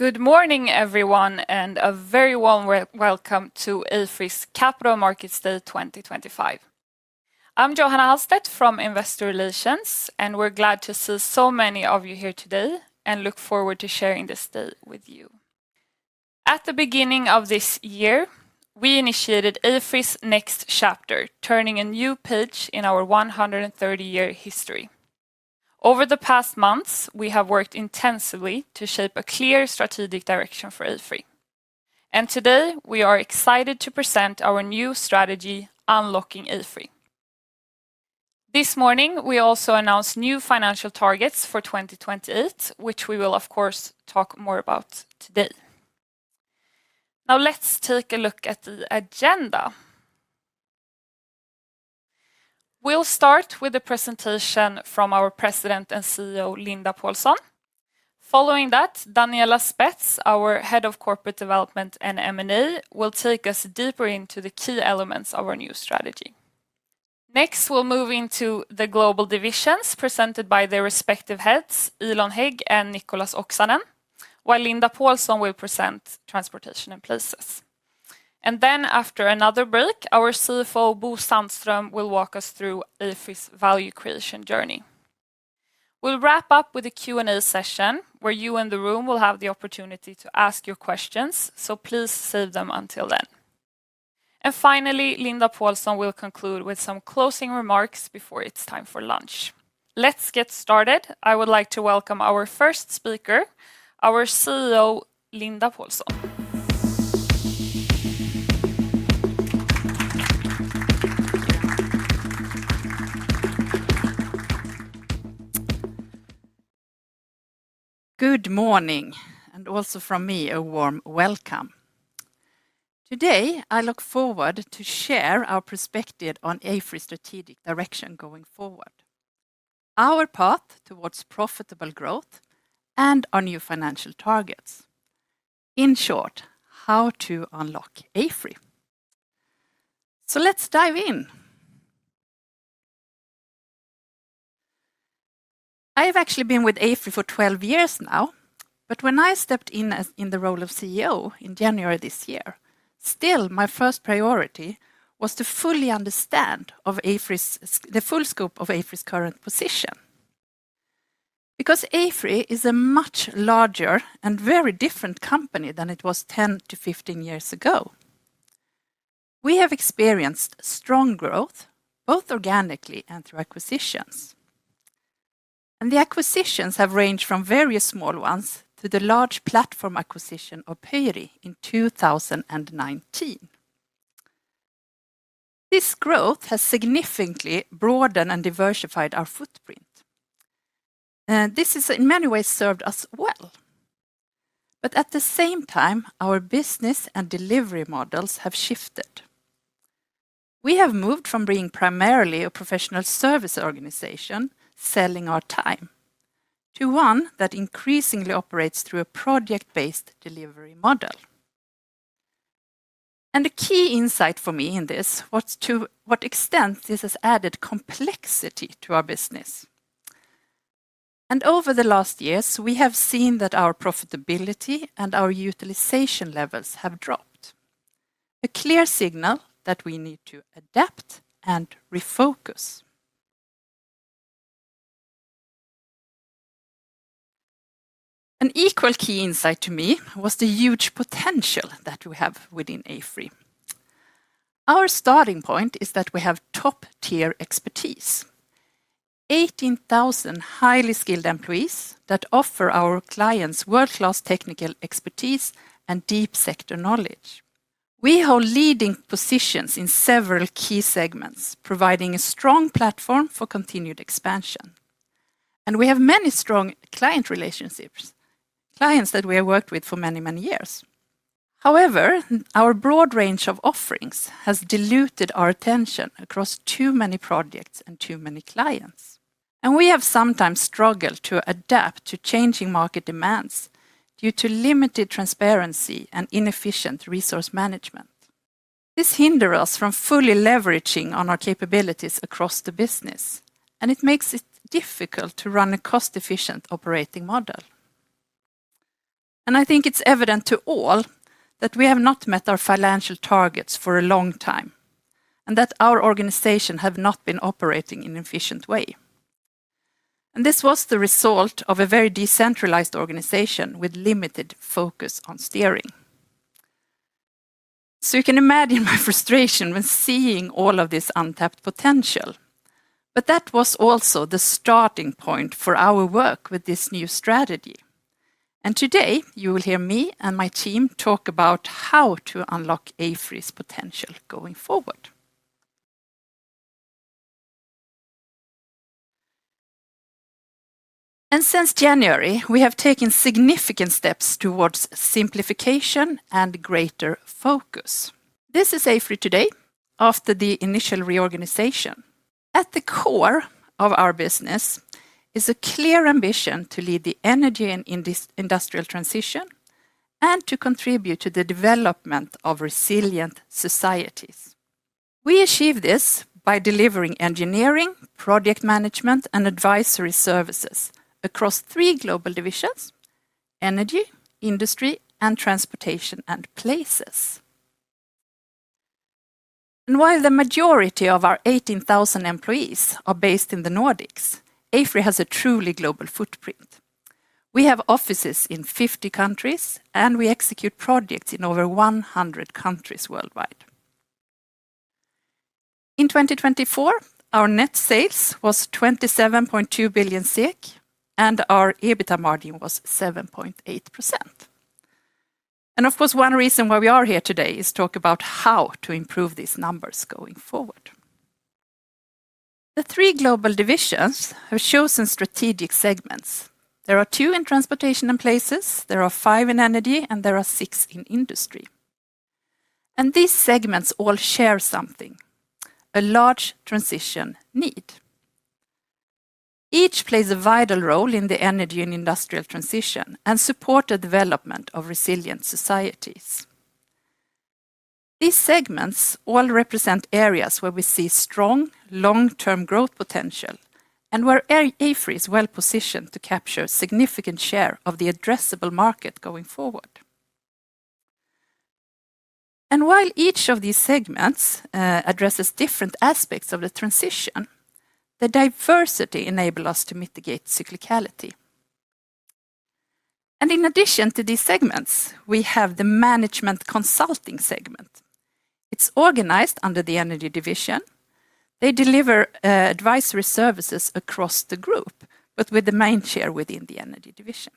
Good morning, everyone, and a very warm welcome to AFRY's Capital Markets Day 2025. I'm Johanna Hallstedt from Investor Relations, and we're glad to see so many of you here today and look forward to sharing this day with you. At the beginning of this year, we initiated AFRY's next chapter, turning a new page in our 130-year history. Over the past months, we have worked intensively to shape a clear strategic direction for AFRY. Today, we are excited to present our new strategy, Unlocking AFRY. This morning, we also announced new financial targets for 2028, which we will, of course, talk more about today. Now, let's take a look at the agenda. We'll start with a presentation from our President and CEO, Linda Pålsson. Following that, Daniela Spetz, our Head of Corporate Development and M&A, will take us deeper into the key elements of our new strategy. Next, we'll move into the global divisions presented by their respective heads, Elon Hägg and Nicholas Oksanen, while Linda Pålsson will present Transportation and Places. After another break, our CFO, Bo Sandström, will walk us through AFRY's value creation journey. We'll wrap up with a Q&A session where you in the room will have the opportunity to ask your questions, so please save them until then. Finally, Linda Pålsson will conclude with some closing remarks before it's time for lunch. Let's get started. I would like to welcome our first speaker, our CEO, Linda Pålsson. Good morning, and also from me, a warm welcome. Today, I look forward to share our perspective on AFRY's strategic direction going forward. Our path towards profitable growth and our new financial targets. In short, how to unlock AFRY. Let's dive in. I have actually been with AFRY for 12 years now, but when I stepped in the role of CEO in January this year, still my first priority was to fully understand the full scope of AFRY's current position. Because AFRY is a much larger and very different company than it was 10-15 years ago. We have experienced strong growth, both organically and through acquisitions. The acquisitions have ranged from various small ones to the large platform acquisition of Pöyry in 2019. This growth has significantly broadened and diversified our footprint. This has, in many ways, served us well. At the same time, our business and delivery models have shifted. We have moved from being primarily a professional service organization selling our time to one that increasingly operates through a project-based delivery model. The key insight for me in this was to what extent this has added complexity to our business. Over the last years, we have seen that our profitability and our utilization levels have dropped. A clear signal that we need to adapt and refocus. An equal key insight to me was the huge potential that we have within AFRY. Our starting point is that we have top-tier expertise. 18,000 highly skilled employees that offer our clients world-class technical expertise and deep sector knowledge. We hold leading positions in several key segments, providing a strong platform for continued expansion. We have many strong client relationships, clients that we have worked with for many, many years. However, our broad range of offerings has diluted our attention across too many projects and too many clients. We have sometimes struggled to adapt to changing market demands due to limited transparency and inefficient resource management. This hinders us from fully leveraging our capabilities across the business, and it makes it difficult to run a cost-efficient operating model. I think it is evident to all that we have not met our financial targets for a long time and that our organization has not been operating in an efficient way. This was the result of a very decentralized organization with limited focus on steering. You can imagine my frustration when seeing all of this untapped potential. That was also the starting point for our work with this new strategy. Today, you will hear me and my team talk about how to unlock AFRY's potential going forward. Since January, we have taken significant steps towards simplification and greater focus. This is AFRY today after the initial reorganization. At the core of our business is a clear ambition to lead the energy and industrial transition and to contribute to the development of resilient societies. We achieve this by delivering engineering, project management, and advisory services across three global divisions: energy, industry, and transportation and places. While the majority of our 18,000 employees are based in the Nordics, AFRY has a truly global footprint. We have offices in 50 countries, and we execute projects in over 100 countries worldwide. In 2024, our net sales was 27.2 billion, and our EBITDA margin was 7.8%. Of course, one reason why we are here today is to talk about how to improve these numbers going forward. The three global divisions have chosen strategic segments. There are two in transportation and places. There are five in energy, and there are six in industry. These segments all share something. A large transition need. Each plays a vital role in the energy and industrial transition and supports the development of resilient societies. These segments all represent areas where we see strong long-term growth potential and where AFRY is well positioned to capture a significant share of the addressable market going forward. While each of these segments addresses different aspects of the transition, the diversity enables us to mitigate cyclicality. In addition to these segments, we have the management consulting segment. It is organized under the energy division. They deliver advisory services across the group, but with the main share within the energy division.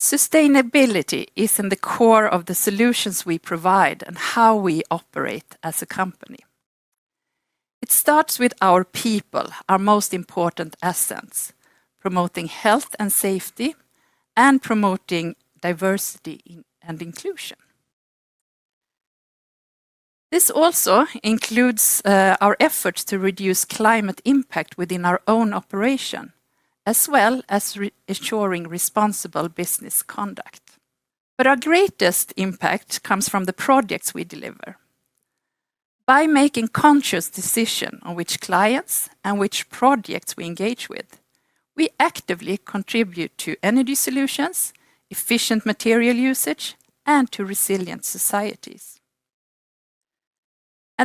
Sustainability is in the core of the solutions we provide and how we operate as a company. It starts with our people, our most important assets, promoting health and safety, and promoting diversity and inclusion. This also includes our efforts to reduce climate impact within our own operation, as well as ensuring responsible business conduct. Our greatest impact comes from the projects we deliver. By making conscious decisions on which clients and which projects we engage with, we actively contribute to energy solutions, efficient material usage, and to resilient societies.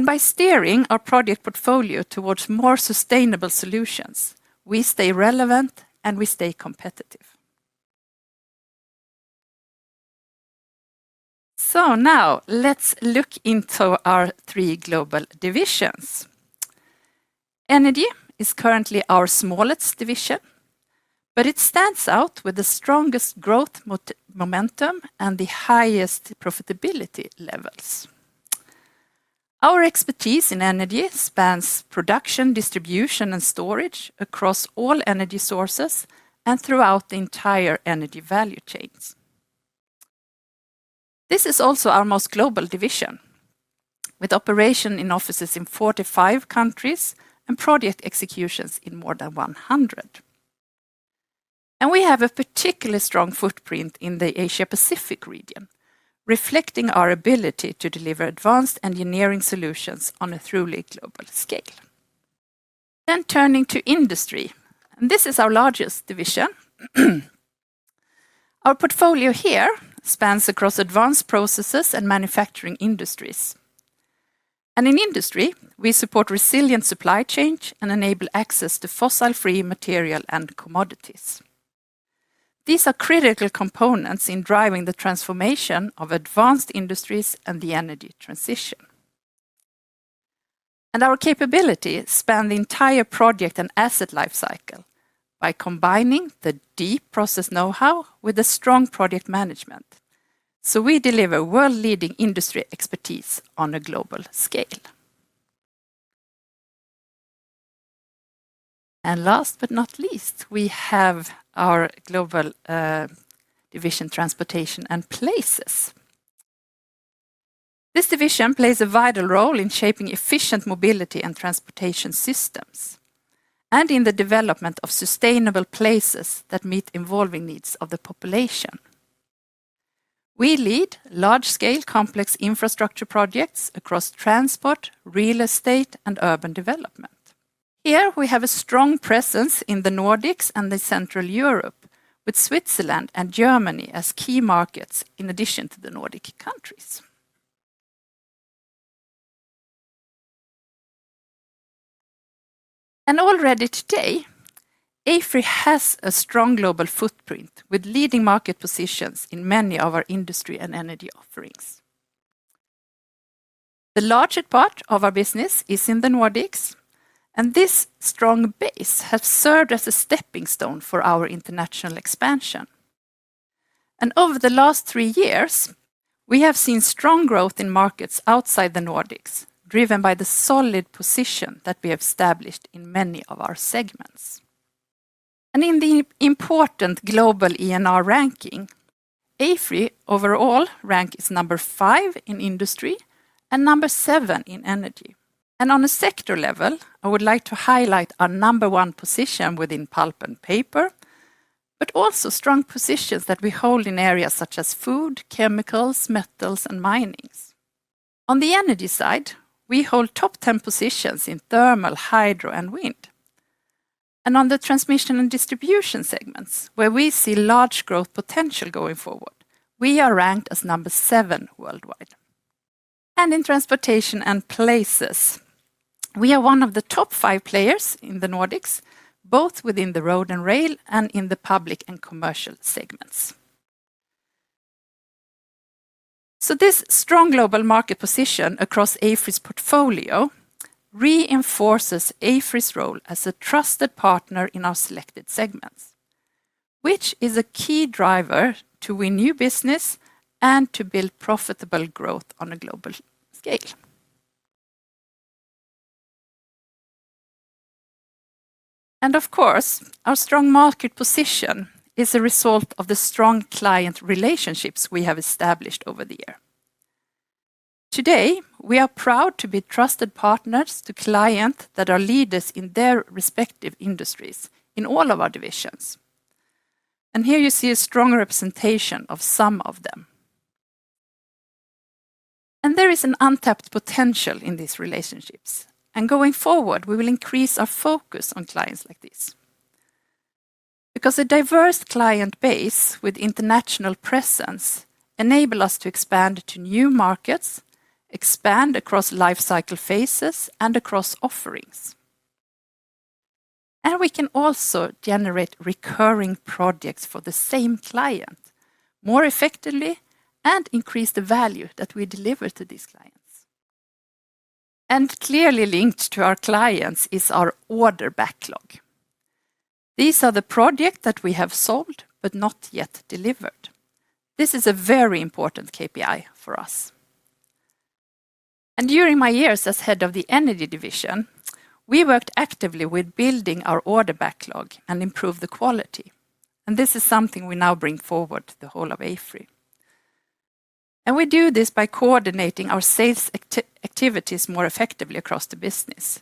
By steering our project portfolio towards more sustainable solutions, we stay relevant and we stay competitive. Now let's look into our three global divisions. Energy is currently our smallest division. It stands out with the strongest growth momentum and the highest profitability levels. Our expertise in energy spans production, distribution, and storage across all energy sources and throughout the entire energy value chains. This is also our most global division. With operations in offices in 45 countries and project executions in more than 100. We have a particularly strong footprint in the Asia-Pacific region, reflecting our ability to deliver advanced engineering solutions on a truly global scale. Turning to industry, this is our largest division. Our portfolio here spans across advanced processes and manufacturing industries. In industry, we support resilient supply chains and enable access to fossil-free material and commodities. These are critical components in driving the transformation of advanced industries and the energy transition. Our capabilities span the entire project and asset lifecycle by combining the deep process know-how with strong project management. We deliver world-leading industry expertise on a global scale. Last but not least, we have our global division, Transportation and Places. This division plays a vital role in shaping efficient mobility and transportation systems and in the development of sustainable places that meet evolving needs of the population. We lead large-scale complex infrastructure projects across transport, real estate, and urban development. Here we have a strong presence in the Nordics and Central Europe, with Switzerland and Germany as key markets in addition to the Nordic countries. Already today, AFRY has a strong global footprint with leading market positions in many of our industry and energy offerings. The largest part of our business is in the Nordics, and this strong base has served as a stepping stone for our international expansion. Over the last three years, we have seen strong growth in markets outside the Nordics, driven by the solid position that we have established in many of our segments. In the important global ENR ranking, AFRY overall ranks number five in industry and number seven in energy. On a sector level, I would like to highlight our number one position within pulp and paper, but also strong positions that we hold in areas such as food, chemicals, metals, and mining. On the energy side, we hold top 10 positions in thermal, hydro, and wind. On the transmission and distribution segments, where we see large growth potential going forward, we are ranked as number seven worldwide. In transportation and places, we are one of the top five players in the Nordics, both within the road and rail and in the public and commercial segments. This strong global market position across AFRY's portfolio reinforces AFRY's role as a trusted partner in our selected segments, which is a key driver to win new business and to build profitable growth on a global scale. Of course, our strong market position is a result of the strong client relationships we have established over the year. Today, we are proud to be trusted partners to clients that are leaders in their respective industries in all of our divisions. Here you see a strong representation of some of them. There is an untapped potential in these relationships. Going forward, we will increase our focus on clients like this because a diverse client base with international presence enables us to expand to new markets, expand across lifecycle phases, and across offerings. We can also generate recurring projects for the same client more effectively and increase the value that we deliver to these clients. Clearly linked to our clients is our order backlog. These are the projects that we have sold but not yet delivered. This is a very important KPI for us. During my years as Head of the Energy Division, we worked actively with building our order backlog and improved the quality. This is something we now bring forward to the whole of AFRY. We do this by coordinating our sales activities more effectively across the business.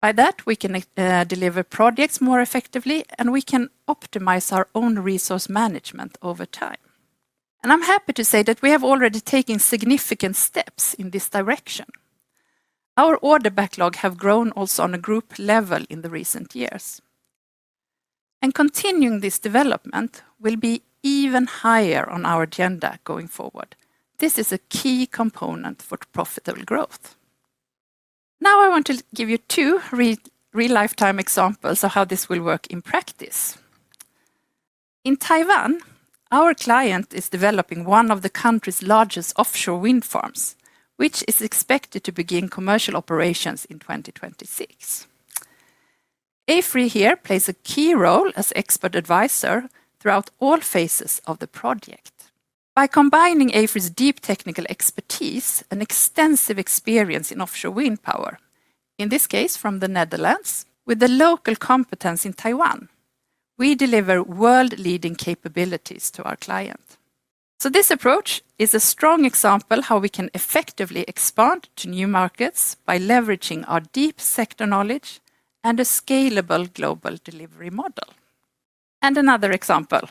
By that, we can deliver projects more effectively, and we can optimize our own resource management over time. I'm happy to say that we have already taken significant steps in this direction. Our order backlog has grown also on a group level in the recent years. Continuing this development will be even higher on our agenda going forward. This is a key component for profitable growth. Now I want to give you two real-life examples of how this will work in practice. In Taiwan, our client is developing one of the country's largest offshore wind farms, which is expected to begin commercial operations in 2026. AFRY here plays a key role as an expert advisor throughout all phases of the project. By combining AFRY's deep technical expertise and extensive experience in offshore wind power, in this case from the Netherlands, with the local competence in Taiwan, we deliver world-leading capabilities to our client. This approach is a strong example of how we can effectively expand to new markets by leveraging our deep sector knowledge and a scalable global delivery model. Another example.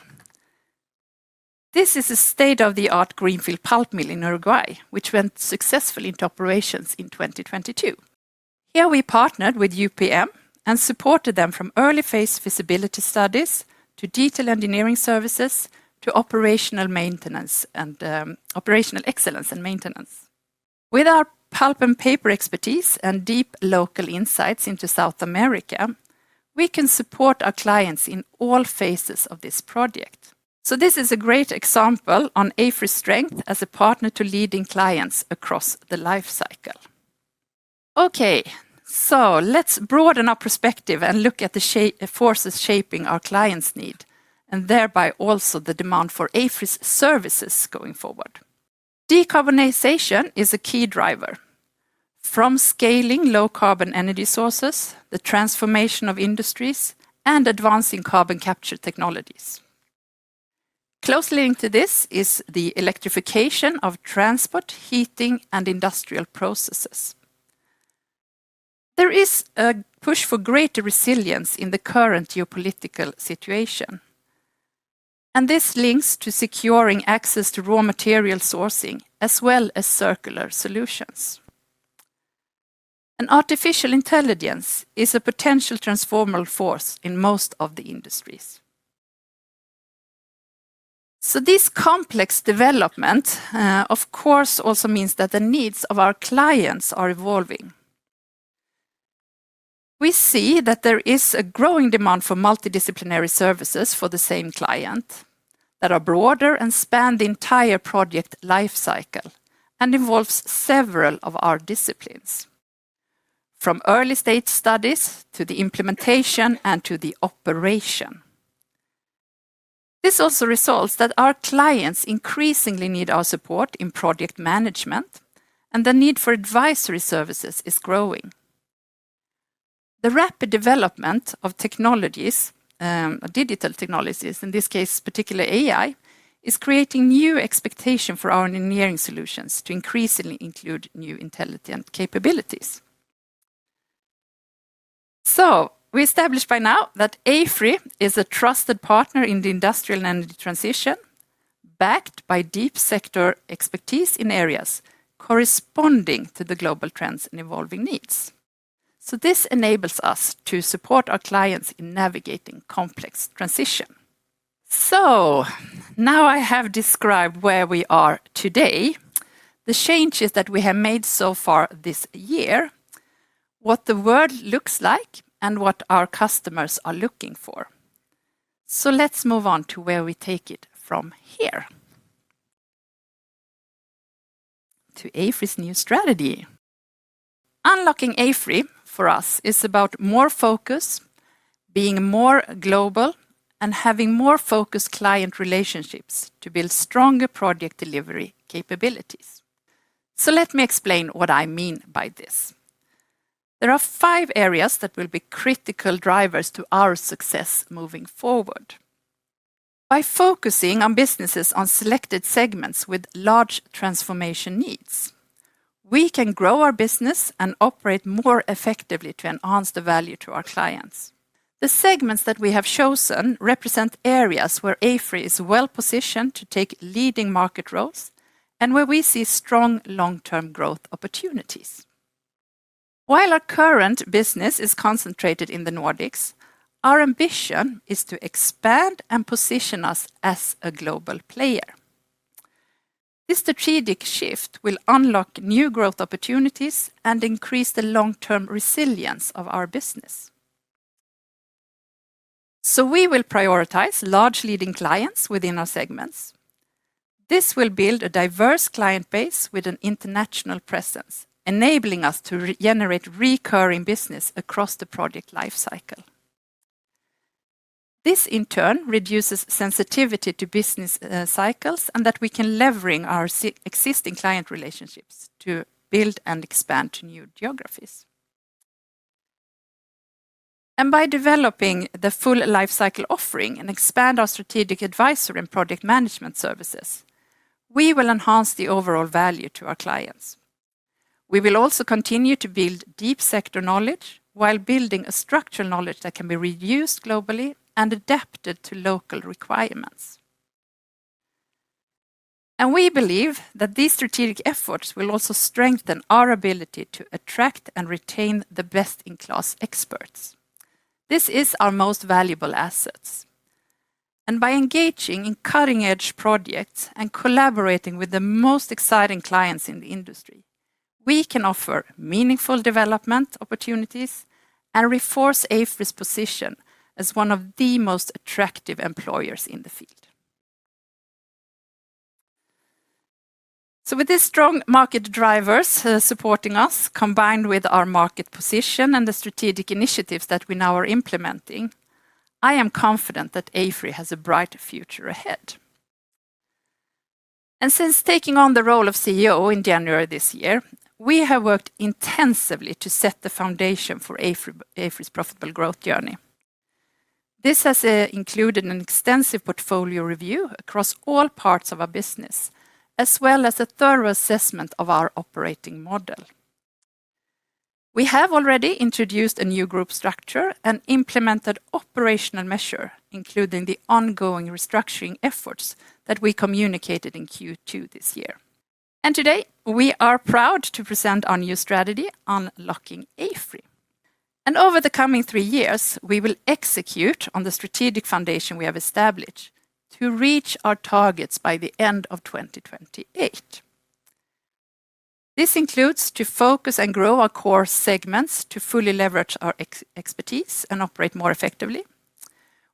This is a state-of-the-art greenfield pulp mill in Uruguay, which went successfully into operations in 2022. Here we partnered with UPM and supported them from early-phase feasibility studies to detailed engineering services to operational maintenance and operational excellence and maintenance. With our pulp and paper expertise and deep local insights into South America, we can support our clients in all phases of this project. This is a great example of AFRY's strength as a partner to leading clients across the lifecycle. Okay, let's broaden our perspective and look at the forces shaping our clients' need and thereby also the demand for AFRY's services going forward. Decarbonization is a key driver. From scaling low-carbon energy sources, the transformation of industries, and advancing carbon capture technologies. Closely linked to this is the electrification of transport, heating, and industrial processes. There is a push for greater resilience in the current geopolitical situation. This links to securing access to raw material sourcing as well as circular solutions. Artificial intelligence is a potential transformative force in most of the industries. This complex development, of course, also means that the needs of our clients are evolving. We see that there is a growing demand for multidisciplinary services for the same client that are broader and span the entire project lifecycle and involve several of our disciplines. From early-stage studies to the implementation and to the operation. This also results in our clients increasingly needing our support in project management, and the need for advisory services is growing. The rapid development of technologies, digital technologies, in this case particularly AI, is creating new expectations for our engineering solutions to increasingly include new intelligent capabilities. We established by now that AFRY is a trusted partner in the industrial and energy transition. Backed by deep sector expertise in areas corresponding to the global trends and evolving needs, this enables us to support our clients in navigating complex transitions. I have described where we are today, the changes that we have made so far this year, what the world looks like, and what our customers are looking for. Let's move on to where we take it from here, to AFRY's new strategy. Unlocking AFRY for us is about more focus, being more global, and having more focused client relationships to build stronger project delivery capabilities. Let me explain what I mean by this. There are five areas that will be critical drivers to our success moving forward. By focusing on businesses on selected segments with large transformation needs, we can grow our business and operate more effectively to enhance the value to our clients. The segments that we have chosen represent areas where AFRY is well positioned to take leading market roles and where we see strong long-term growth opportunities. While our current business is concentrated in the Nordics, our ambition is to expand and position us as a global player. This strategic shift will unlock new growth opportunities and increase the long-term resilience of our business. We will prioritize large leading clients within our segments. This will build a diverse client base with an international presence, enabling us to generate recurring business across the project lifecycle. This in turn reduces sensitivity to business cycles and that we can leverage our existing client relationships to build and expand to new geographies. By developing the full lifecycle offering and expanding our strategic advisory and project management services, we will enhance the overall value to our clients. We will also continue to build deep sector knowledge while building a structural knowledge that can be reused globally and adapted to local requirements. We believe that these strategic efforts will also strengthen our ability to attract and retain the best-in-class experts. This is our most valuable asset. By engaging in cutting-edge projects and collaborating with the most exciting clients in the industry, we can offer meaningful development opportunities and reinforce AFRY's position as one of the most attractive employers in the field. With these strong market drivers supporting us, combined with our market position and the strategic initiatives that we now are implementing, I am confident that AFRY has a bright future ahead. Since taking on the role of CEO in January this year, we have worked intensively to set the foundation for AFRY's profitable growth journey. This has included an extensive portfolio review across all parts of our business, as well as a thorough assessment of our operating model. We have already introduced a new group structure and implemented operational measures, including the ongoing restructuring efforts that we communicated in Q2 this year. Today, we are proud to present our new strategy, Unlocking AFRY. Over the coming three years, we will execute on the strategic foundation we have established to reach our targets by the end of 2028. This includes focusing and growing our core segments to fully leverage our expertise and operate more effectively.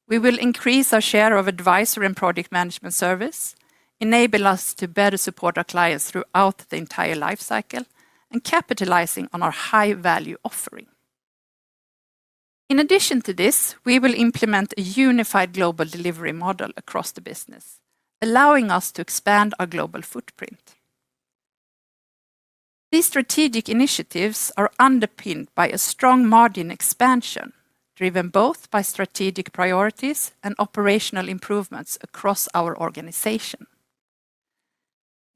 We will increase our share of advisory and project management services, enable us to better support our clients throughout the entire lifecycle, and capitalize on our high-value offering. In addition to this, we will implement a unified global delivery model across the business, allowing us to expand our global footprint. These strategic initiatives are underpinned by a strong margin expansion, driven both by strategic priorities and operational improvements across our organization.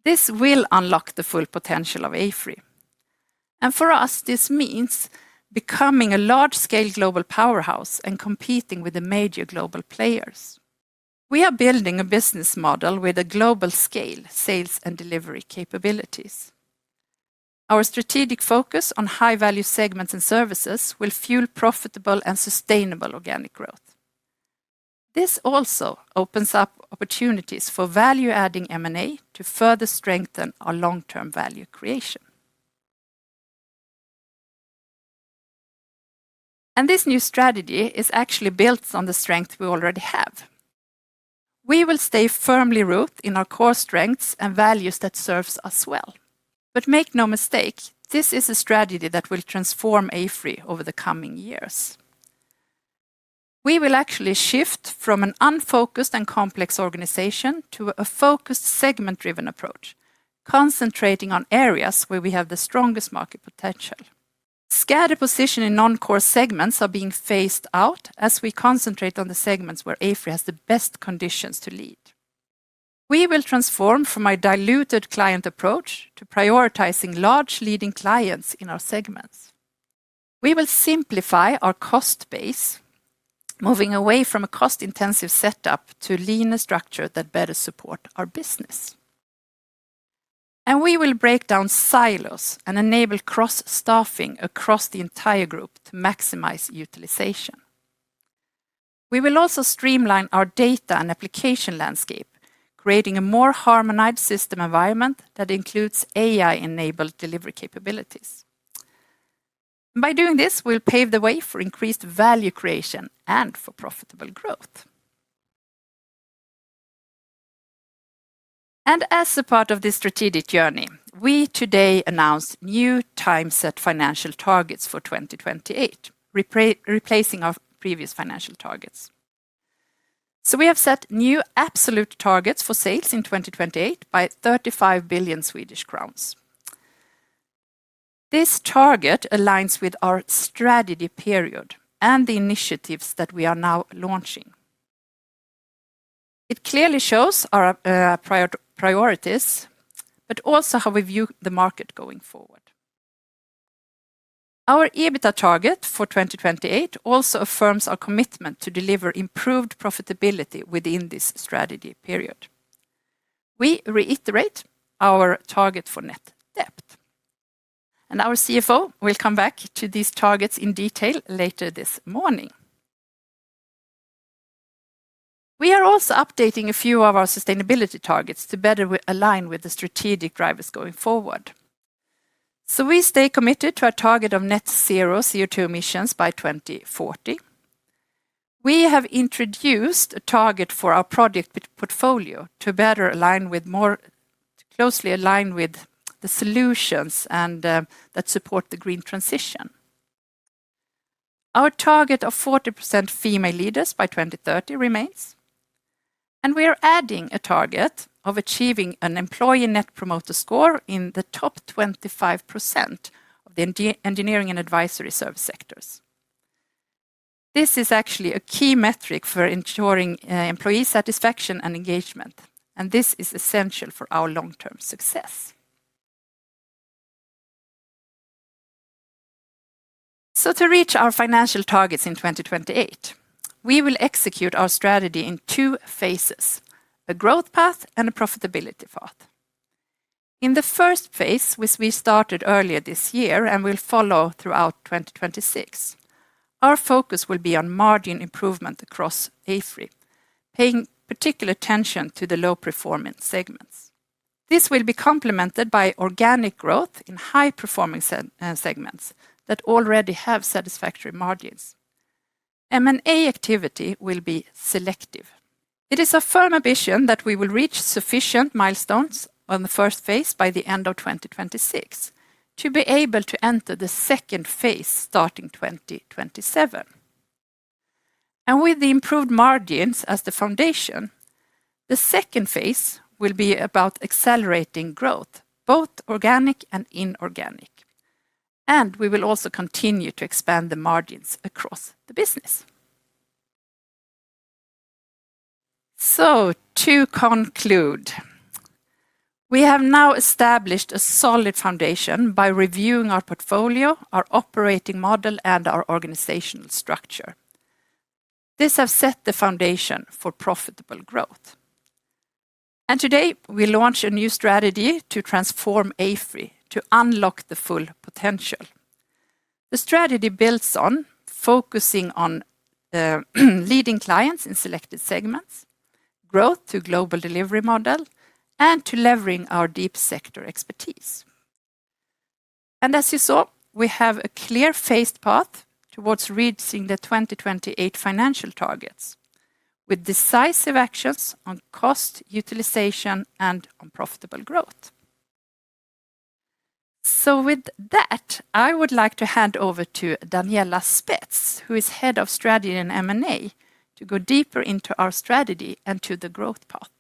This will unlock the full potential of AFRY. For us, this means becoming a large-scale global powerhouse and competing with the major global players. We are building a business model with global-scale sales and delivery capabilities. Our strategic focus on high-value segments and services will fuel profitable and sustainable organic growth. This also opens up opportunities for value-adding M&A to further strengthen our long-term value creation. This new strategy is actually built on the strength we already have. We will stay firmly rooted in our core strengths and values that serve us well. Make no mistake, this is a strategy that will transform AFRY over the coming years. We will actually shift from an unfocused and complex organization to a focused, segment-driven approach, concentrating on areas where we have the strongest market potential. Scattered positions in non-core segments are being phased out as we concentrate on the segments where AFRY has the best conditions to lead. We will transform from a diluted client approach to prioritizing large leading clients in our segments. We will simplify our cost base, moving away from a cost-intensive setup to a leaner structure that better supports our business. We will break down silos and enable cross-staffing across the entire group to maximize utilization. We will also streamline our data and application landscape, creating a more harmonized system environment that includes AI-enabled delivery capabilities. By doing this, we will pave the way for increased value creation and for profitable growth. As a part of this strategic journey, we today announce new time-set financial targets for 2028, replacing our previous financial targets. We have set new absolute targets for sales in 2028 by 35 billion Swedish crowns. This target aligns with our strategy period and the initiatives that we are now launching. It clearly shows our priorities, but also how we view the market going forward. Our EBITDA target for 2028 also affirms our commitment to deliver improved profitability within this strategy period. We reiterate our target for net debt. Our CFO will come back to these targets in detail later this morning. We are also updating a few of our sustainability targets to better align with the strategic drivers going forward. We stay committed to our target of net zero CO2 emissions by 2040. We have introduced a target for our project portfolio to better align more closely with the solutions that support the green transition. Our target of 40% female leaders by 2030 remains. We are adding a target of achieving an employee net promoter score in the top 25% of the engineering and advisory service sectors. This is actually a key metric for ensuring employee satisfaction and engagement, and this is essential for our long-term success. To reach our financial targets in 2028, we will execute our strategy in two phases: a growth path and a profitability path. In the first phase, which we started earlier this year and will follow throughout 2026. Our focus will be on margin improvement across AFRY, paying particular attention to the low-performing segments. This will be complemented by organic growth in high-performing segments that already have satisfactory margins. M&A activity will be selective. It is a firm ambition that we will reach sufficient milestones in the first phase by the end of 2026 to be able to enter the second phase starting 2027. With the improved margins as the foundation, the second phase will be about accelerating growth, both organic and inorganic. We will also continue to expand the margins across the business. To conclude, we have now established a solid foundation by reviewing our portfolio, our operating model, and our organizational structure. This has set the foundation for profitable growth. Today, we launch a new strategy to transform AFRY to unlock the full potential. The strategy builds on focusing on. Leading clients in selected segments, growth to a global delivery model, and to leveraging our deep sector expertise. As you saw, we have a clear phased path towards reaching the 2028 financial targets with decisive actions on cost utilization and on profitable growth. With that, I would like to hand over to Daniela Spetz, who is Head of Strategy and M&A, to go deeper into our strategy and to the growth path.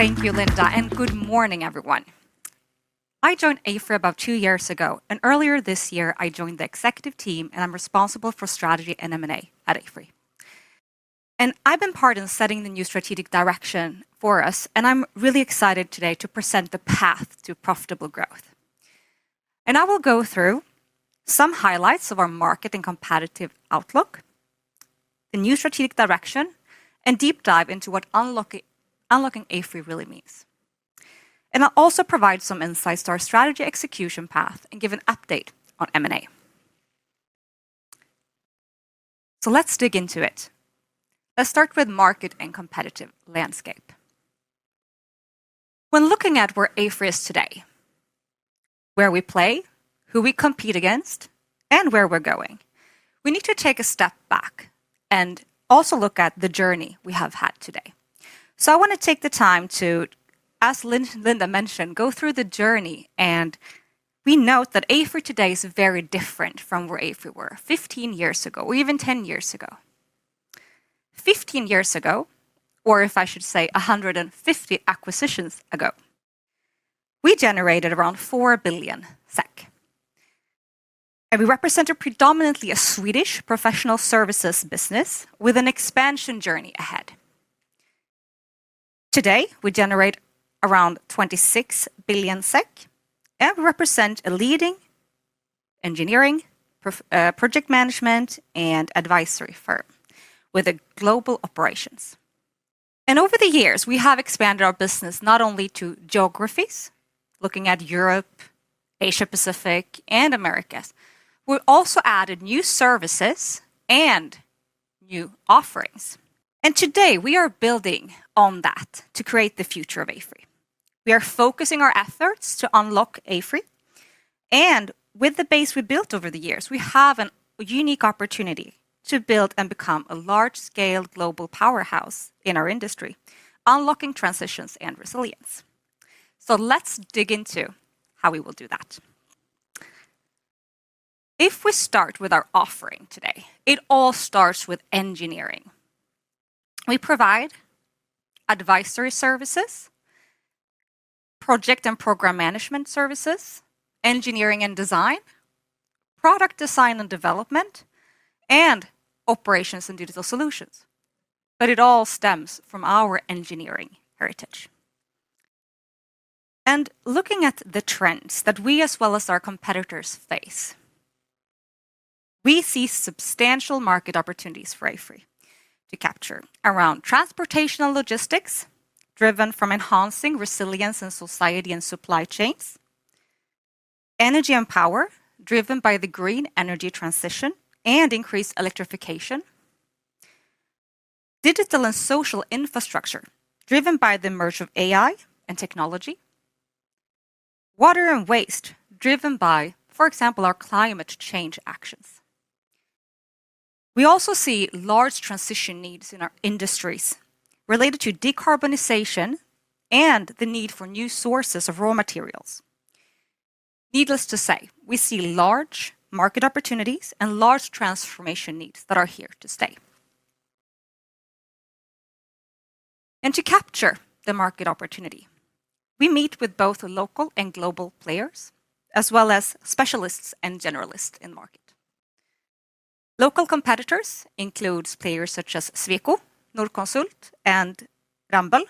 Thank you, Linda, and good morning, everyone. I joined AFRY about two years ago, and earlier this year, I joined the executive team, and I'm responsible for strategy and M&A at AFRY. I've been part in setting the new strategic direction for us, and I'm really excited today to present the path to profitable growth. I will go through some highlights of our market and competitive outlook. The new strategic direction, and deep dive into what unlocking AFRY really means. I'll also provide some insights to our strategy execution path and give an update on M&A. Let's dig into it. Let's start with the market and competitive landscape. When looking at where AFRY is today, where we play, who we compete against, and where we're going, we need to take a step back and also look at the journey we have had today. I want to take the time to, as Linda mentioned, go through the journey. We note that AFRY today is very different from where AFRY was 15 years ago, or even 10 years ago. 15 years ago, or if I should say 150 acquisitions ago, we generated around 4 billion SEK. We represented predominantly a Swedish professional services business with an expansion journey ahead. Today, we generate around 26 billion SEK, and we represent a leading engineering, project management, and advisory firm with global operations. Over the years, we have expanded our business not only to geographies, looking at Europe, Asia-Pacific, and Americas. We also added new services and new offerings. Today, we are building on that to create the future of AFRY. We are focusing our efforts to unlock AFRY. With the base we built over the years, we have a unique opportunity to build and become a large-scale global powerhouse in our industry, unlocking transitions and resilience. Let's dig into how we will do that. If we start with our offering today, it all starts with engineering. We provide advisory services, project and program management services, engineering and design, product design and development, and operations and digital solutions. It all stems from our engineering heritage. Looking at the trends that we as well as our competitors face, we see substantial market opportunities for AFRY to capture around transportation and logistics, driven from enhancing resilience in society and supply chains. Energy and power, driven by the green energy transition and increased electrification. Digital and social infrastructure, driven by the merge of AI and technology. Water and waste, driven by, for example, our climate change actions. We also see large transition needs in our industries related to decarbonization and the need for new sources of raw materials. Needless to say, we see large market opportunities and large transformation needs that are here to stay. To capture the market opportunity, we meet with both local and global players, as well as specialists and generalists in the market. Local competitors include players such as Sweco, Norconsult, and Ramboll.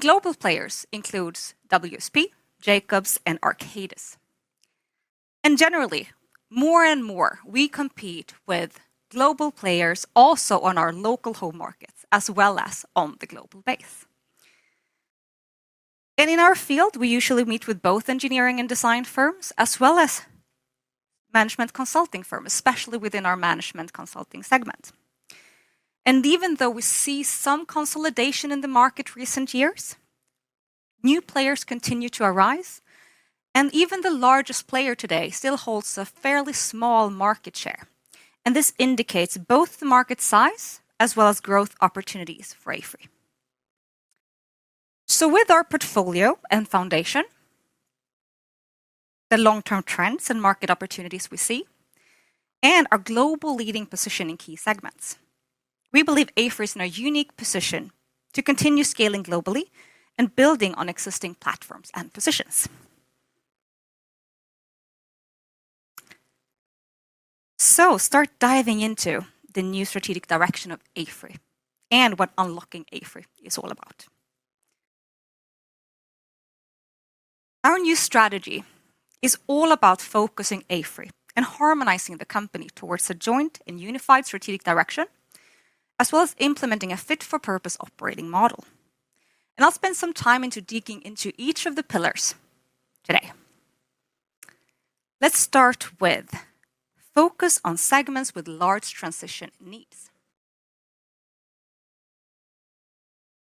Global players include WSP, Jacobs, and Arcadis. Generally, more and more, we compete with global players also on our local home markets, as well as on the global base. In our field, we usually meet with both engineering and design firms, as well as management consulting firms, especially within our management consulting segment. Even though we see some consolidation in the market in recent years, new players continue to arise, and even the largest player today still holds a fairly small market share. This indicates both the market size as well as growth opportunities for AFRY. With our portfolio and foundation, the long-term trends and market opportunities we see, and our global leading position in key segments, we believe AFRY is in a unique position to continue scaling globally and building on existing platforms and positions. Start diving into the new strategic direction of AFRY and what unlocking AFRY is all about. Our new strategy is all about focusing AFRY and harmonizing the company towards a joint and unified strategic direction, as well as implementing a fit-for-purpose operating model. I'll spend some time digging into each of the pillars today. Let's start with focus on segments with large transition needs.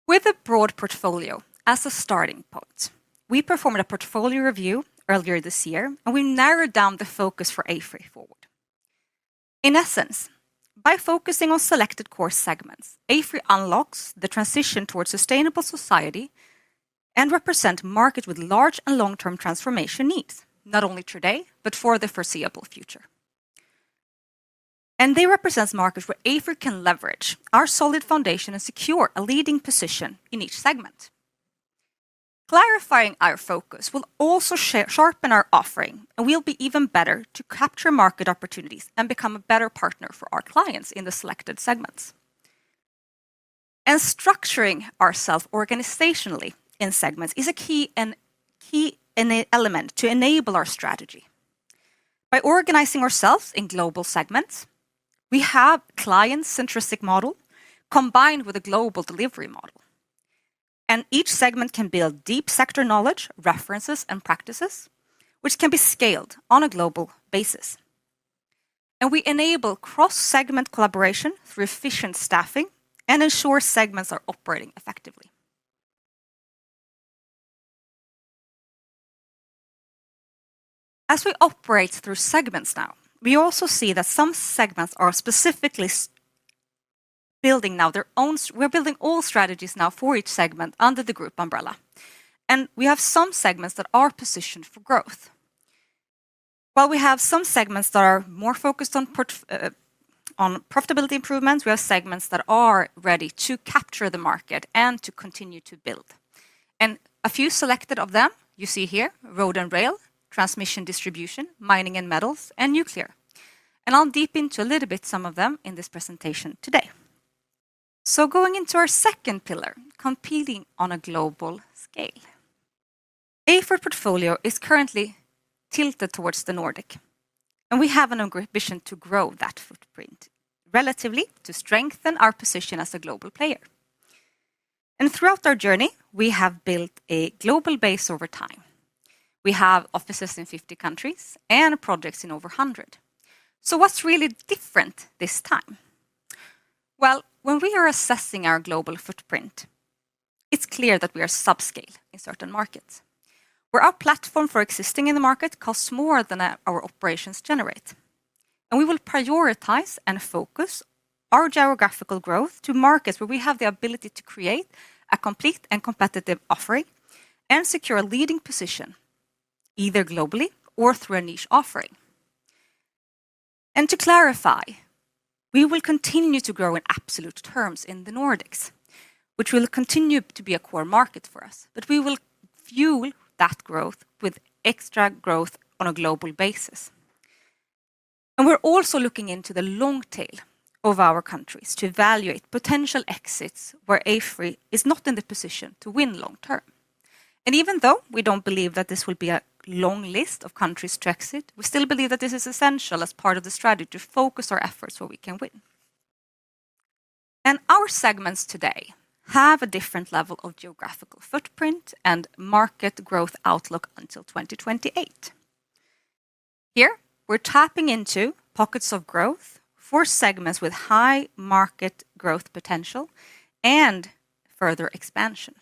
With a broad portfolio as a starting point, we performed a portfolio review earlier this year, and we narrowed down the focus for AFRY forward. In essence, by focusing on selected core segments, AFRY unlocks the transition towards a sustainable society and represents markets with large and long-term transformation needs, not only today but for the foreseeable future. They represent markets where AFRY can leverage our solid foundation and secure a leading position in each segment. Clarifying our focus will also sharpen our offering, and we will be even better to capture market opportunities and become a better partner for our clients in the selected segments. Structuring ourselves organizationally in segments is a key element to enable our strategy. By organizing ourselves in global segments, we have a client-centric model combined with a global delivery model. Each segment can build deep sector knowledge, references, and practices, which can be scaled on a global basis. We enable cross-segment collaboration through efficient staffing and ensure segments are operating effectively. As we operate through segments now, we also see that some segments are specifically building now their own; we are building all strategies now for each segment under the group umbrella. We have some segments that are positioned for growth, while we have some segments that are more focused on. Profitability improvements, we have segments that are ready to capture the market and to continue to build. And a few selected of them you see here: road and rail, transmission distribution, mining and metals, and nuclear. I'll deep into a little bit some of them in this presentation today. Going into our second pillar, competing on a global scale. AFRY's portfolio is currently tilted towards the Nordic, and we have an ambition to grow that footprint relatively to strengthen our position as a global player. Throughout our journey, we have built a global base over time. We have offices in 50 countries and projects in over 100. What's really different this time? When we are assessing our global footprint, it's clear that we are subscale in certain markets, where our platform for existing in the market costs more than our operations generate. We will prioritize and focus our geographical growth to markets where we have the ability to create a complete and competitive offering and secure a leading position, either globally or through a niche offering. To clarify, we will continue to grow in absolute terms in the Nordics, which will continue to be a core market for us, but we will fuel that growth with extra growth on a global basis. We are also looking into the long tail of our countries to evaluate potential exits where AFRY is not in the position to win long term. Even though we do not believe that this will be a long list of countries to exit, we still believe that this is essential as part of the strategy to focus our efforts where we can win. Our segments today have a different level of geographical footprint and market growth outlook until 2028. Here, we're tapping into pockets of growth for segments with high market growth potential and further expansion.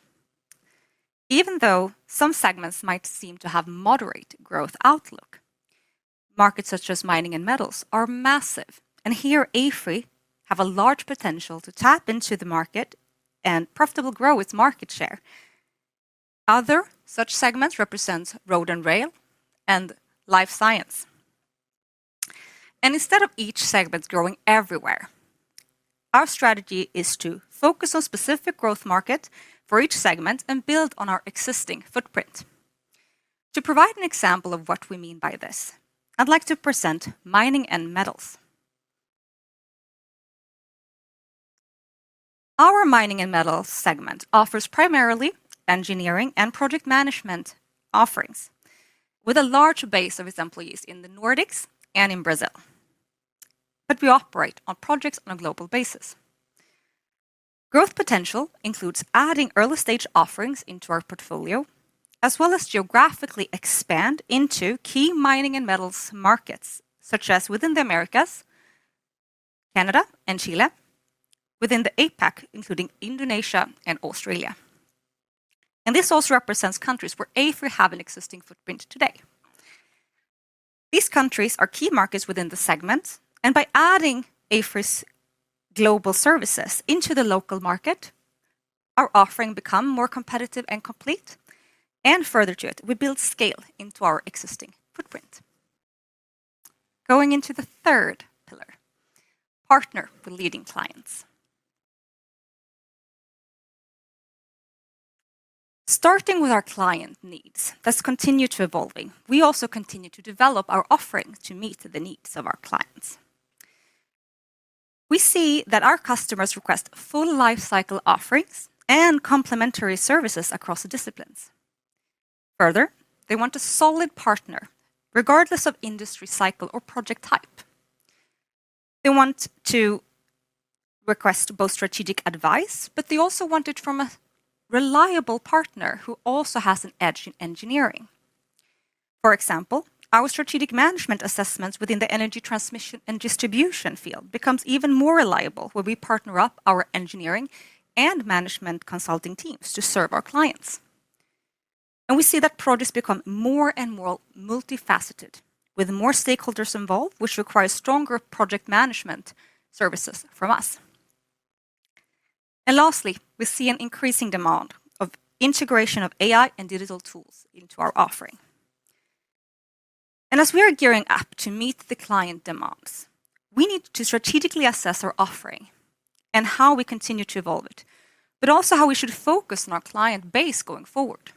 Even though some segments might seem to have moderate growth outlook, markets such as mining and metals are massive, and here AFRY has a large potential to tap into the market and profitably grow its market share. Other such segments represent road and rail and life science. Instead of each segment growing everywhere, our strategy is to focus on specific growth markets for each segment and build on our existing footprint. To provide an example of what we mean by this, I'd like to present mining and metals. Our mining and metals segment offers primarily engineering and project management offerings, with a large base of its employees in the Nordics and in Brazil. We operate on projects on a global basis. Growth potential includes adding early-stage offerings into our portfolio, as well as geographically expanding into key mining and metals markets such as within the Americas, Canada and Chile, within the APAC, including Indonesia and Australia. This also represents countries where AFRY has an existing footprint today. These countries are key markets within the segment, and by adding AFRY's global services into the local market, our offering becomes more competitive and complete. Further to it, we build scale into our existing footprint. Going into the third pillar, partner with leading clients. Starting with our client needs that continue to evolve, we also continue to develop our offering to meet the needs of our clients. We see that our customers request full life cycle offerings and complementary services across disciplines. Further, they want a solid partner, regardless of industry cycle or project type. They want to request both strategic advice, but they also want it from a reliable partner who also has an edge in engineering. For example, our strategic management assessments within the energy transmission and distribution field become even more reliable when we partner up our engineering and management consulting teams to serve our clients. We see that projects become more and more multifaceted, with more stakeholders involved, which requires stronger project management services from us. Lastly, we see an increasing demand for integration of AI and digital tools into our offering. As we are gearing up to meet the client demands, we need to strategically assess our offering and how we continue to evolve it, but also how we should focus on our client base going forward.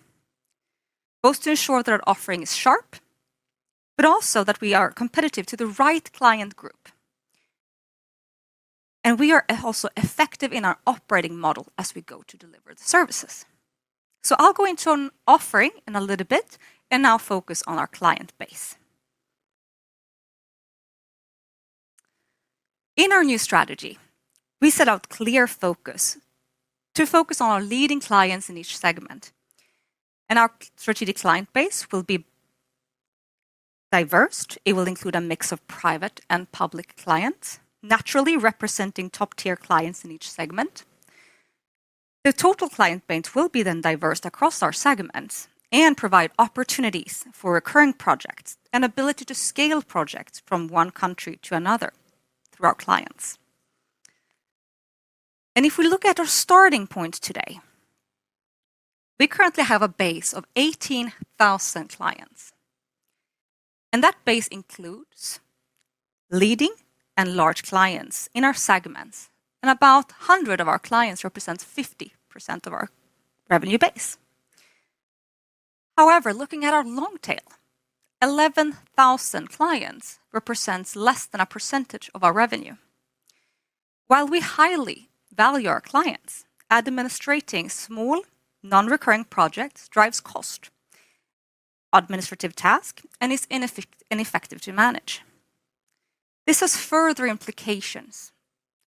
Both to ensure that our offering is sharp, but also that we are competitive to the right client group. We are also effective in our operating model as we go to deliver the services. I'll go into an offering in a little bit and now focus on our client base. In our new strategy, we set out clear focus to focus on our leading clients in each segment. Our strategic client base will be diverse. It will include a mix of private and public clients, naturally representing top-tier clients in each segment. The total client base will then be diverse across our segments and provide opportunities for recurring projects and the ability to scale projects from one country to another through our clients. If we look at our starting point today, we currently have a base of 18,000 clients. That base includes. Leading and large clients in our segments, and about 100 of our clients represent 50% of our revenue base. However, looking at our long tail, 11,000 clients represent less than 1% of our revenue. While we highly value our clients, administrating small, non-recurring projects drives cost. Administrative tasks and is ineffective to manage. This has further implications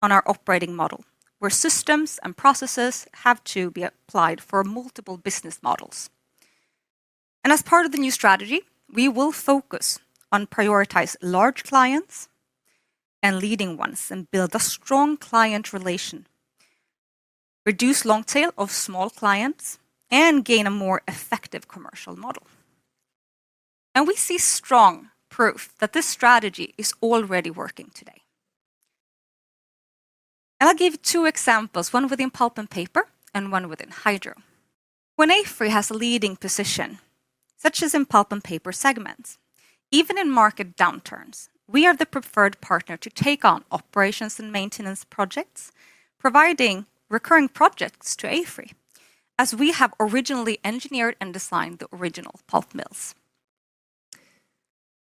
on our operating model, where systems and processes have to be applied for multiple business models. As part of the new strategy, we will focus on prioritizing large clients and leading ones, and build a strong client relation. Reduce the long tail of small clients, and gain a more effective commercial model. We see strong proof that this strategy is already working today. I'll give you two examples, one within Pulp and Paper and one within Hydro, when AFRY has a leading position. Such as in Pulp and Paper segments, even in market downturns, we are the preferred partner to take on operations and maintenance projects, providing recurring projects to AFRY, as we have originally engineered and designed the original pulp mills.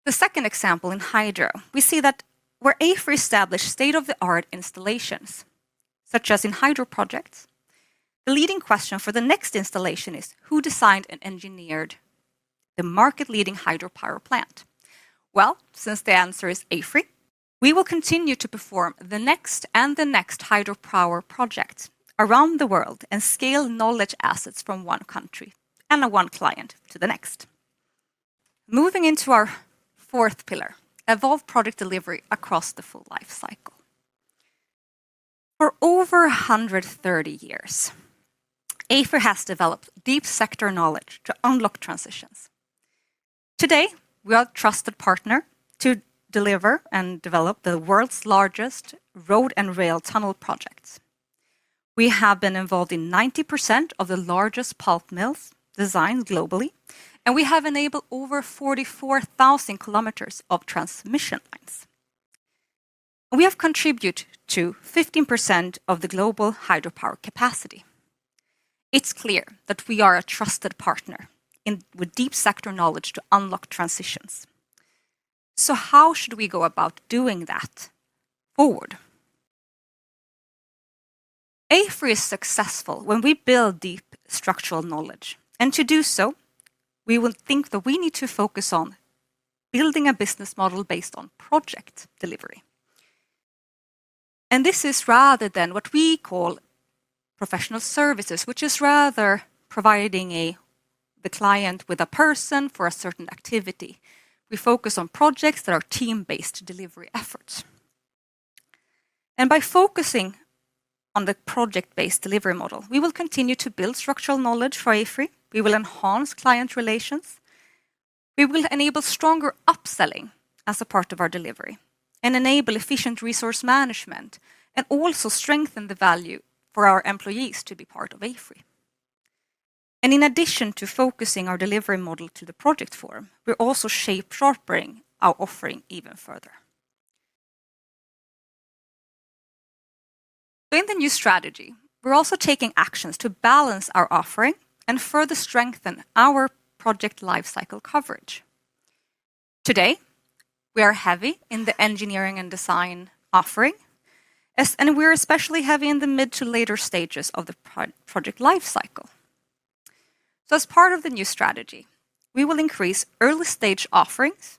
The second example in Hydro, we see that where AFRY established state-of-the-art installations, such as in Hydro projects, the leading question for the next installation is: who designed and engineered the market-leading hydropower plant? Since the answer is AFRY, we will continue to perform the next and the next hydropower projects around the world and scale knowledge assets from one country and one client to the next. Moving into our fourth pillar, evolve product delivery across the full life cycle. For over 130 years, AFRY has developed deep sector knowledge to unlock transitions. Today, we are a trusted partner to deliver and develop the world's largest road and rail tunnel projects. We have been involved in 90% of the largest pulp mills designed globally, and we have enabled over 44,000 kilometers of transmission lines. We have contributed to 15% of the global hydropower capacity. It is clear that we are a trusted partner with deep sector knowledge to unlock transitions. How should we go about doing that forward? AFRY is successful when we build deep structural knowledge. To do so, we think that we need to focus on building a business model based on project delivery. This is rather than what we call professional services, which is rather providing the client with a person for a certain activity. We focus on projects that are team-based delivery efforts. By focusing on the project-based delivery model, we will continue to build structural knowledge for AFRY. We will enhance client relations. We will enable stronger upselling as a part of our delivery, enable efficient resource management, and also strengthen the value for our employees to be part of AFRY. In addition to focusing our delivery model to the project form, we're also shaping our offering even further. In the new strategy, we're also taking actions to balance our offering and further strengthen our project life cycle coverage. Today, we are heavy in the engineering and design offering. We're especially heavy in the mid to later stages of the project life cycle. As part of the new strategy, we will increase early-stage offerings,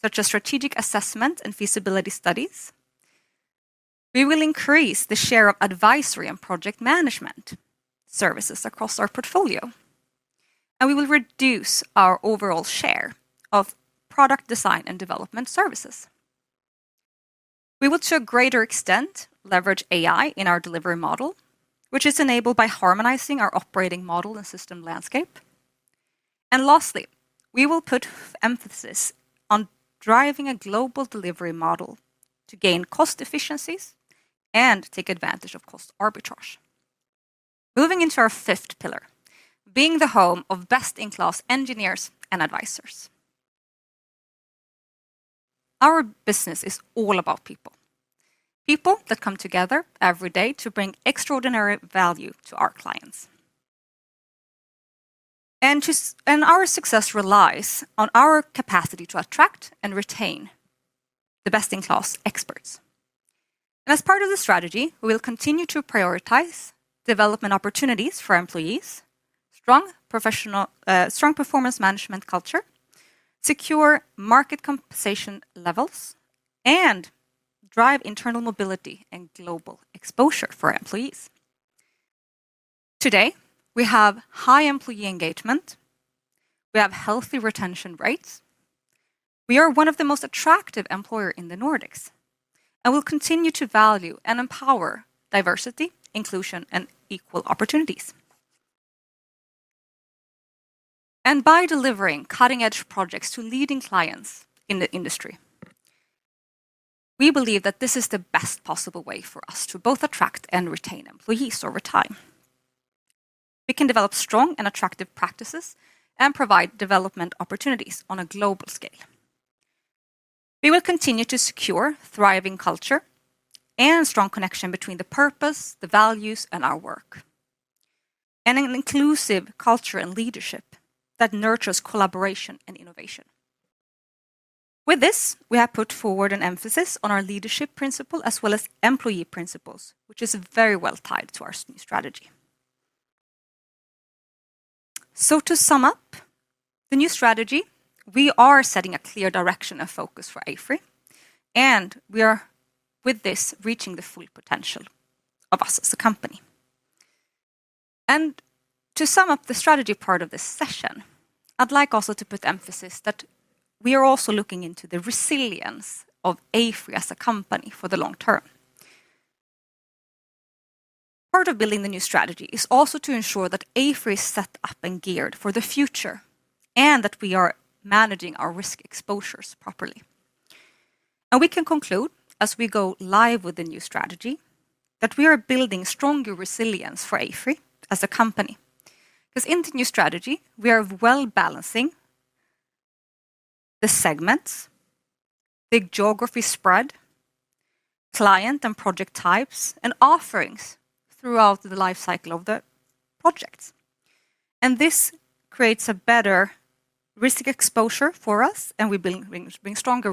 such as strategic assessment and feasibility studies. We will increase the share of advisory and project management services across our portfolio. We will reduce our overall share of product design and development services. We will, to a greater extent, leverage AI in our delivery model, which is enabled by harmonizing our operating model and system landscape. Lastly, we will put emphasis on driving a global delivery model to gain cost efficiencies and take advantage of cost arbitrage. Moving into our fifth pillar, being the home of best-in-class engineers and advisors. Our business is all about people. People that come together every day to bring extraordinary value to our clients. Our success relies on our capacity to attract and retain the best-in-class experts. As part of the strategy, we will continue to prioritize development opportunities for employees, strong performance management culture, secure market compensation levels, and drive internal mobility and global exposure for employees. Today, we have high employee engagement. We have healthy retention rates. We are one of the most attractive employers in the Nordics, and we will continue to value and empower diversity, inclusion, and equal opportunities. By delivering cutting-edge projects to leading clients in the industry, we believe that this is the best possible way for us to both attract and retain employees over time. We can develop strong and attractive practices and provide development opportunities on a global scale. We will continue to secure a thriving culture and strong connection between the purpose, the values, and our work. An inclusive culture and leadership that nurtures collaboration and innovation. With this, we have put forward an emphasis on our leadership principle as well as employee principles, which is very well tied to our new strategy. To sum up the new strategy, we are setting a clear direction of focus for AFRY, and we are with this reaching the full potential of us as a company. To sum up the strategy part of this session, I'd like also to put emphasis that we are also looking into the resilience of AFRY as a company for the long term. Part of building the new strategy is also to ensure that AFRY is set up and geared for the future and that we are managing our risk exposures properly. We can conclude, as we go live with the new strategy, that we are building stronger resilience for AFRY as a company. In the new strategy, we are well balancing the segments, big geography spread, client and project types, and offerings throughout the life cycle of the projects. This creates a better risk exposure for us, and we bring stronger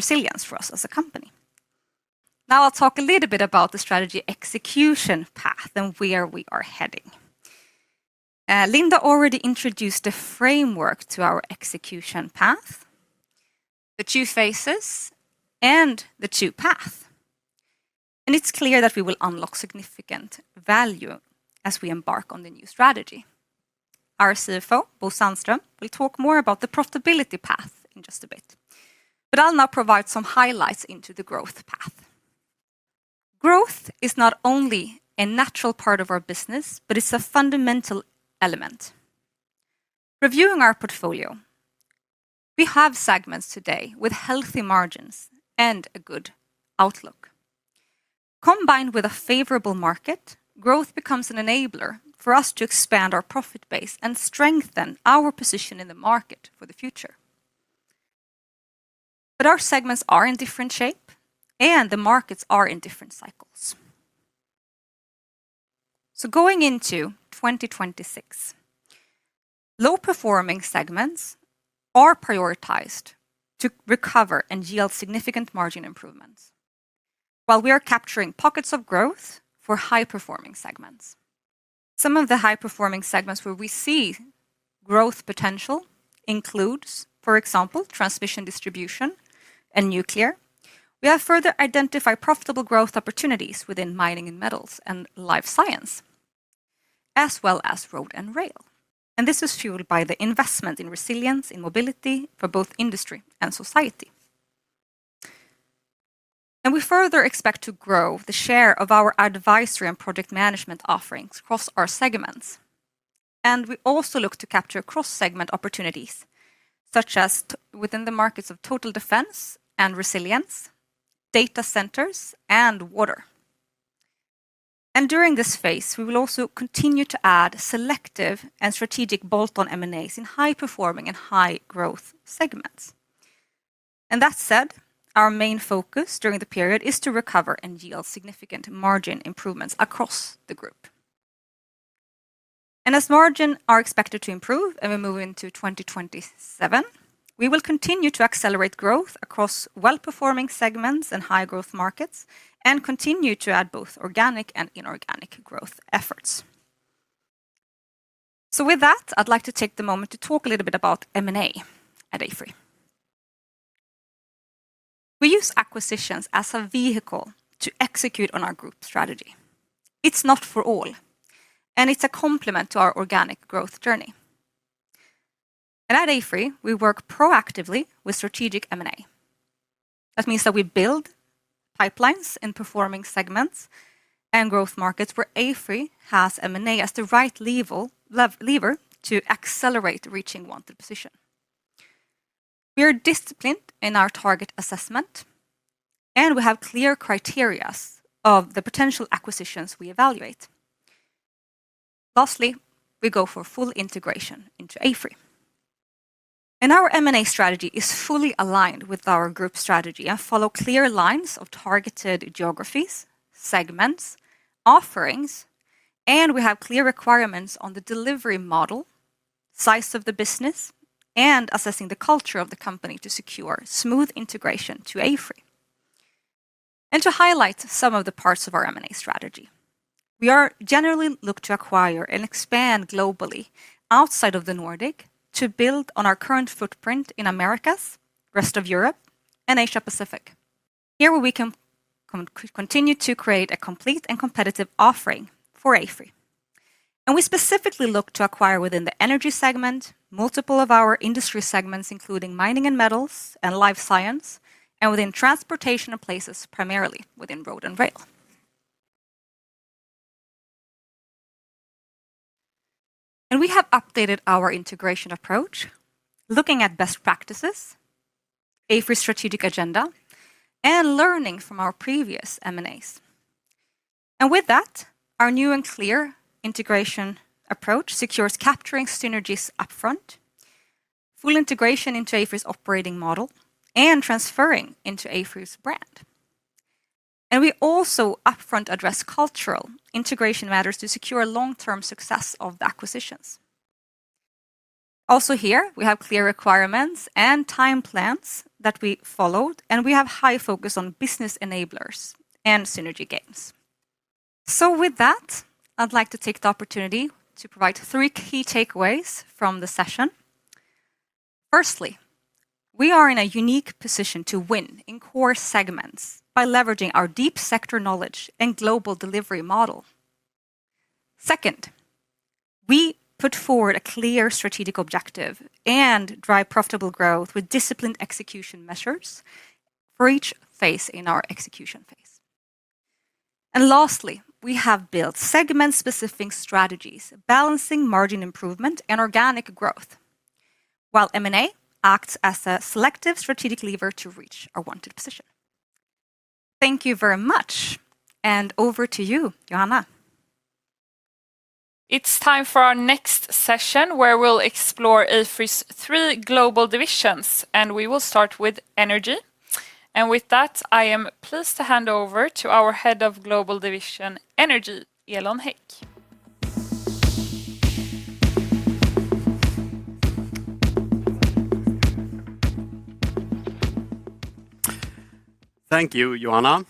resilience for us as a company. Now I'll talk a little bit about the strategy execution path and where we are heading. Linda already introduced the framework to our execution path. The two phases and the two paths. It is clear that we will unlock significant value as we embark on the new strategy. Our CFO, Bo Sandström, will talk more about the profitability path in just a bit. I'll now provide some highlights into the growth path. Growth is not only a natural part of our business, but it's a fundamental element. Reviewing our portfolio. We have segments today with healthy margins and a good outlook. Combined with a favorable market, growth becomes an enabler for us to expand our profit base and strengthen our position in the market for the future. Our segments are in different shape, and the markets are in different cycles. Going into 2026, low-performing segments are prioritized to recover and yield significant margin improvements, while we are capturing pockets of growth for high-performing segments. Some of the high-performing segments where we see growth potential include, for example, transmission, distribution, and nuclear. We have further identified profitable growth opportunities within mining and metals and life science, as well as road and rail. This is fueled by the investment in resilience and mobility for both industry and society. We further expect to grow the share of our advisory and project management offerings across our segments. We also look to capture cross-segment opportunities, such as within the markets of total defense and resilience, data centers, and water. During this phase, we will also continue to add selective and strategic bolt-on M&As in high-performing and high-growth segments. That said, our main focus during the period is to recover and yield significant margin improvements across the group. As margins are expected to improve and we move into 2027, we will continue to accelerate growth across well-performing segments and high-growth markets and continue to add both organic and inorganic growth efforts. With that, I'd like to take the moment to talk a little bit about M&A at AFRY. We use acquisitions as a vehicle to execute on our group strategy. It's not for all. It's a complement to our organic growth journey. At AFRY, we work proactively with strategic M&A. That means that we build. Pipelines in performing segments and growth markets where AFRY has M&A as the right lever to accelerate reaching wanted position. We are disciplined in our target assessment. We have clear criteria of the potential acquisitions we evaluate. Lastly, we go for full integration into AFRY. Our M&A strategy is fully aligned with our group strategy and follows clear lines of targeted geographies, segments, and offerings. We have clear requirements on the delivery model, size of the business, and assessing the culture of the company to secure smooth integration to AFRY. To highlight some of the parts of our M&A strategy, we generally look to acquire and expand globally outside of the Nordic to build on our current footprint in the Americas, rest of Europe, and Asia-Pacific. Here we can continue to create a complete and competitive offering for AFRY. We specifically look to acquire within the energy segment, multiple of our industry segments, including mining and metals and life science, and within transportation and places, primarily within road and rail. We have updated our integration approach, looking at best practices, AFRY's strategic agenda, and learning from our previous M&As. With that, our new and clear integration approach secures capturing synergies upfront. Full integration into AFRY's operating model, and transferring into AFRY's brand. We also upfront address cultural integration matters to secure long-term success of the acquisitions. Also here, we have clear requirements and time plans that we followed, and we have high focus on business enablers and synergy gains. I would like to take the opportunity to provide three key takeaways from the session. Firstly, we are in a unique position to win in core segments by leveraging our deep sector knowledge and global delivery model. Second, we put forward a clear strategic objective and drive profitable growth with disciplined execution measures for each phase in our execution phase. Lastly, we have built segment-specific strategies, balancing margin improvement and organic growth, while M&A acts as a selective strategic lever to reach our wanted position. Thank you very much, and over to you, Johanna. It is time for our next session, where we will explore AFRY's three global divisions, and we will start with energy. With that, I am pleased to hand over to our Head of Global Division Energy, Elon Hägg. Thank you, Johanna.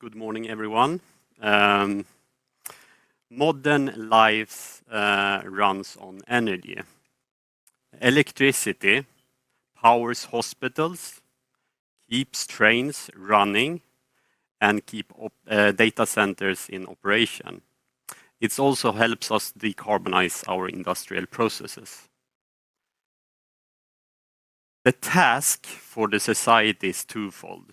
Good morning, everyone. Modern lives run on energy. Electricity powers hospitals, keeps trains running, and keeps data centers in operation. It also helps us decarbonize our industrial processes. The task for the society is twofold.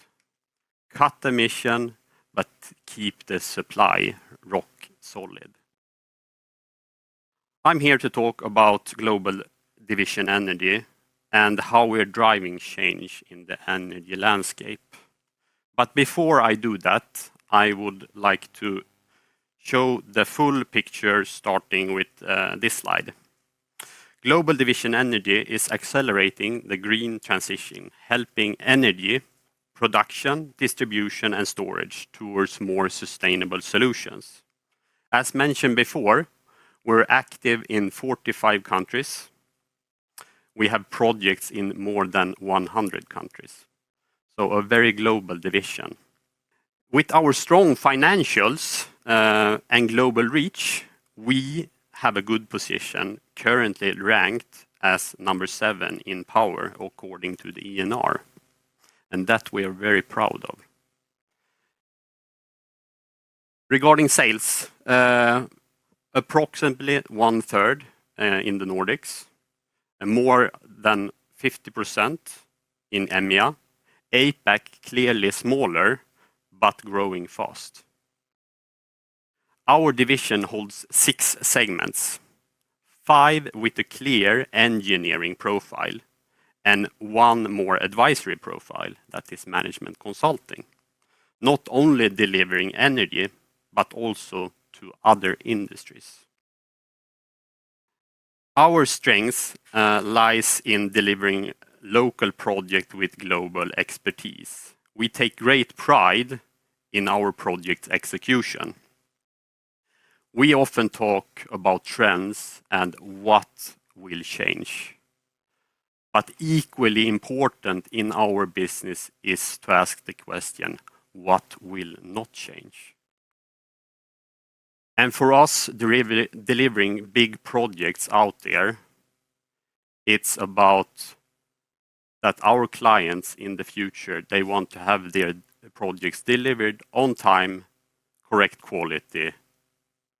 Cut emissions, but keep the supply rock solid. I'm here to talk about Global Division Energy and how we're driving change in the energy landscape. Before I do that, I would like to show the full picture, starting with this slide. Global Division Energy is accelerating the green transition, helping energy, production, distribution, and storage towards more sustainable solutions. As mentioned before, we're active in 45 countries. We have projects in more than 100 countries. A very global division. With our strong financials and global reach, we have a good position, currently ranked as number seven in power, according to the ENR. We are very proud of that. Regarding sales, approximately one-third in the Nordics, more than 50% in EMEA. APAC clearly smaller, but growing fast. Our division holds six segments. Five with a clear engineering profile, and one more advisory profile that is management consulting. Not only delivering energy, but also to other industries. Our strength lies in delivering local projects with global expertise. We take great pride in our project execution. We often talk about trends and what will change. Equally important in our business is to ask the question, what will not change? For us, delivering big projects out there, it's about that our clients in the future, they want to have their projects delivered on time, correct quality,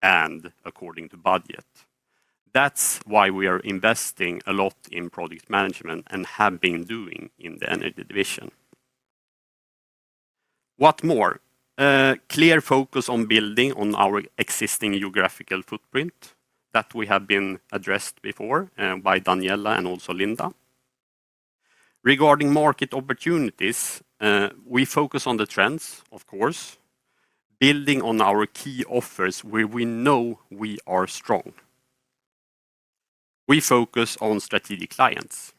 and according to budget. That's why we are investing a lot in project management and have been doing in the energy division. What more? Clear focus on building on our existing geographical footprint that we have been addressed before by Daniela and also Linda. Regarding market opportunities, we focus on the trends, of course. Building on our key offers where we know we are strong. We focus on strategic clients.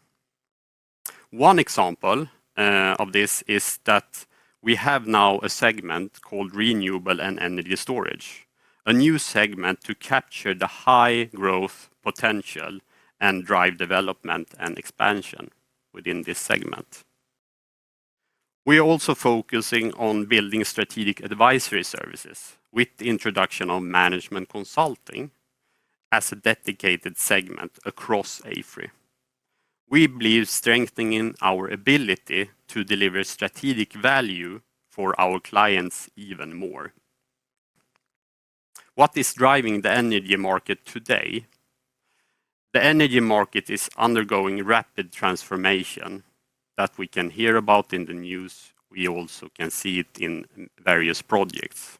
One example of this is that we have now a segment called Renewable and Energy Storage, a new segment to capture the high growth potential and drive development and expansion within this segment. We are also focusing on building strategic advisory services with the introduction of management consulting. As a dedicated segment across AFRY. We believe strengthening our ability to deliver strategic value for our clients even more. What is driving the energy market today? The energy market is undergoing rapid transformation that we can hear about in the news. We also can see it in various projects.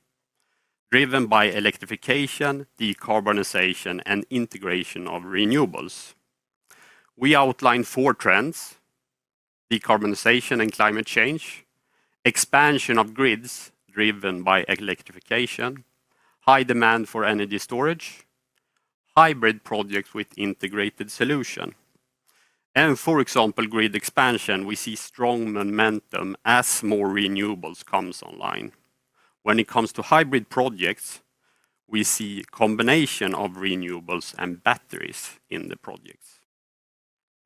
Driven by electrification, decarbonization, and integration of renewables. We outline four trends. Decarbonization and climate change, expansion of grids driven by electrification, high demand for energy storage. Hybrid projects with integrated solution. For example, grid expansion, we see strong momentum as more renewables come online. When it comes to hybrid projects, we see a combination of renewables and batteries in the projects.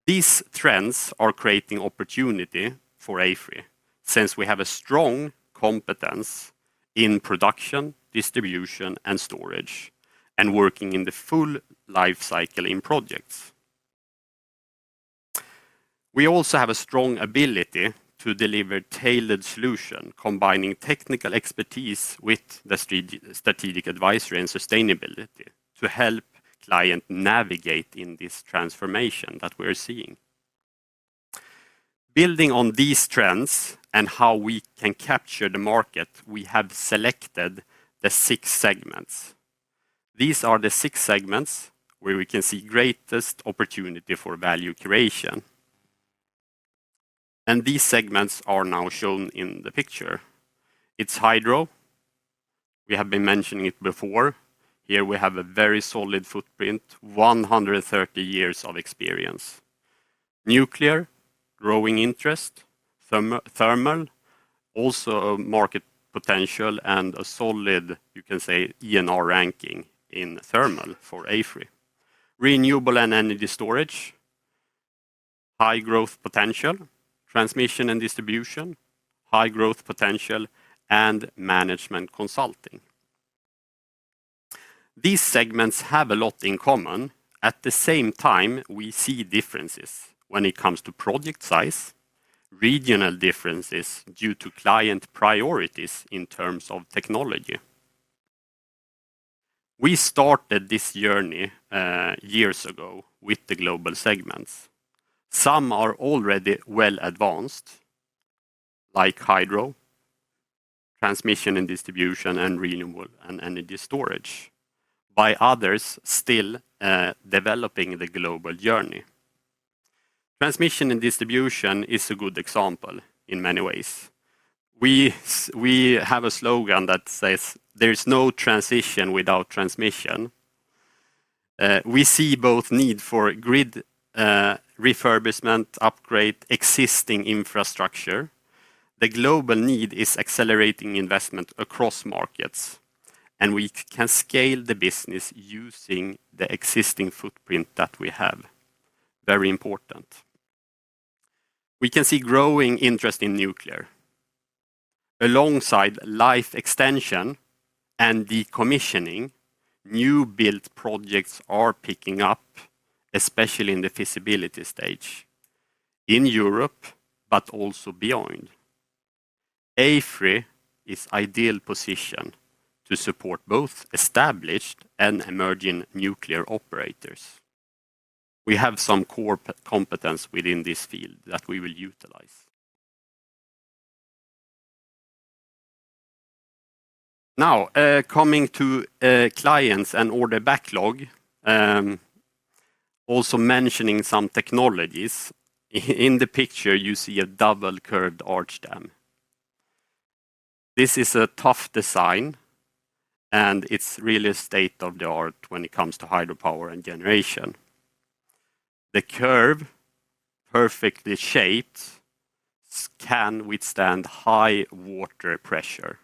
These trends are creating opportunity for AFRY since we have a strong competence in production, distribution, and storage, and working in the full life cycle in projects. We also have a strong ability to deliver tailored solutions, combining technical expertise with the strategic advisory and sustainability to help clients navigate in this transformation that we are seeing. Building on these trends and how we can capture the market, we have selected the six segments. These are the six segments where we can see the greatest opportunity for value creation. These segments are now shown in the picture. It is hydro. We have been mentioning it before. Here we have a very solid footprint, 130 years of experience. Nuclear, growing interest. Thermal, also a market potential and a solid, you can say, ENR ranking in thermal for AFRY. Renewable and energy storage. High growth potential, transmission and distribution, high growth potential, and management consulting. These segments have a lot in common. At the same time, we see differences when it comes to project size, regional differences due to client priorities in terms of technology. We started this journey years ago with the global segments. Some are already well advanced, like hydro, transmission and distribution, and renewable and energy storage, while others are still developing the global journey. Transmission and distribution is a good example in many ways. We have a slogan that says, "There's no transition without transmission." We see both the need for grid refurbishment, upgrade, and existing infrastructure. The global need is accelerating investment across markets, and we can scale the business using the existing footprint that we have. Very important. We can see growing interest in nuclear. Alongside life extension and decommissioning, new build projects are picking up, especially in the feasibility stage. In Europe, but also beyond. AFRY is in an ideal position to support both established and emerging nuclear operators. We have some core competence within this field that we will utilize. Now, coming to clients and order backlog. Also mentioning some technologies. In the picture, you see a double curved arch dam. This is a tough design. And it is really state of the art when it comes to hydropower and generation. The curve, perfectly shaped. Can withstand high water pressure.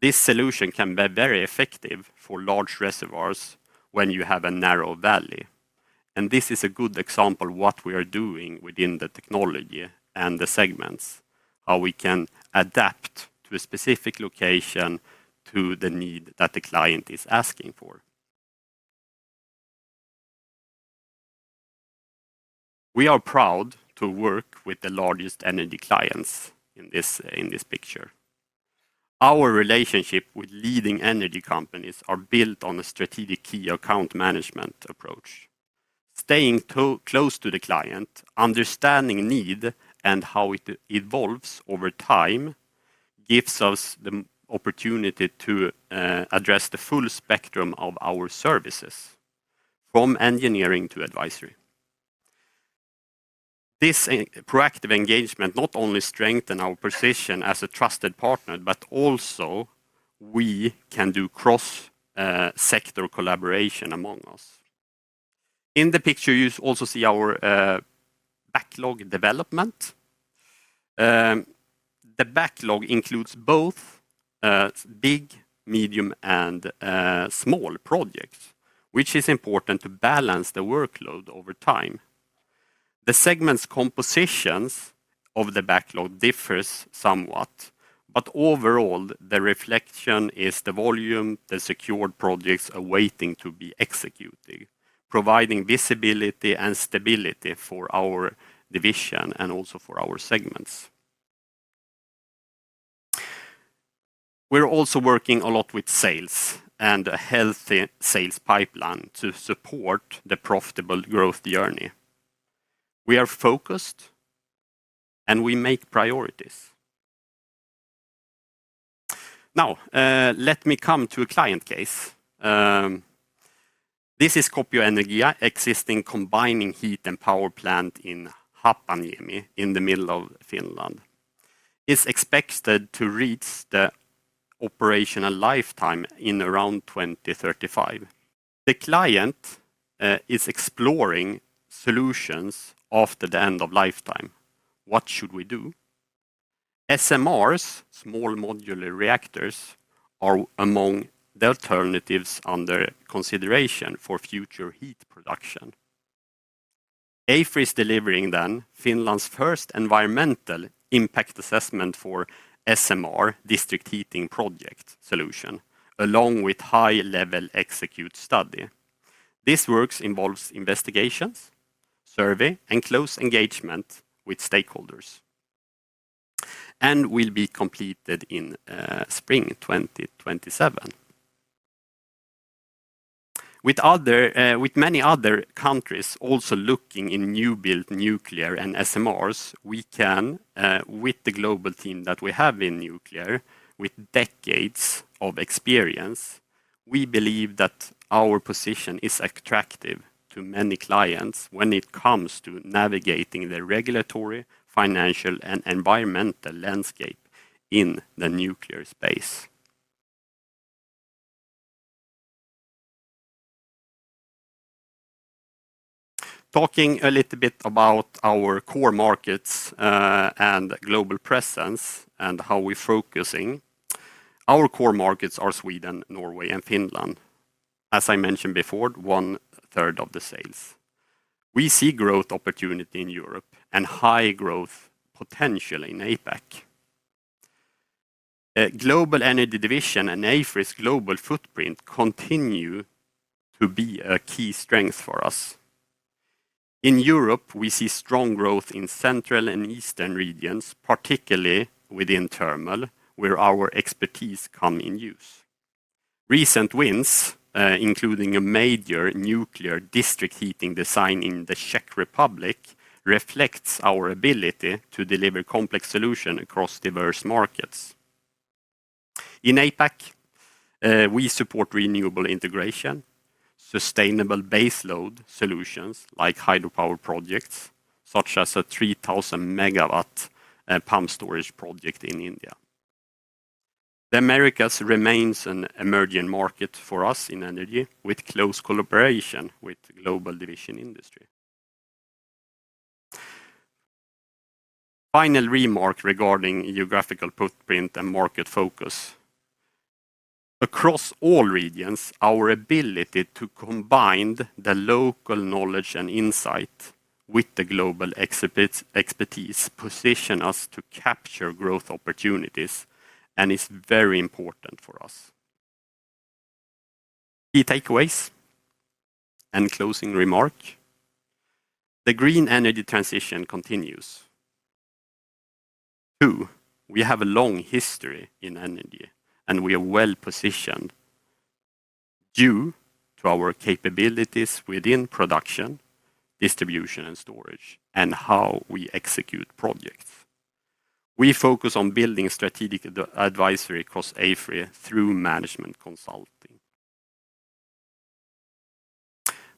This solution can be very effective for large reservoirs when you have a narrow valley. This is a good example of what we are doing within the technology and the segments, how we can adapt to a specific location to the need that the client is asking for. We are proud to work with the largest energy clients in this picture. Our relationship with leading energy companies is built on a strategic key account management approach. Staying close to the client, understanding need, and how it evolves over time gives us the opportunity to address the full spectrum of our services, from engineering to advisory. This proactive engagement not only strengthens our position as a trusted partner, but also we can do cross-sector collaboration among us. In the picture, you also see our backlog development. The backlog includes both big, medium, and small projects, which is important to balance the workload over time. The segments' compositions of the backlog differ somewhat, but overall, the reflection is the volume, the secured projects awaiting to be executed, providing visibility and stability for our division and also for our segments. We are also working a lot with sales and a healthy sales pipeline to support the profitable growth journey. We are focused. We make priorities. Now, let me come to a client case. This is Kuopion Energia, an existing combined heat and power plant in Haapaniemi in the middle of Finland. It is expected to reach the operational lifetime in around 2035. The client is exploring solutions after the end of lifetime. What should we do? SMRs, small modular reactors, are among the alternatives under consideration for future heat production. AFRY is delivering then Finland's first environmental impact assessment for SMR district heating project solution, along with a high-level execute study. This work involves investigations, survey, and close engagement with stakeholders. It will be completed in spring 2027. With many other countries also looking in new build nuclear and SMRs, we can, with the global team that we have in nuclear, with decades of experience, believe that our position is attractive to many clients when it comes to navigating the regulatory, financial, and environmental landscape in the nuclear space. Talking a little bit about our core markets and global presence and how we're focusing. Our core markets are Sweden, Norway, and Finland. As I mentioned before, one-third of the sales. We see growth opportunity in Europe and high growth potential in APAC. Global energy division and AFRY's global footprint continue to be a key strength for us. In Europe, we see strong growth in central and eastern regions, particularly within thermal, where our expertise comes in use. Recent wins, including a major nuclear district heating design in the Czech Republic, reflect our ability to deliver complex solutions across diverse markets. In APAC, we support renewable integration, sustainable baseload solutions like hydropower projects, such as a 3,000MW pump storage project in India. The Americas remains an emerging market for us in energy, with close collaboration with the global division industry. Final remark regarding geographical footprint and market focus. Across all regions, our ability to combine the local knowledge and insight with the global expertise positions us to capture growth opportunities and is very important for us. Key takeaways and closing remark. The green energy transition continues. Two, we have a long history in energy, and we are well positioned. Due to our capabilities within production, distribution, and storage, and how we execute projects. We focus on building strategic advisory across AFRY through management consulting.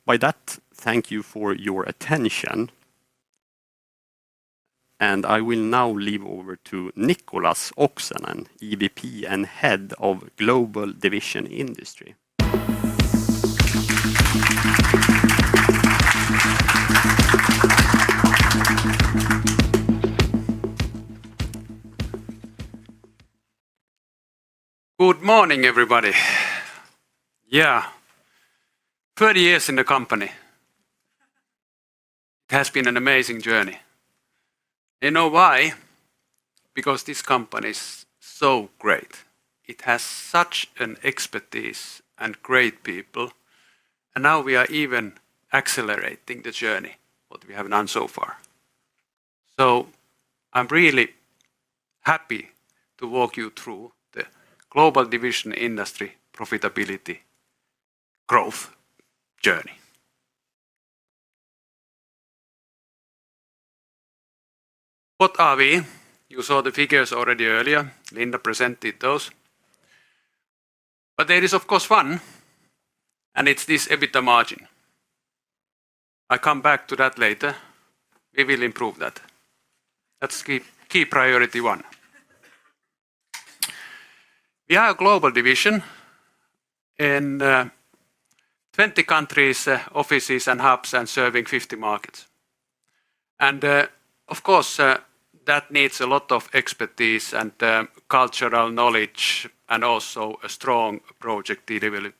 By that, thank you for your attention. I will now leave over to Nicholas Oksanen, EVP and Head of Global Division Industry. Good morning, everybody. Yeah. Thirty years in the company. It has been an amazing journey. You know why? Because this company is so great. It has such an expertise and great people. Now we are even accelerating the journey that we have done so far. I am really happy to walk you through the Global Division Industry profitability. Growth journey. What are we? You saw the figures already earlier. Linda presented those. There is, of course, one. It is this EBITDA margin. I come back to that later. We will improve that. That is key priority one. We have a global division in 20 countries, offices, and hubs, and serving 50 markets. Of course, that needs a lot of expertise and cultural knowledge and also a strong project delivery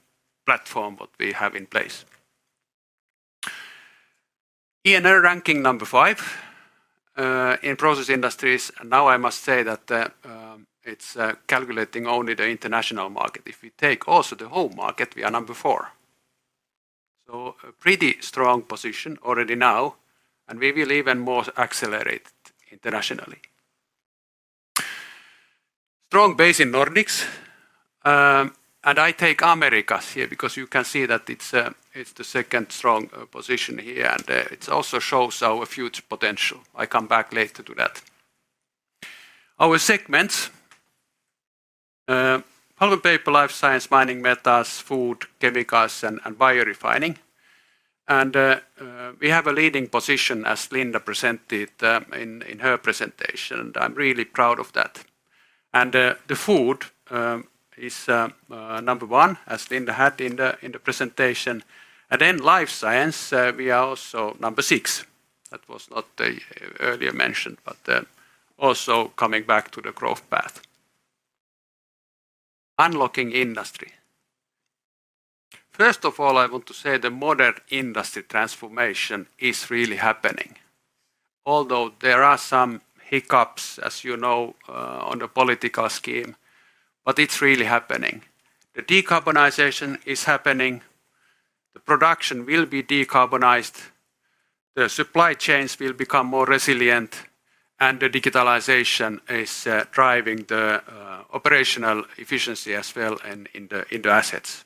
platform that we have in place. ENR ranking number five in process industries. Now I must say that it is calculating only the international market. If we take also the home market, we are number four. A pretty strong position already now. We will even more accelerate internationally. Strong base in Nordics. I take Americas here because you can see that it is the second strong position here. It also shows our future potential. I come back later to that. Our segments: pulp and paper, life science, mining metals, food, chemicals, and biorefining. We have a leading position, as Linda presented in her presentation. I am really proud of that. The food is number one, as Linda had in the presentation. In life science, we are also number six. That was not earlier mentioned, but also coming back to the growth path. Unlocking industry. First of all, I want to say the modern industry transformation is really happening. Although there are some hiccups, as you know, on the political scheme, it is really happening. The decarbonization is happening. The production will be decarbonized. The supply chains will become more resilient. The digitalization is driving the operational efficiency as well and in the assets.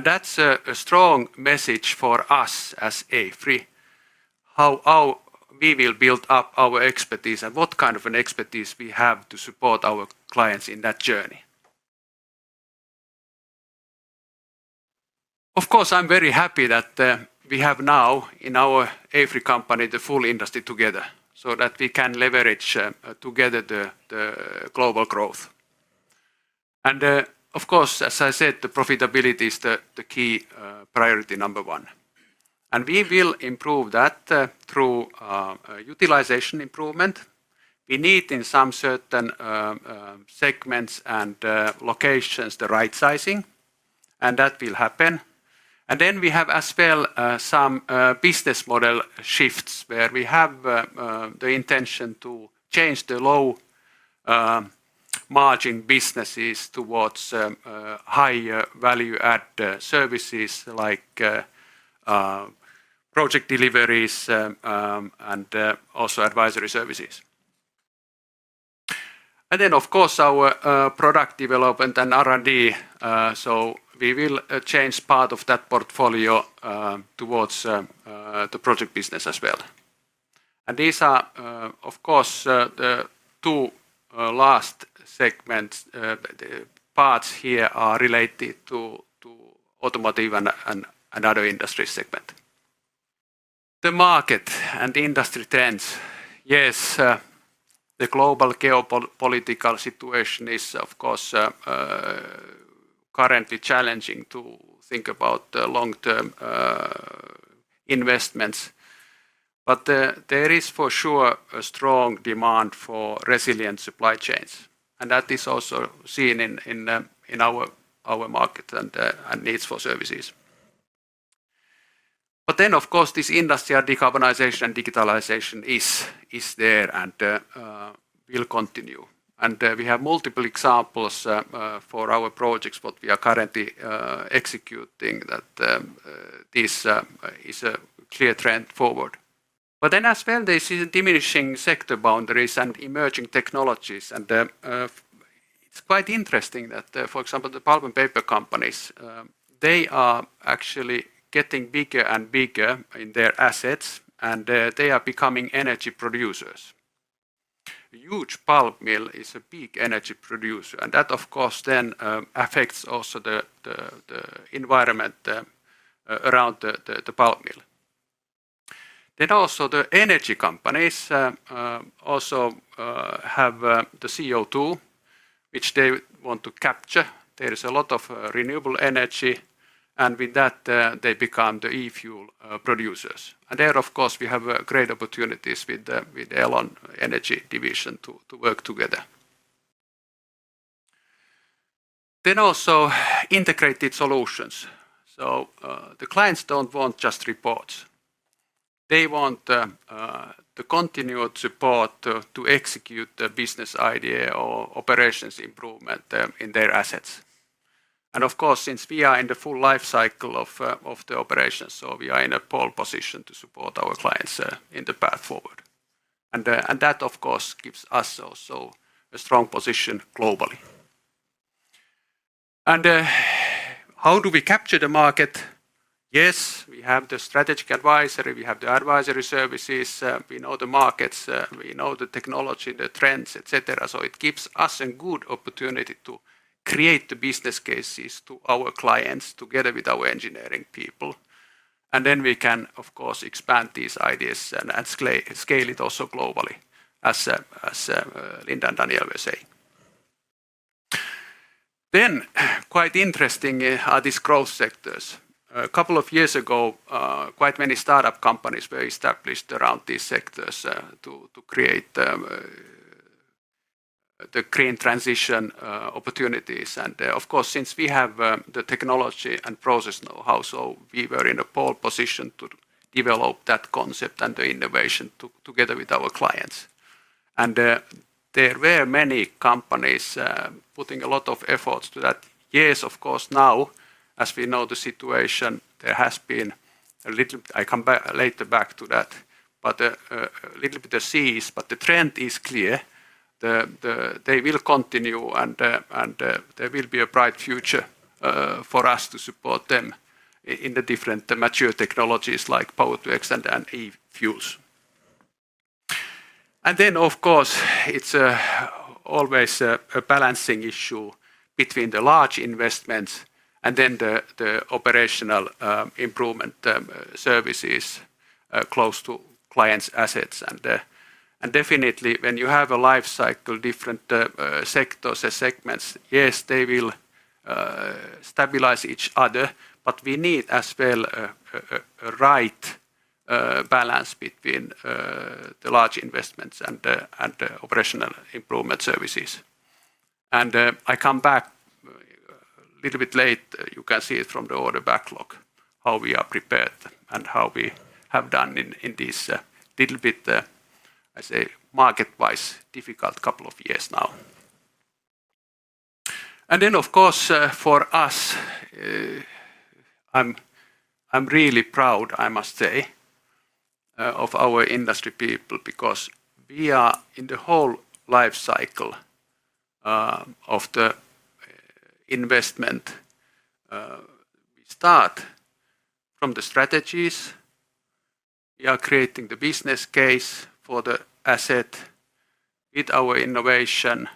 That is a strong message for us as AFRY. How we will build up our expertise and what kind of expertise we have to support our clients in that journey. Of course, I am very happy that we have now in our AFRY company the full industry together so that we can leverage together the global growth. Of course, as I said, the profitability is the key priority number one. We will improve that through utilization improvement. We need in some certain segments and locations the right sizing. That will happen. We have as well some business model shifts where we have the intention to change the low margin businesses towards higher value-added services like project deliveries and also advisory services. Our product development and R&D will change part of that portfolio towards the project business as well. These are, of course, the two last segments. The parts here are related to automotive and other industry segments. The market and industry trends. Yes. The global geopolitical situation is, of course, currently challenging to think about long-term investments. There is for sure a strong demand for resilient supply chains. That is also seen in our market and needs for services. Of course, this industry of decarbonization and digitalization is there and will continue. We have multiple examples for our projects that we are currently executing. This is a clear trend forward. As well, there are diminishing sector boundaries and emerging technologies. It is quite interesting that, for example, the pulp and paper companies are actually getting bigger and bigger in their assets, and they are becoming energy producers. A huge pulp mill is a big energy producer. That, of course, then affects also the environment around the pulp mill. Also, the energy companies have the CO2, which they want to capture. There is a lot of renewable energy, and with that, they become the e-fuel producers. There, of course, we have great opportunities with the Elon Energy division to work together. Also, integrated solutions. The clients do not want just reports. They want the continued support to execute the business idea or operations improvement in their assets. Of course, since we are in the full life cycle of the operations, we are in a pole position to support our clients in the path forward. That, of course, gives us also a strong position globally. How do we capture the market? Yes, we have the strategic advisory. We have the advisory services. We know the markets. We know the technology, the trends, etc. It gives us a good opportunity to create the business cases to our clients together with our engineering people. Then we can, of course, expand these ideas and scale it also globally, as. Linda and Daniela were saying. Quite interesting are these growth sectors. A couple of years ago, quite many startup companies were established around these sectors to create the green transition opportunities. Of course, since we have the technology and process know-how, we were in a pole position to develop that concept and the innovation together with our clients. There were many companies putting a lot of efforts to that. Yes, of course, now, as we know the situation, there has been a little bit—I come back later back to that—but a little bit of cease, but the trend is clear. They will continue, and there will be a bright future for us to support them in the different mature technologies like power to X and e-fuels. Of course, it is always a balancing issue between the large investments and the operational improvement services. Close to clients' assets. Definitely, when you have a life cycle, different sectors, segments, yes, they will stabilize each other, but we need as well a right balance between the large investments and the operational improvement services. I come back a little bit later. You can see it from the order backlog, how we are prepared and how we have done in this little bit, I say, market-wise difficult couple of years now. Of course, for us, I'm really proud, I must say, of our industry people, because we are in the whole life cycle of the investment. We start from the strategies. We are creating the business case for the asset with our innovation.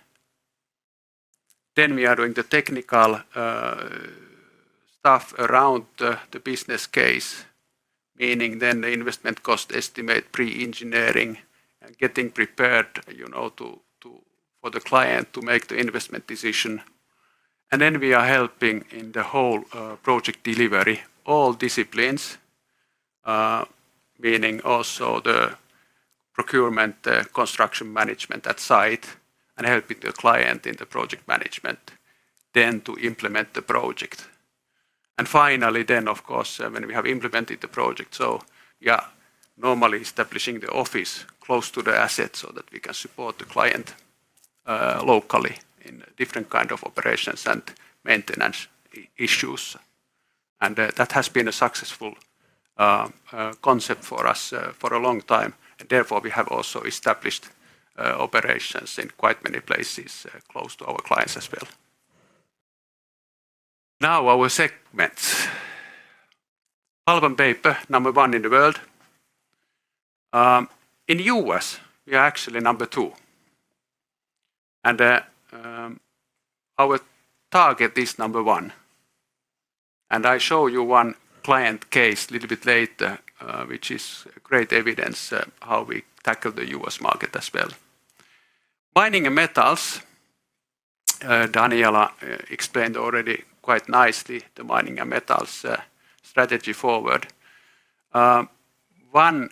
Then we are doing the technical stuff around the business case, meaning then the investment cost estimate, pre-engineering, and getting prepared for the client to make the investment decision. We are helping in the whole project delivery, all disciplines. Meaning also the procurement, construction management at site, and helping the client in the project management to implement the project. Finally, when we have implemented the project, we are normally establishing the office close to the asset so that we can support the client locally in different kinds of operations and maintenance issues. That has been a successful concept for us for a long time. Therefore, we have also established operations in quite many places close to our clients as well. Now, our segments: pulp and paper, number one in the world. In the U.S., we are actually number two. Our target is number one. I show you one client case a little bit later, which is great evidence how we tackle the U.S. market as well. Mining and metals. Daniela explained already quite nicely the mining and metals strategy forward. One.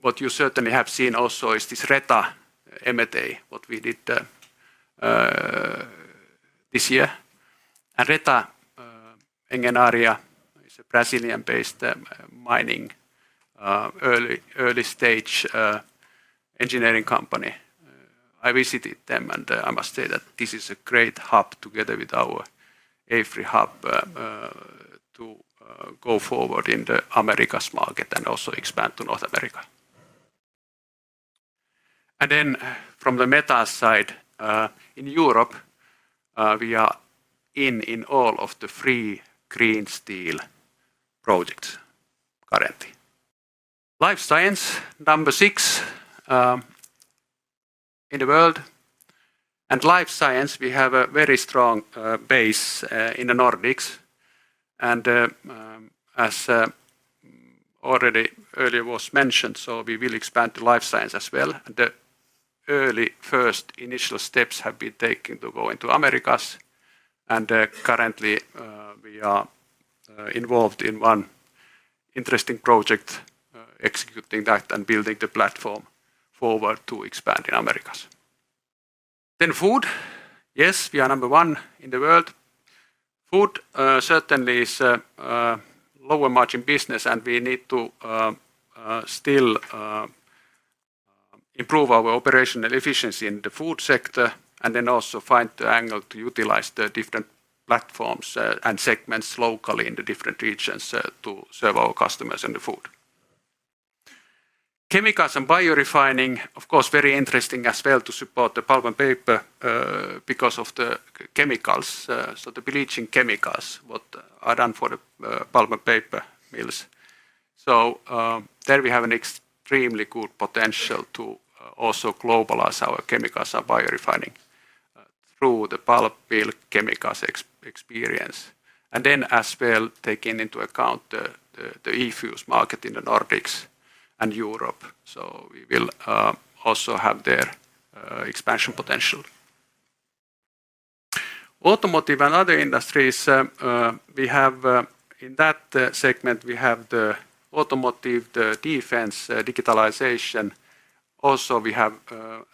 What you certainly have seen also is this Reta M&A, what we did. This year. And Reta Engenharia is a Brazilian-based mining. Early-stage. Engineering company. I visited them, and I must say that this is a great hub together with our AFRY hub. To go forward in the Americas market and also expand to North America. Then from the metals side, in Europe. We are in all of the three green steel projects currently. Life science, number six. In the world. And life science, we have a very strong base in the Nordics. As already earlier was mentioned, we will expand to life science as well. The early first initial steps have been taken to go into Americas. Currently, we are involved in one interesting project, executing that and building the platform forward to expand in Americas. Food, yes, we are number one in the world. Food certainly is a lower margin business, and we need to still improve our operational efficiency in the food sector and then also find the angle to utilize the different platforms and segments locally in the different regions to serve our customers and the food. Chemicals and bio refining, of course, very interesting as well to support the pulp and paper because of the chemicals, so the bleaching chemicals that are done for the pulp and paper mills. There we have an extremely good potential to also globalize our chemicals and bio refining through the pulp mill chemicals experience. As well, taking into account the e-fuels market in the Nordics and Europe, we will also have their expansion potential. Automotive and other industries, we have in that segment, we have the automotive, the defense, digitalization. Also we have,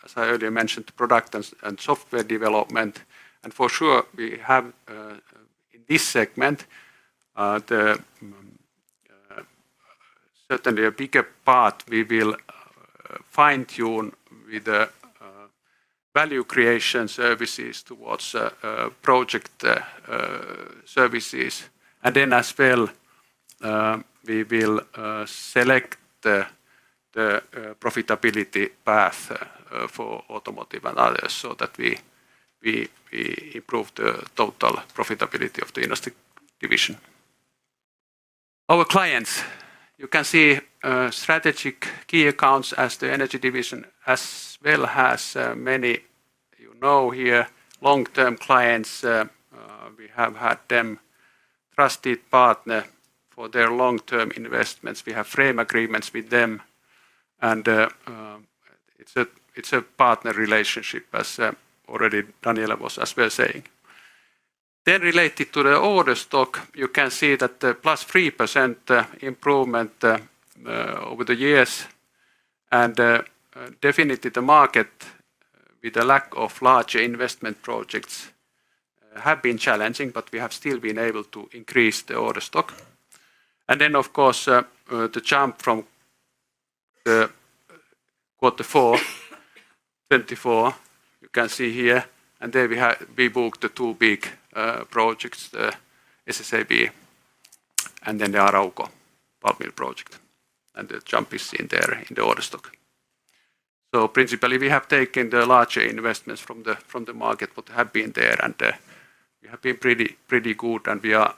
as I earlier mentioned, product and software development. For sure we have in this segment. Certainly a bigger part we will fine-tune with the value creation services towards project services. As well, we will select the profitability path for automotive and others so that we improve the total profitability of the industry division. Our clients, you can see strategic key accounts as the energy division as well has many, you know, here long-term clients. We have had them, trusted partner for their long-term investments. We have frame agreements with them. It is a partner relationship, as already Daniela was as well saying. Related to the order stock, you can see that the +3% improvement over the years. Definitely the market. With the lack of larger investment projects, have been challenging, but we have still been able to increase the order stock. Of course, the jump from the quarter four 2024, you can see here, and there we booked the two big projects, the SSAB and then the Arauco pulp project. The jump is in there in the order stock. Principally we have taken the larger investments from the market, what have been there, and we have been pretty good, and we are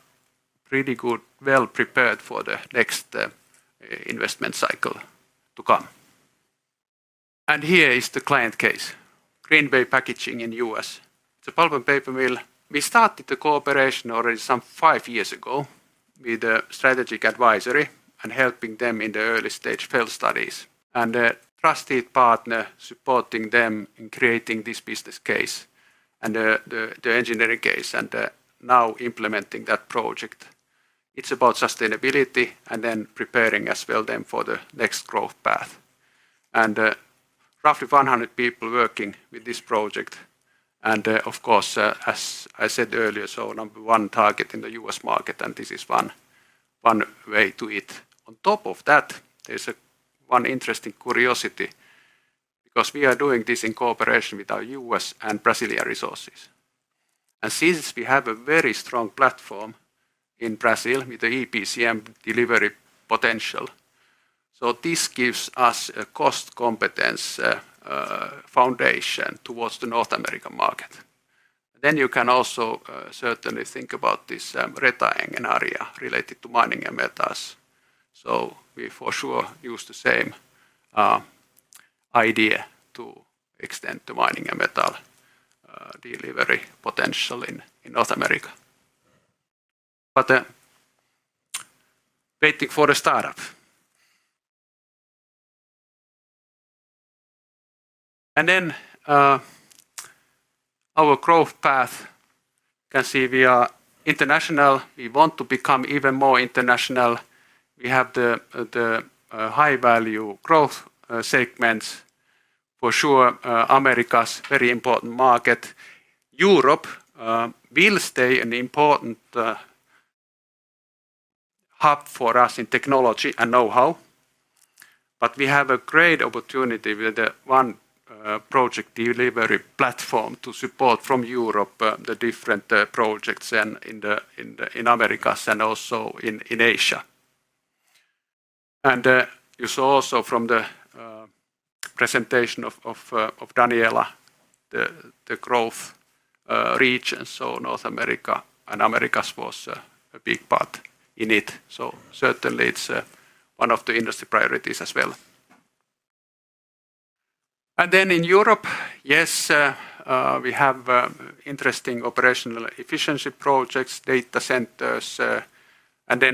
pretty good, well prepared for the next investment cycle to come. Here is the client case, Green Bay Packaging in the US. It's a pulp and paper mill. We started the cooperation already some five years ago with the strategic advisory and helping them in the early stage field studies. The trusted partner supporting them in creating this business case and the engineering case and now implementing that project. It is about sustainability and then preparing as well them for the next growth path. Roughly 100 people working with this project. Of course, as I said earlier, number one target in the U.S. market, and this is one way to it. On top of that, there is one interesting curiosity because we are doing this in cooperation with our U.S. and Brazilian resources. Since we have a very strong platform in Brazil with the EPCM delivery potential, this gives us a cost competence foundation towards the North American market. You can also certainly think about this RETA Engenharia related to mining and metals. We for sure use the same idea to extend to mining and metal delivery potential in North America. Waiting for the startup. Our growth path. You can see we are international. We want to become even more international. We have the high-value growth segments. For sure, Americas is a very important market. Europe will stay an important hub for us in technology and know-how. We have a great opportunity with the one project delivery platform to support from Europe the different projects in Americas and also in Asia. You saw also from the presentation of Daniela the growth region, so North America and Americas was a big part in it. Certainly it is one of the industry priorities as well. In Europe, yes, we have interesting operational efficiency projects, data centers. We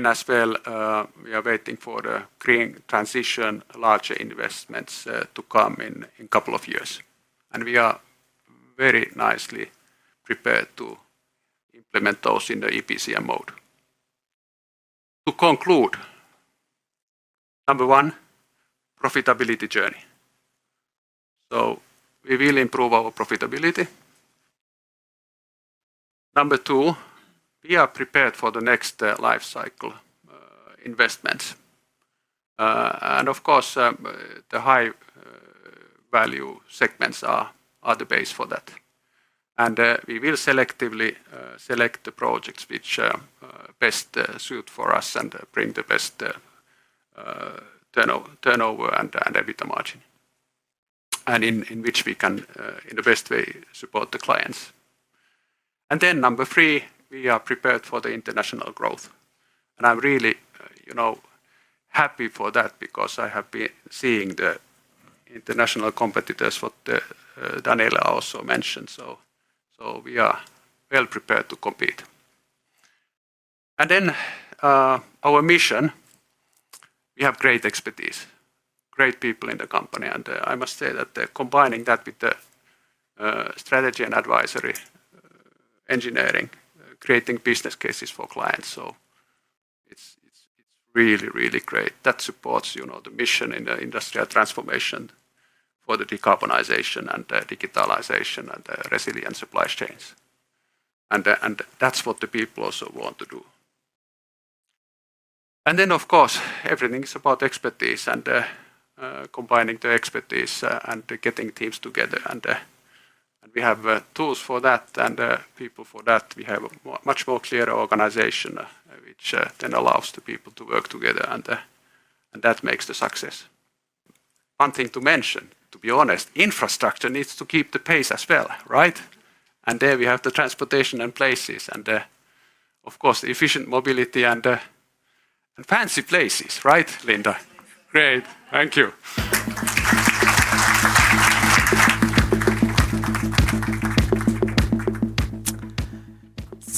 are waiting for the green transition, larger investments to come in a couple of years. We are very nicely prepared to implement those in the EPCM mode. To conclude. Number one, profitability journey. We will improve our profitability. Number two, we are prepared for the next life cycle. Investments. Of course, the high-value segments are the base for that. We will selectively select the projects which best suit for us and bring the best turnover and the margin, and in which we can, in the best way, support the clients. Number three, we are prepared for the international growth. I am really happy for that because I have been seeing the international competitors, what Daniela also mentioned. We are well prepared to compete. Our mission: we have great expertise, great people in the company. I must say that combining that with the strategy and advisory, engineering, creating business cases for clients, it is really, really great. That supports the mission in the industrial transformation for the decarbonization and digitalization and resilient supply chains. That is what the people also want to do. Of course, everything is about expertise. Combining the expertise and getting teams together. We have tools for that and people for that. We have a much more clear organization, which then allows the people to work together. That makes the success. One thing to mention, to be honest, infrastructure needs to keep the pace as well, right? There we have the transportation and places. Of course, the efficient mobility and fancy places, right, Linda? Great. Thank you.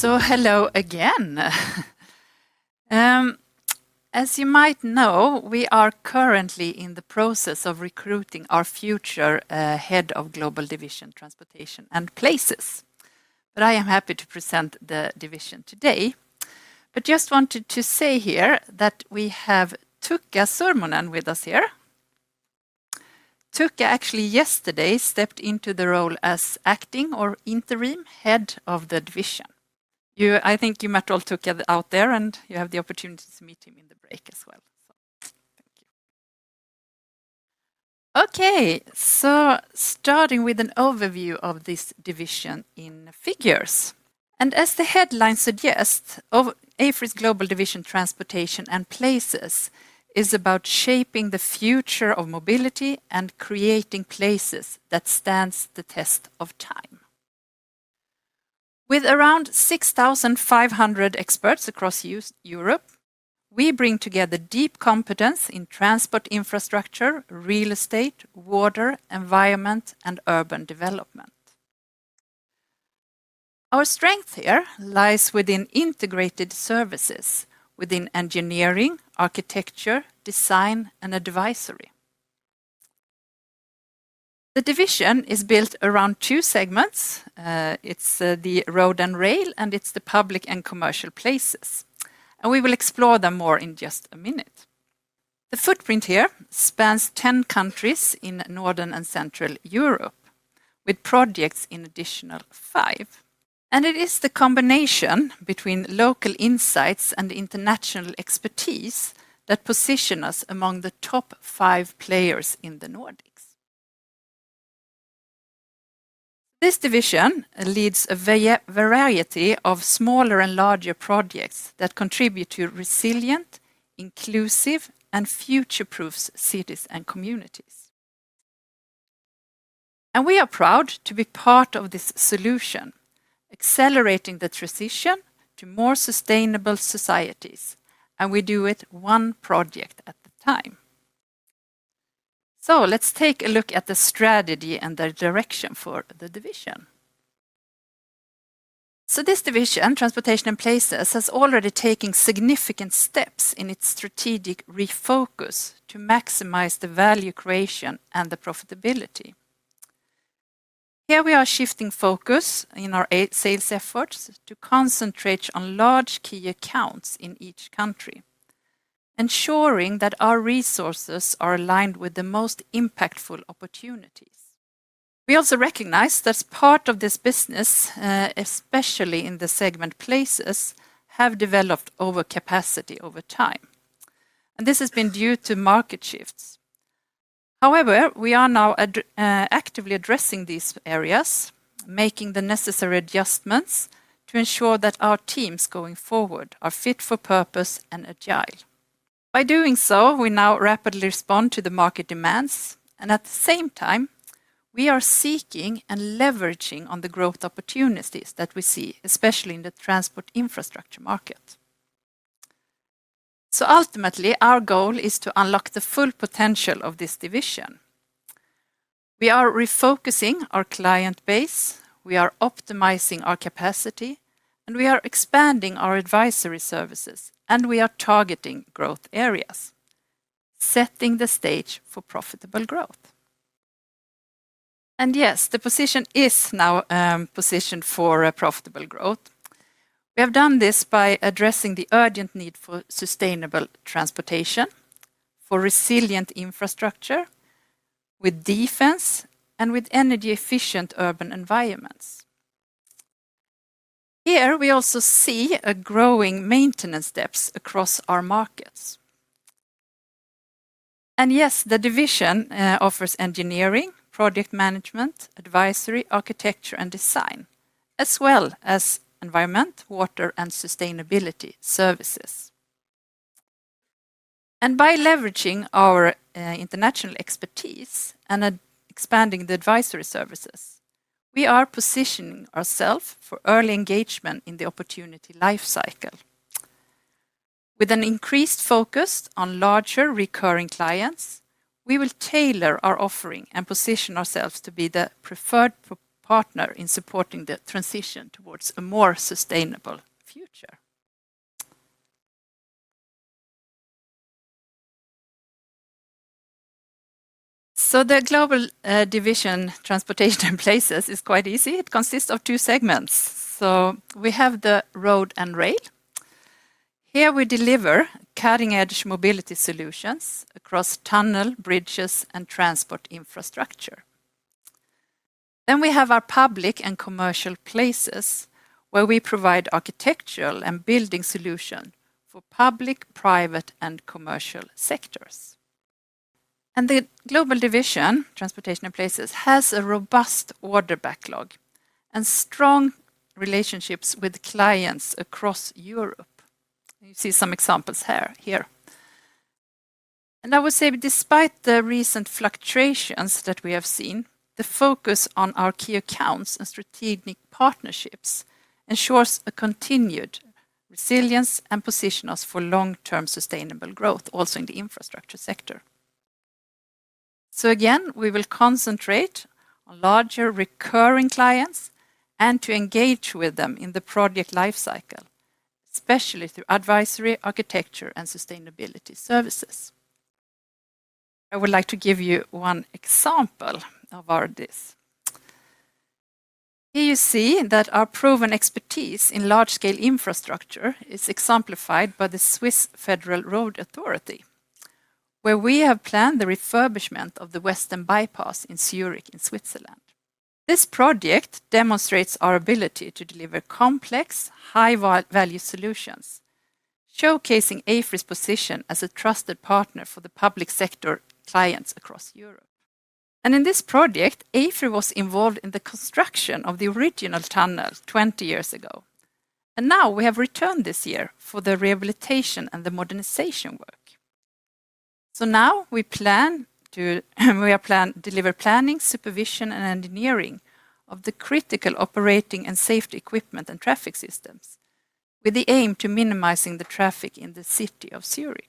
Hello again. As you might know, we are currently in the process of recruiting our future Head of Global Division, Transportation and Places. I am happy to present the division today. Just wanted to say here that we have Tuukka Sormunen with us here. Tuukka actually yesterday stepped into the role as acting or interim Head of the division. I think you met all Tuukka out there and you have the opportunity to meet him in the break as well. Thank you. Okay, starting with an overview of this division in figures. As the headline suggests, AFRY's global division, Transportation and Places, is about shaping the future of mobility and creating places that stand the test of time. With around 6,500 experts across Europe, we bring together deep competence in transport infrastructure, real estate, water, environment, and urban development. Our strength here lies within integrated services within engineering, architecture, design, and advisory. The division is built around two segments. It's the road and rail, and it's the public and commercial places. We will explore them more in just a minute. The footprint here spans 10 countries in Northern and Central Europe, with projects in an additional five. It is the combination between local insights and international expertise that positions us among the top five players in the Nordics. This division leads a variety of smaller and larger projects that contribute to resilient, inclusive, and future-proof cities and communities. We are proud to be part of this solution, accelerating the transition to more sustainable societies. We do it one project at a time. Let's take a look at the strategy and the direction for the division. This division, transportation and places, has already taken significant steps in its strategic refocus to maximize the value creation and the profitability. Here we are shifting focus in our sales efforts to concentrate on large key accounts in each country. Ensuring that our resources are aligned with the most impactful opportunities. We also recognize that part of this business, especially in the segment places, have developed overcapacity over time. This has been due to market shifts. However, we are now actively addressing these areas, making the necessary adjustments to ensure that our teams going forward are fit for purpose and agile. By doing so, we now rapidly respond to the market demands. At the same time, we are seeking and leveraging on the growth opportunities that we see, especially in the transport infrastructure market. Ultimately, our goal is to unlock the full potential of this division. We are refocusing our client base. We are optimizing our capacity, and we are expanding our advisory services, and we are targeting growth areas. Setting the stage for profitable growth. Yes, the position is now positioned for profitable growth. We have done this by addressing the urgent need for sustainable transportation, for resilient infrastructure. With defense and with energy-efficient urban environments. Here we also see a growing maintenance depth across our markets. Yes, the division offers engineering, project management, advisory, architecture, and design, as well as environment, water, and sustainability services. By leveraging our international expertise and expanding the advisory services, we are positioning ourselves for early engagement in the opportunity life cycle. With an increased focus on larger recurring clients, we will tailor our offering and position ourselves to be the preferred partner in supporting the transition towards a more sustainable future. The global division, transportation and places, is quite easy. It consists of two segments. We have the road and rail. Here we deliver cutting-edge mobility solutions across tunnel, bridges, and transport infrastructure. We have our public and commercial places where we provide architectural and building solutions for public, private, and commercial sectors. The global division, transportation and places, has a robust order backlog and strong relationships with clients across Europe. You see some examples here. I would say, despite the recent fluctuations that we have seen, the focus on our key accounts and strategic partnerships ensures a continued resilience and positions us for long-term sustainable growth, also in the infrastructure sector. Again, we will concentrate on larger recurring clients and to engage with them in the project life cycle, especially through advisory, architecture, and sustainability services. I would like to give you one example of this. Here you see that our proven expertise in large-scale infrastructure is exemplified by the Swiss Federal Road Authority, where we have planned the refurbishment of the Western Bypass in Zurich in Switzerland. This project demonstrates our ability to deliver complex, high-value solutions, showcasing AFRY's position as a trusted partner for the public sector clients across Europe. In this project, AFRY was involved in the construction of the original tunnel 20 years ago. Now we have returned this year for the rehabilitation and the modernization work. We plan to deliver planning, supervision, and engineering of the critical operating and safety equipment and traffic systems with the aim of minimizing the traffic in the city of Zurich.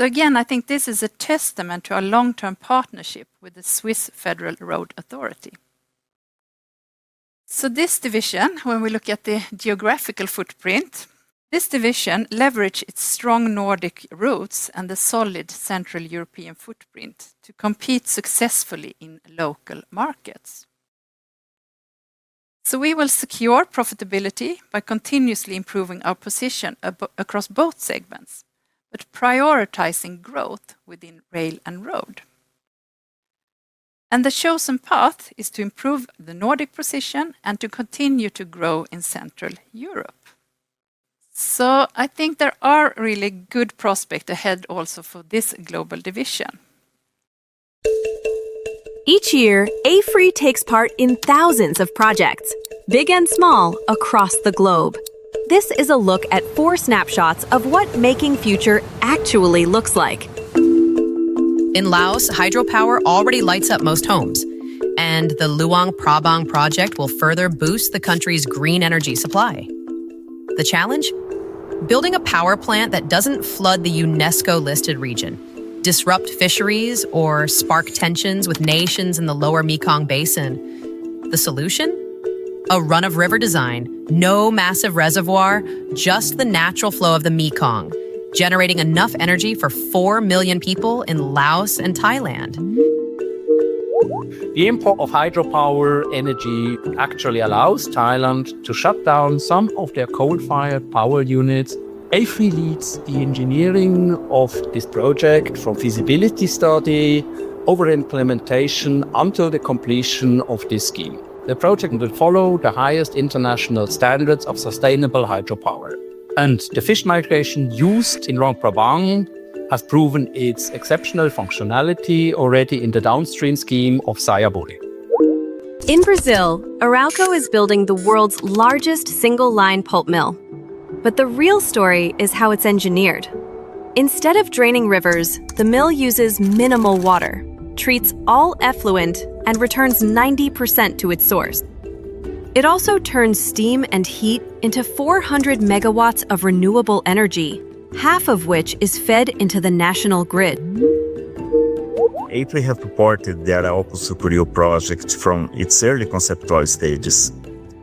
I think this is a testament to our long-term partnership with the Swiss Federal Road Authority. When we look at the geographical footprint, this division leverages its strong Nordic roots and the solid Central European footprint to compete successfully in local markets. We will secure profitability by continuously improving our position across both segments, but prioritizing growth within rail and road. The chosen path is to improve the Nordic position and to continue to grow in Central Europe. I think there are really good prospects ahead also for this global division. Each year, AFRY takes part in thousands of projects, big and small, across the globe. This is a look at four snapshots of what making future actually looks like. In Laos, hydropower already lights up most homes, and the Luang Prabang project will further boost the country's green energy supply. The challenge? Building a power plant that does not flood the UNESCO-listed region, disrupt fisheries, or spark tensions with nations in the Lower Mekong Basin. The solution? A run-of-river design, no massive reservoir, just the natural flow of the Mekong, generating enough energy for 4 million people in Laos and Thailand. The import of hydropower energy actually allows Thailand to shut down some of their coal-fired power units. AFRY leads the engineering of this project from feasibility study over implementation until the completion of this scheme. The project will follow the highest international standards of sustainable hydropower. The fish migration used in Luang Prabang has proven its exceptional functionality already in the downstream scheme of Xayaburi. In Brazil, Arauco is building the world's largest single-line pulp mill. The real story is how it's engineered. Instead of draining rivers, the mill uses minimal water, treats all effluent, and returns 90% to its source. It also turns steam and heat into 400 megawatts of renewable energy, half of which is fed into the national grid. AFRY has supported the Arauco Sucuriú project from its early conceptual stages.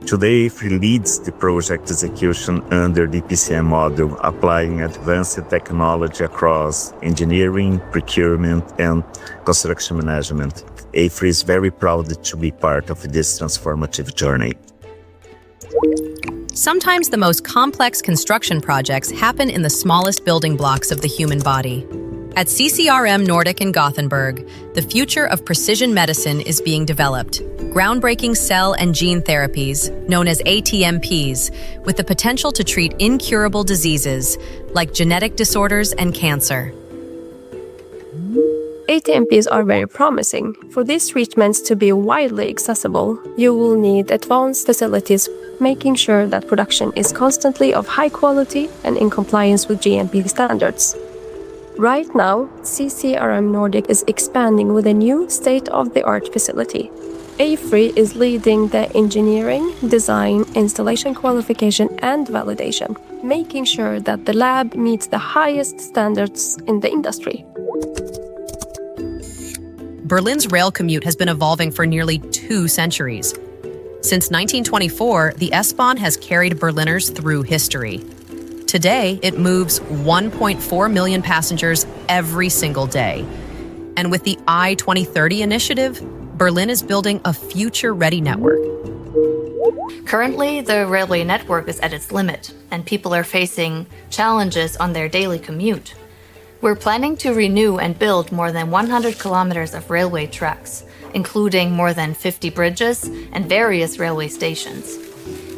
Today, AFRY leads the project execution under the PCM model, applying advanced technology across engineering, procurement, and construction management. AFRY is very proud to be part of this transformative journey. Sometimes the most complex construction projects happen in the smallest building blocks of the human body. At CCRM Nordic in Gothenburg, the future of precision medicine is being developed: groundbreaking cell and gene therapies, known as ATMPs, with the potential to treat incurable diseases like genetic disorders and cancer. ATMPs are very promising. For these treatments to be widely accessible, you will need advanced facilities, making sure that production is constantly of high quality and in compliance with GMP standards. Right now, CCRM Nordic is expanding with a new state-of-the-art facility. AFRY is leading the engineering, design, installation qualification, and validation, making sure that the lab meets the highest standards in the industry. Berlin's rail commute has been evolving for nearly two centuries. Since 1924, the S-Bahn has carried Berliners through history. Today, it moves 1.4 million passengers every single day. With the I 2030 initiative, Berlin is building a future-ready network. Currently, the railway network is at its limit, and people are facing challenges on their daily commute. We are planning to renew and build more than 100 km of railway tracks, including more than 50 bridges and various railway stations.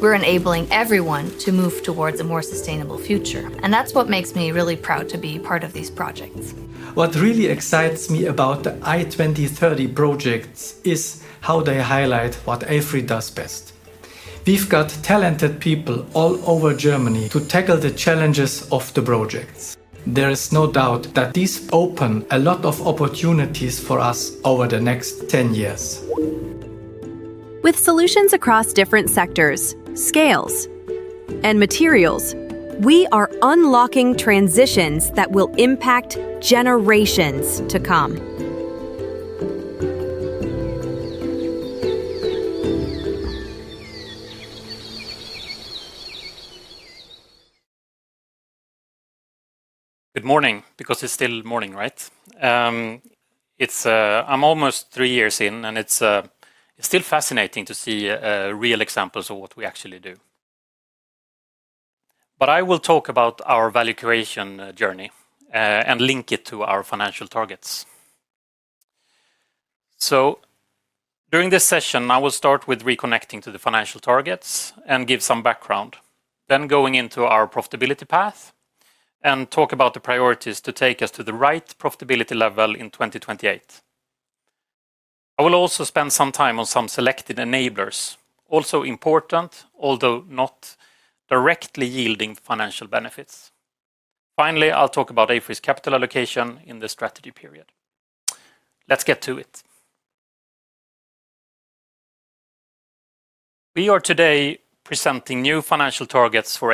We are enabling everyone to move towards a more sustainable future. That is what makes me really proud to be part of these projects. What really excites me about the I 2030 projects is how they highlight what AFRY does best. We've got talented people all over Germany to tackle the challenges of the projects. There is no doubt that these open a lot of opportunities for us over the next 10 years. With solutions across different sectors, scales, and materials, we are unlocking transitions that will impact generations to come. Good morning, because it's still morning, right? I'm almost three years in, and it's still fascinating to see real examples of what we actually do. I will talk about our value creation journey and link it to our financial targets. During this session, I will start with reconnecting to the financial targets and give some background, then going into our profitability path and talk about the priorities to take us to the right profitability level in 2028. I will also spend some time on some selected enablers, also important, although not directly yielding financial benefits. Finally, I'll talk about AFRY's capital allocation in the strategy period. Let's get to it. We are today presenting new financial targets for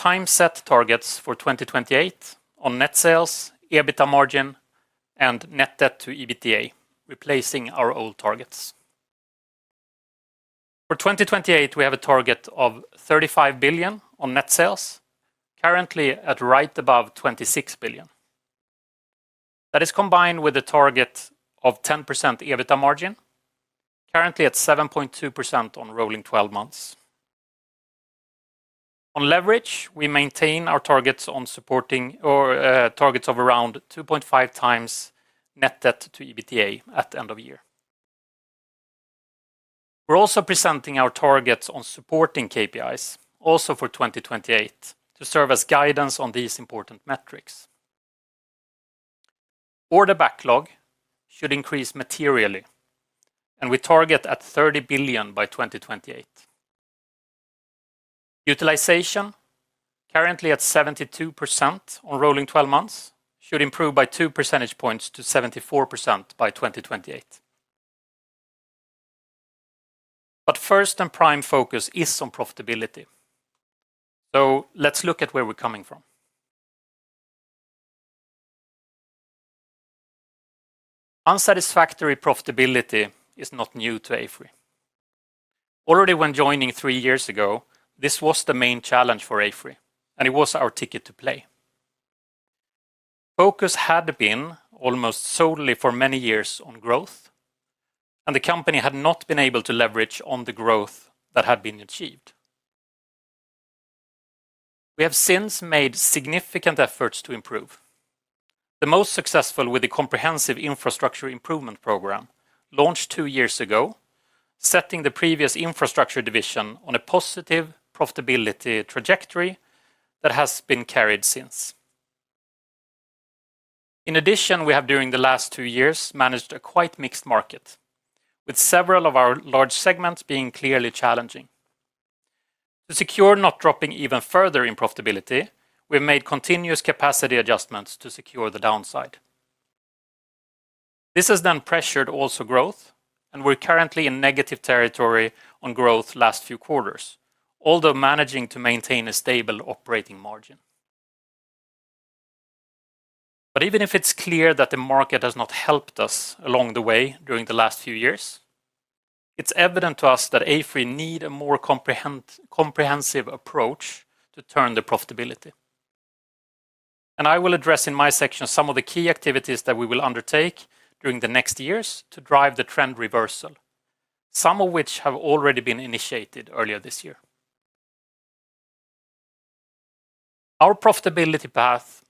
AFRY: time-set targets for 2028 on net sales, EBITDA margin, and net debt to EBITDA, replacing our old targets. For 2028, we have a target of 35 billion on net sales, currently at right above 26 billion. That is combined with a target of 10% EBITDA margin, currently at 7.2% on rolling 12 months. On leverage, we maintain our targets on supporting. Targets of around 2.5x net debt to EBITDA at the end of the year. We're also presenting our targets on supporting KPIs, also for 2028, to serve as guidance on these important metrics. Order backlog should increase materially, and we target at 30 billion by 2028. Utilization, currently at 72% on rolling 12 months, should improve by two percentage points to 74% by 2028. First and prime focus is on profitability. Let's look at where we're coming from. Unsatisfactory profitability is not new to AFRY. Already when joining three years ago, this was the main challenge for AFRY, and it was our ticket to play. Focus had been almost solely for many years on growth. The company had not been able to leverage on the growth that had been achieved. We have since made significant efforts to improve. The most successful was the comprehensive infrastructure improvement program launched two years ago, setting the previous infrastructure division on a positive profitability trajectory that has been carried since. In addition, we have during the last two years managed a quite mixed market, with several of our large segments being clearly challenging. To secure not dropping even further in profitability, we have made continuous capacity adjustments to secure the downside. This has then pressured also growth, and we're currently in negative territory on growth last few quarters, although managing to maintain a stable operating margin. Even if it's clear that the market has not helped us along the way during the last few years, it's evident to us that AFRY needs a more comprehensive approach to turn the profitability. I will address in my section some of the key activities that we will undertake during the next years to drive the trend reversal, some of which have already been initiated earlier this year. Our profitability path,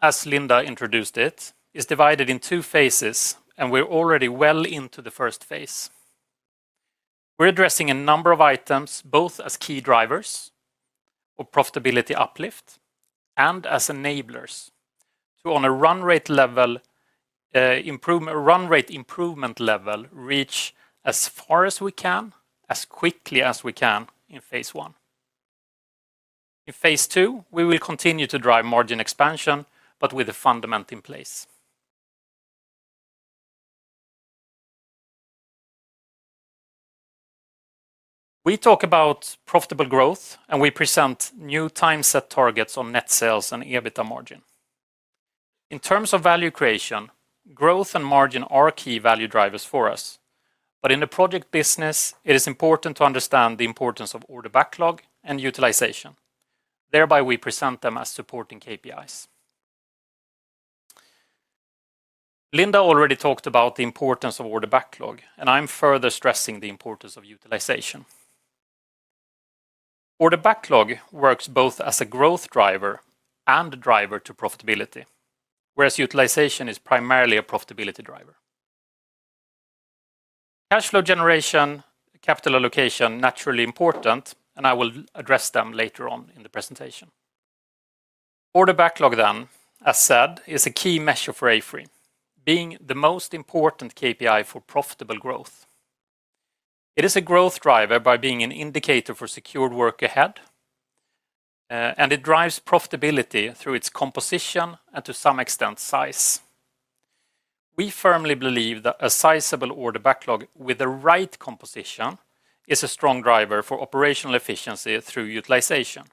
as Linda introduced it, is divided in two phases, and we're already well into the first phase. We're addressing a number of items, both as key drivers of profitability uplift and as enablers to, on a run rate level. Improvement, run rate improvement level, reach as far as we can, as quickly as we can in phase I. In phase II, we will continue to drive margin expansion, but with a fundamental in place. We talk about profitable growth, and we present new time-set targets on net sales and EBITDA margin. In terms of value creation, growth and margin are key value drivers for us. In the project business, it is important to understand the importance of order backlog and utilization. Thereby, we present them as supporting KPIs. Linda already talked about the importance of order backlog, and I'm further stressing the importance of utilization. Order backlog works both as a growth driver and a driver to profitability, whereas utilization is primarily a profitability driver. Cash flow generation, capital allocation, naturally important, and I will address them later on in the presentation. Order backlog, then, as said, is a key measure for AFRY, being the most important KPI for profitable growth. It is a growth driver by being an indicator for secured work ahead, and it drives profitability through its composition and, to some extent, size. We firmly believe that a sizable order backlog with the right composition is a strong driver for operational efficiency through utilization.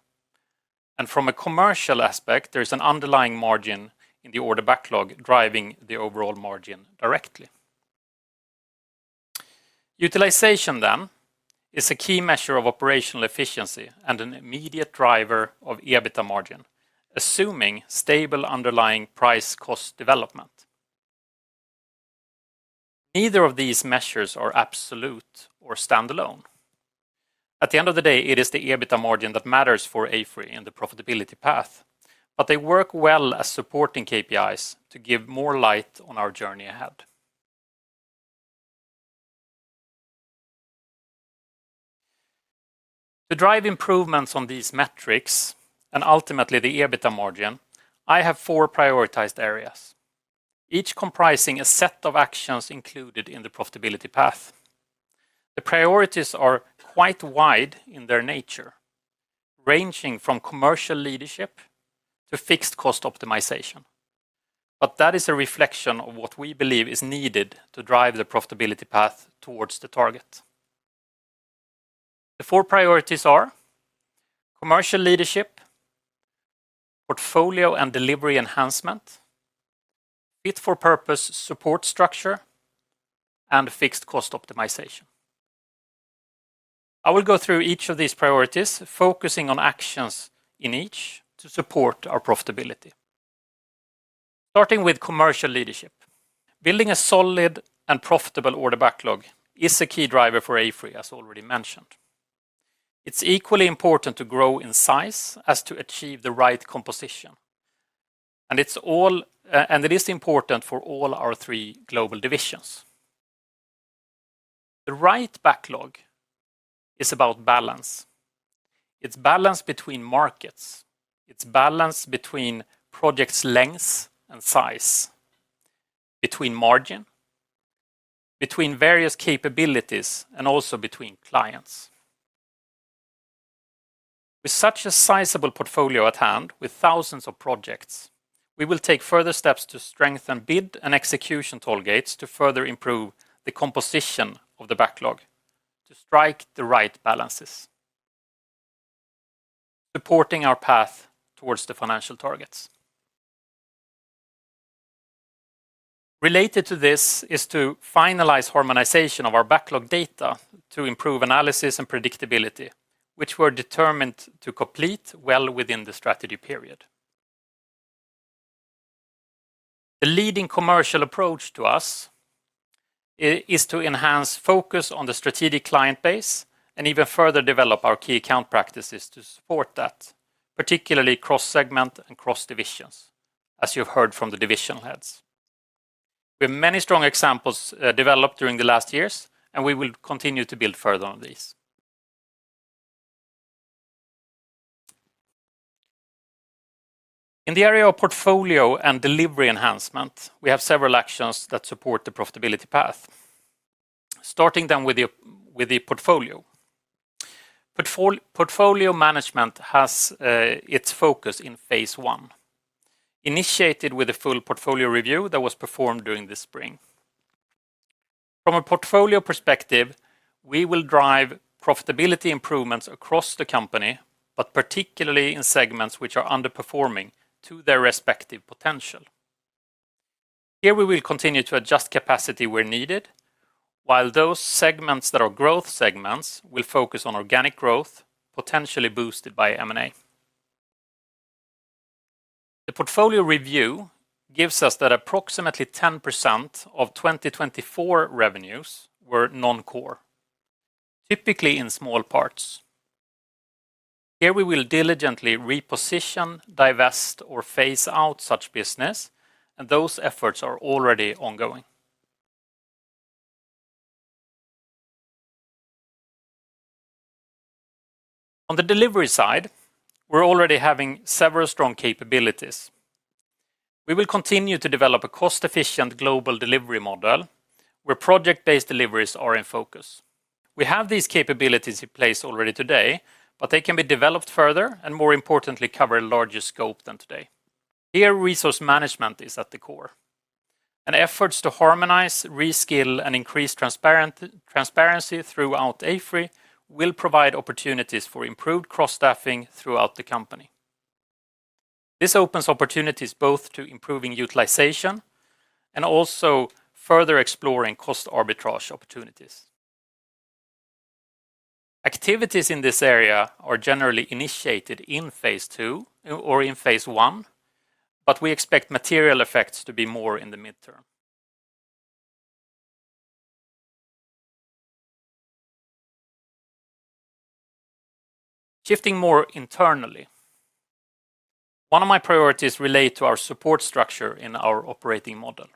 From a commercial aspect, there is an underlying margin in the order backlog driving the overall margin directly. Utilization, then, is a key measure of operational efficiency and an immediate driver of EBITDA margin, assuming stable underlying price-cost development. Neither of these measures are absolute or standalone. At the end of the day, it is the EBITDA margin that matters for AFRY in the profitability path, but they work well as supporting KPIs to give more light on our journey ahead. To drive improvements on these metrics and ultimately the EBITDA margin, I have four prioritized areas, each comprising a set of actions included in the profitability path. The priorities are quite wide in their nature, ranging from commercial leadership to fixed cost optimization. That is a reflection of what we believe is needed to drive the profitability path towards the target. The four priorities are: commercial leadership, portfolio and delivery enhancement, fit for purpose support structure, and fixed cost optimization. I will go through each of these priorities, focusing on actions in each to support our profitability. Starting with commercial leadership, building a solid and profitable order backlog is a key driver for AFRY, as already mentioned. It's equally important to grow in size as to achieve the right composition. It is important for all our three global divisions. The right backlog is about balance. It's balance between markets, it's balance between projects' length and size, between margin, between various capabilities, and also between clients. With such a sizable portfolio at hand, with thousands of projects, we will take further steps to strengthen bid and execution tailgates to further improve the composition of the backlog to strike the right balances. Supporting our path towards the financial targets. Related to this is to finalize harmonization of our backlog data to improve analysis and predictability, which we're determined to complete well within the strategy period. The leading commercial approach to us is to enhance focus on the strategic client base and even further develop our key account practices to support that, particularly cross-segment and cross-divisions, as you've heard from the division heads. We have many strong examples developed during the last years, and we will continue to build further on these. In the area of portfolio and delivery enhancement, we have several actions that support the profitability path. Starting then with the portfolio. Portfolio management has its focus in phase I, initiated with a full portfolio review that was performed during the spring. From a portfolio perspective, we will drive profitability improvements across the company, but particularly in segments which are underperforming to their respective potential. Here we will continue to adjust capacity where needed, while those segments that are growth segments will focus on organic growth, potentially boosted by M&A. The portfolio review gives us that approximately 10% of 2024 revenues were non-core, typically in small parts. Here we will diligently reposition, divest, or phase out such business, and those efforts are already ongoing. On the delivery side, we're already having several strong capabilities. We will continue to develop a cost-efficient global delivery model where project-based deliveries are in focus. We have these capabilities in place already today, but they can be developed further and, more importantly, cover a larger scope than today. Here, resource management is at the core. Efforts to harmonize, reskill, and increase transparency throughout AFRY will provide opportunities for improved cross-staffing throughout the company. This opens opportunities both to improving utilization and also further exploring cost arbitrage opportunities. Activities in this area are generally initiated in phase II or in phase I, but we expect material effects to be more in the midterm. Shifting more internally, one of my priorities relates to our support structure in our operating model.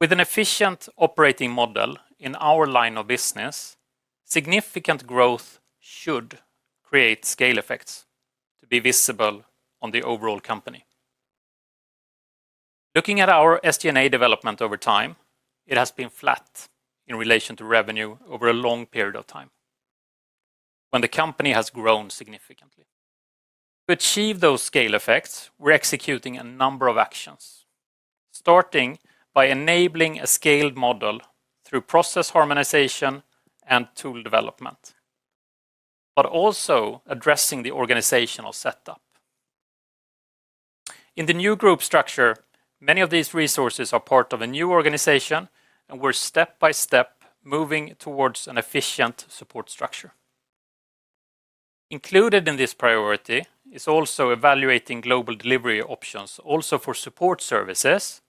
With an efficient operating model in our line of business, significant growth should create scale effects to be visible on the overall company. Looking at our SG&A development over time, it has been flat in relation to revenue over a long period of time. When the company has grown significantly. To achieve those scale effects, we're executing a number of actions, starting by enabling a scaled model through process harmonization and tool development. Also addressing the organizational setup. In the new group structure, many of these resources are part of a new organization, and we're step by step moving towards an efficient support structure. Included in this priority is also evaluating global delivery options, also for support services,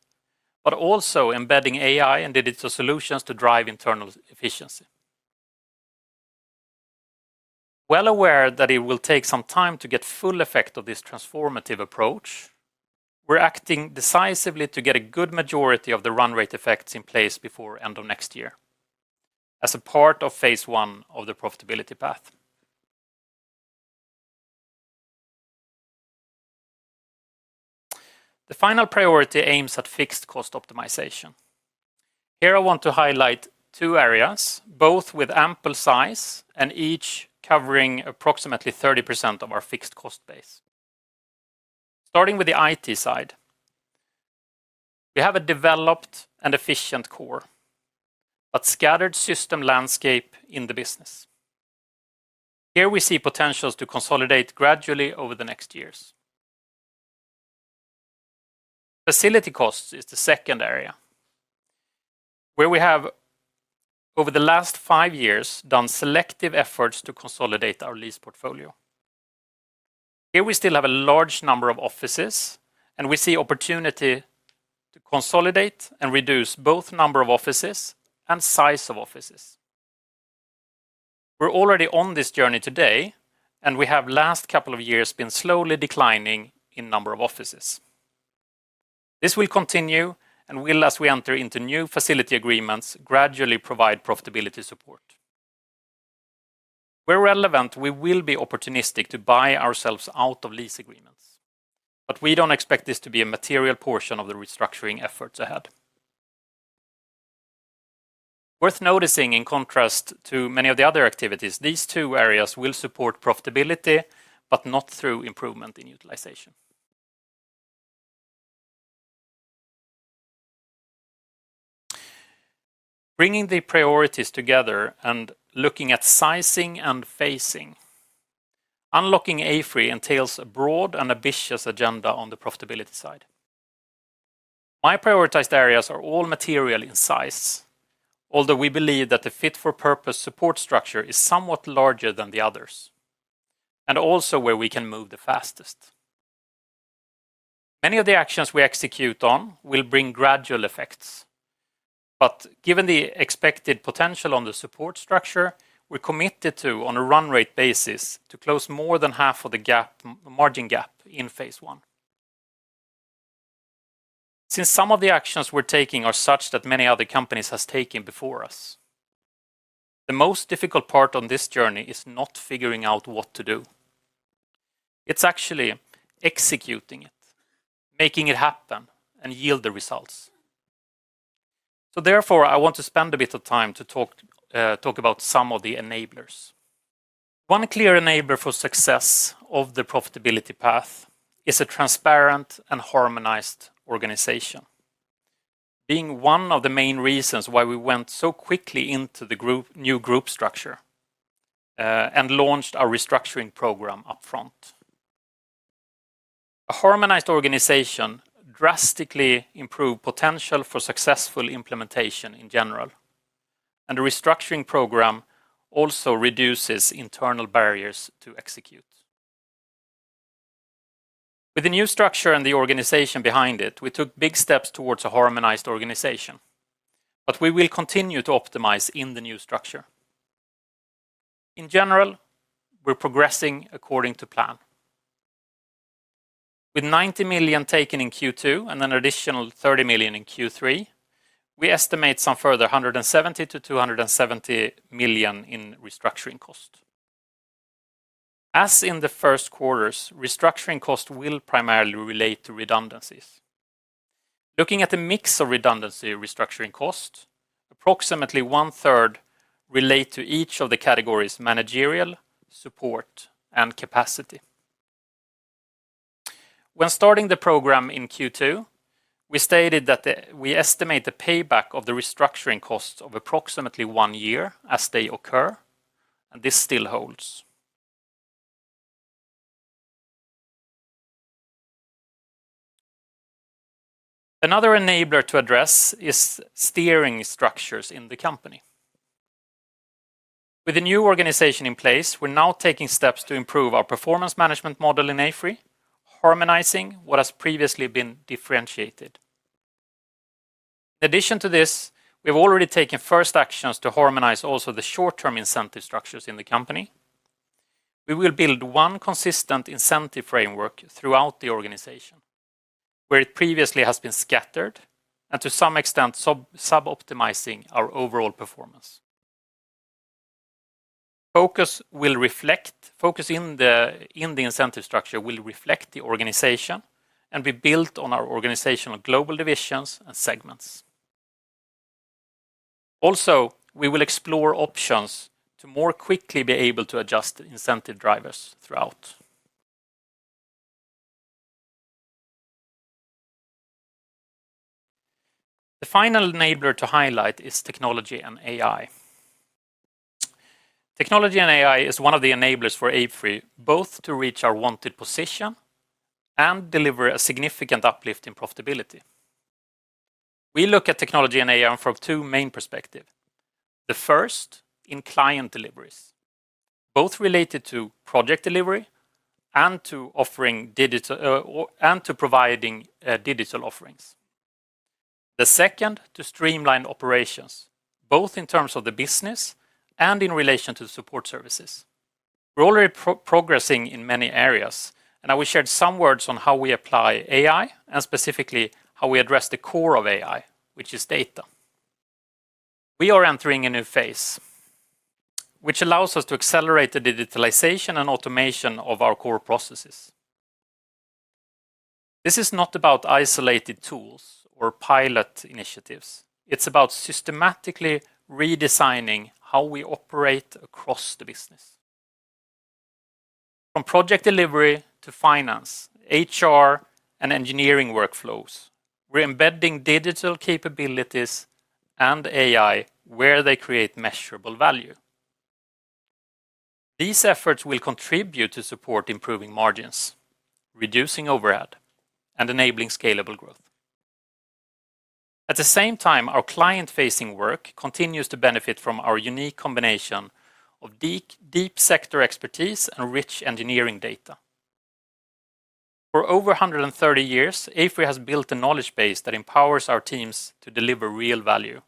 also embedding AI and digital solutions to drive internal efficiency. Aware that it will take some time to get full effect of this transformative approach. We're acting decisively to get a good majority of the run rate effects in place before the end of next year. As a part of phase I of the profitability path. The final priority aims at fixed cost optimization. Here I want to highlight two areas, both with ample size and each covering approximately 30% of our fixed cost base. Starting with the IT side. We have a developed and efficient core, but scattered system landscape in the business. Here we see potentials to consolidate gradually over the next years. Facility costs is the second area, where we have, over the last five years, done selective efforts to consolidate our lease portfolio. Here we still have a large number of offices, and we see opportunity to consolidate and reduce both the number of offices and size of offices. We're already on this journey today, and we have, the last couple of years, been slowly declining in the number of offices. This will continue and will, as we enter into new facility agreements, gradually provide profitability support. Where relevant, we will be opportunistic to buy ourselves out of lease agreements, but we do not expect this to be a material portion of the restructuring efforts ahead. Worth noticing, in contrast to many of the other activities, these two areas will support profitability, but not through improvement in utilization. Bringing the priorities together and looking at sizing and phasing. Unlocking AFRY entails a broad and ambitious agenda on the profitability side. My prioritized areas are all material in size, although we believe that the fit for purpose support structure is somewhat larger than the others, and also where we can move the fastest. Many of the actions we execute on will bring gradual effects, but given the expected potential on the support structure, we are committed to, on a run rate basis, close more than half of the margin gap in phase I. Since some of the actions we're taking are such that many other companies have taken before us. The most difficult part on this journey is not figuring out what to do. It's actually executing it, making it happen, and yield the results. Therefore, I want to spend a bit of time to talk about some of the enablers. One clear enabler for success of the profitability path is a transparent and harmonized organization. Being one of the main reasons why we went so quickly into the new group structure and launched our restructuring program upfront. A harmonized organization drastically improves potential for successful implementation in general, and the restructuring program also reduces internal barriers to execute. With the new structure and the organization behind it, we took big steps towards a harmonized organization, but we will continue to optimize in the new structure. In general, we're progressing according to plan. With 90 million taken in Q2 and an additional 30 million in Q3, we estimate some further 170-270 million in restructuring cost. As in the first quarters, restructuring cost will primarily relate to redundancies. Looking at the mix of redundancy and restructuring cost, approximately one-third relates to each of the categories: managerial, support, and capacity. When starting the program in Q2, we stated that we estimate the payback of the restructuring costs of approximately one year as they occur, and this still holds. Another enabler to address is steering structures in the company. With the new organization in place, we're now taking steps to improve our performance management model in AFRY, harmonizing what has previously been differentiated. In addition to this, we have already taken first actions to harmonize also the short-term incentive structures in the company. We will build one consistent incentive framework throughout the organization, where it previously has been scattered, and to some extent, sub-optimizing our overall performance. Focus in the incentive structure will reflect the organization and be built on our organizational global divisions and segments. Also, we will explore options to more quickly be able to adjust incentive drivers throughout. The final enabler to highlight is technology and AI. Technology and AI is one of the enablers for AFRY, both to reach our wanted position. And deliver a significant uplift in profitability. We look at technology and AI from two main perspectives. The first, in client deliveries, both related to project delivery and to providing digital offerings. The second, to streamline operations, both in terms of the business and in relation to support services. We're already progressing in many areas, and I will share some words on how we apply AI and specifically how we address the core of AI, which is data. We are entering a new phase, which allows us to accelerate the digitalization and automation of our core processes. This is not about isolated tools or pilot initiatives. It's about systematically redesigning how we operate across the business. From project delivery to finance, HR, and engineering workflows, we're embedding digital capabilities and AI where they create measurable value. These efforts will contribute to support improving margins, reducing overhead, and enabling scalable growth. At the same time, our client-facing work continues to benefit from our unique combination of deep sector expertise and rich engineering data. For over 130 years, AFRY has built a knowledge base that empowers our teams to deliver real value.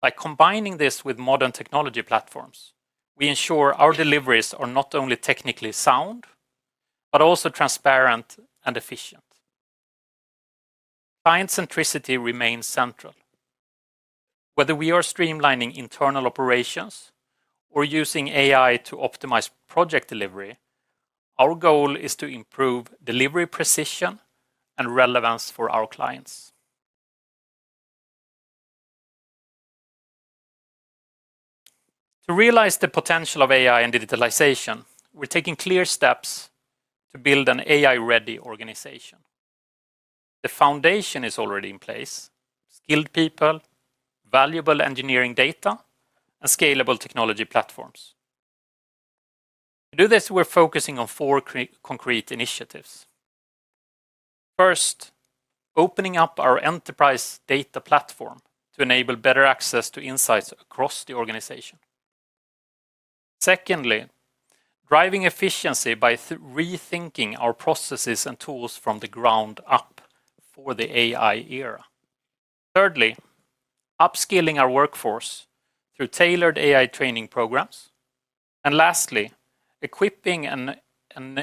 By combining this with modern technology platforms, we ensure our deliveries are not only technically sound, but also transparent and efficient. Client-centricity remains central. Whether we are streamlining internal operations or using AI to optimize project delivery, our goal is to improve delivery precision and relevance for our clients. To realize the potential of AI and digitalization, we're taking clear steps to build an AI-ready organization. The foundation is already in place: skilled people, valuable engineering data, and scalable technology platforms. To do this, we're focusing on four concrete initiatives. First, opening up our enterprise data platform to enable better access to insights across the organization. Secondly, driving efficiency by rethinking our processes and tools from the ground up for the AI era. Thirdly, upskilling our workforce through tailored AI training programs. Lastly, equipping and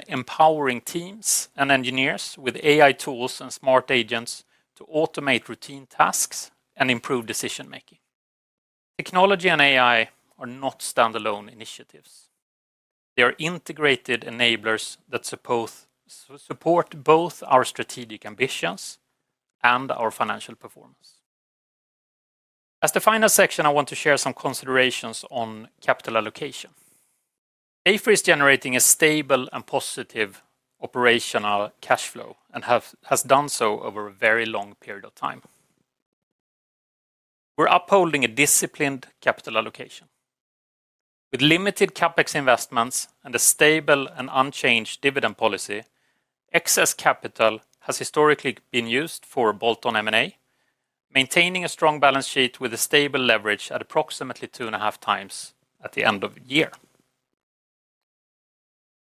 empowering teams and engineers with AI tools and smart agents to automate routine tasks and improve decision-making. Technology and AI are not standalone initiatives. They are integrated enablers that support both our strategic ambitions and our financial performance. As the final section, I want to share some considerations on capital allocation. AFRY is generating a stable and positive operational cash flow and has done so over a very long period of time. We're upholding a disciplined capital allocation. With limited CapEx investments and a stable and unchanged dividend policy, excess capital has historically been used for bolt-on M&A, maintaining a strong balance sheet with a stable leverage at approximately 2.5 times at the end of the year.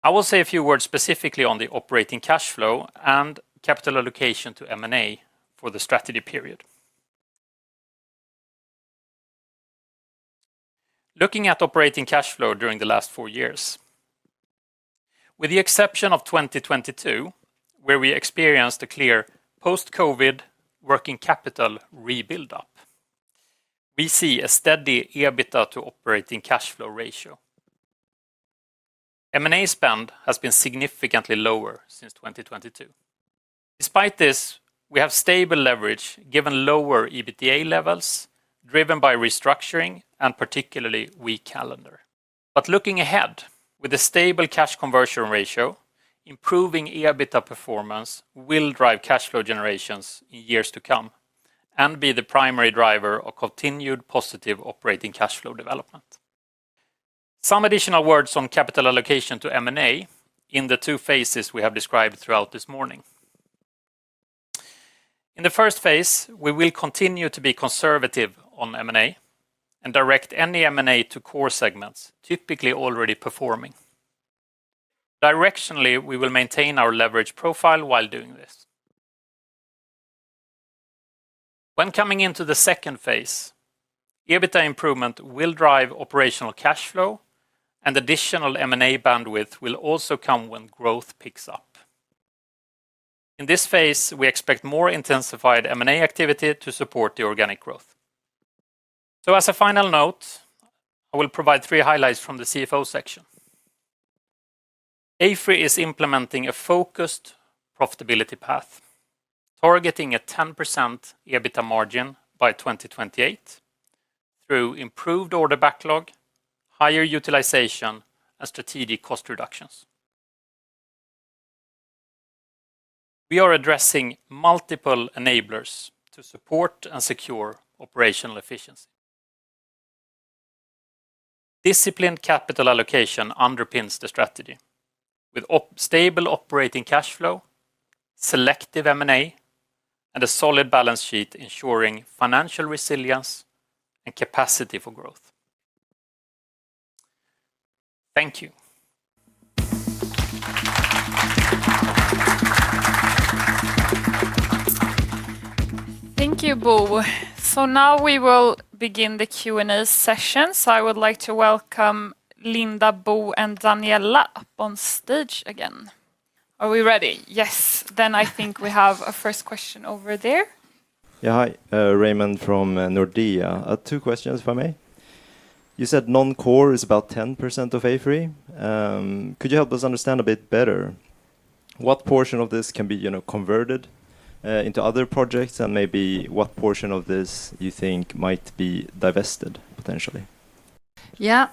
I will say a few words specifically on the operating cash flow and capital allocation to M&A for the strategy period. Looking at operating cash flow during the last four years. With the exception of 2022, where we experienced a clear post-COVID working capital rebuild-up. We see a steady EBITDA to operating cash flow ratio. M&A spend has been significantly lower since 2022. Despite this, we have stable leverage given lower EBITDA levels driven by restructuring and particularly weak calendar. Looking ahead, with a stable cash conversion ratio, improving EBITDA performance will drive cash flow generations in years to come and be the primary driver of continued positive operating cash flow development. Some additional words on capital allocation to M&A in the two phases we have described throughout this morning. In the first phase, we will continue to be conservative on M&A and direct any M&A to core segments typically already performing. Directionally, we will maintain our leverage profile while doing this. When coming into the second phase, EBITDA improvement will drive operational cash flow, and additional M&A bandwidth will also come when growth picks up. In this phase, we expect more intensified M&A activity to support the organic growth. As a final note, I will provide three highlights from the CFO section. AFRY is implementing a focused profitability path. Targeting a 10% EBITDA margin by 2028. Through improved order backlog, higher utilization, and strategic cost reductions. We are addressing multiple enablers to support and secure operational efficiency. Disciplined capital allocation underpins the strategy with stable operating cash flow. Selective M&A, and a solid balance sheet ensuring financial resilience and capacity for growth. Thank you. Thank you, Bo. Now we will begin the Q&A session. I would like to welcome Linda, Bo, and Daniela up on stage again. Are we ready? Yes. I think we have a first question over there. Yeah, hi. Raymond from Nordea. Two questions for me. You said non-core is about 10% of AFRY. Could you help us understand a bit better what portion of this can be converted into other projects and maybe what portion of this you think might be divested potentially? Yeah.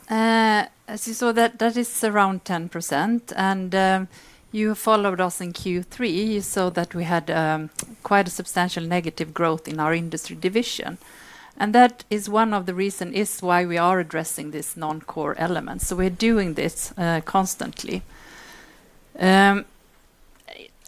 As you saw, that is around 10%. And you followed us in Q3. You saw that we had quite a substantial negative growth in our industry division. That is one of the reasons why we are addressing this non-core element. We're doing this constantly.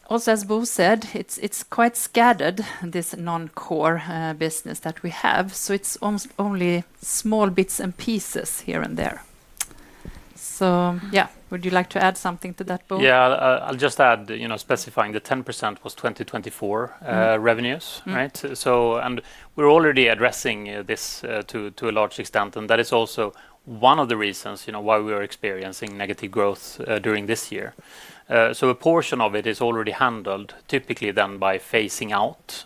Also, as Bo said, it's quite scattered, this non-core business that we have. It's almost only small bits and pieces here and there. Would you like to add something to that, Bo? Yeah, I'll just add, specifying the 10% was 2024 revenues, right? We are already addressing this to a large extent. That is also one of the reasons why we are experiencing negative growth during this year. A portion of it is already handled, typically then by phasing out.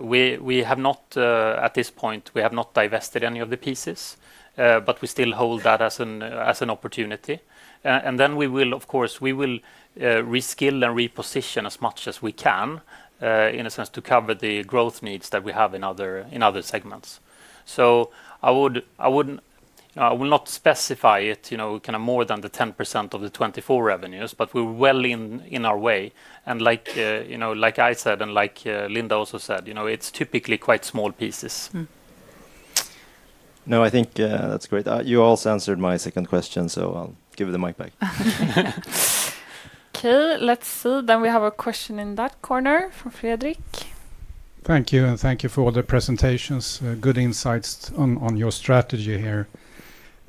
We have not, at this point, divested any of the pieces, but we still hold that as an opportunity. We will, of course, reskill and reposition as much as we can in a sense to cover the growth needs that we have in other segments. I would not specify it more than the 10% of the 2024 revenues, but we are well on our way. Like I said and like Linda also said, it is typically quite small pieces. No, I think that is great. You also answered my second question, so I will give the mic back. Okay, let's see. We have a question in that corner from Fredrik. Thank you. Thank you for all the presentations. Good insights on your strategy here.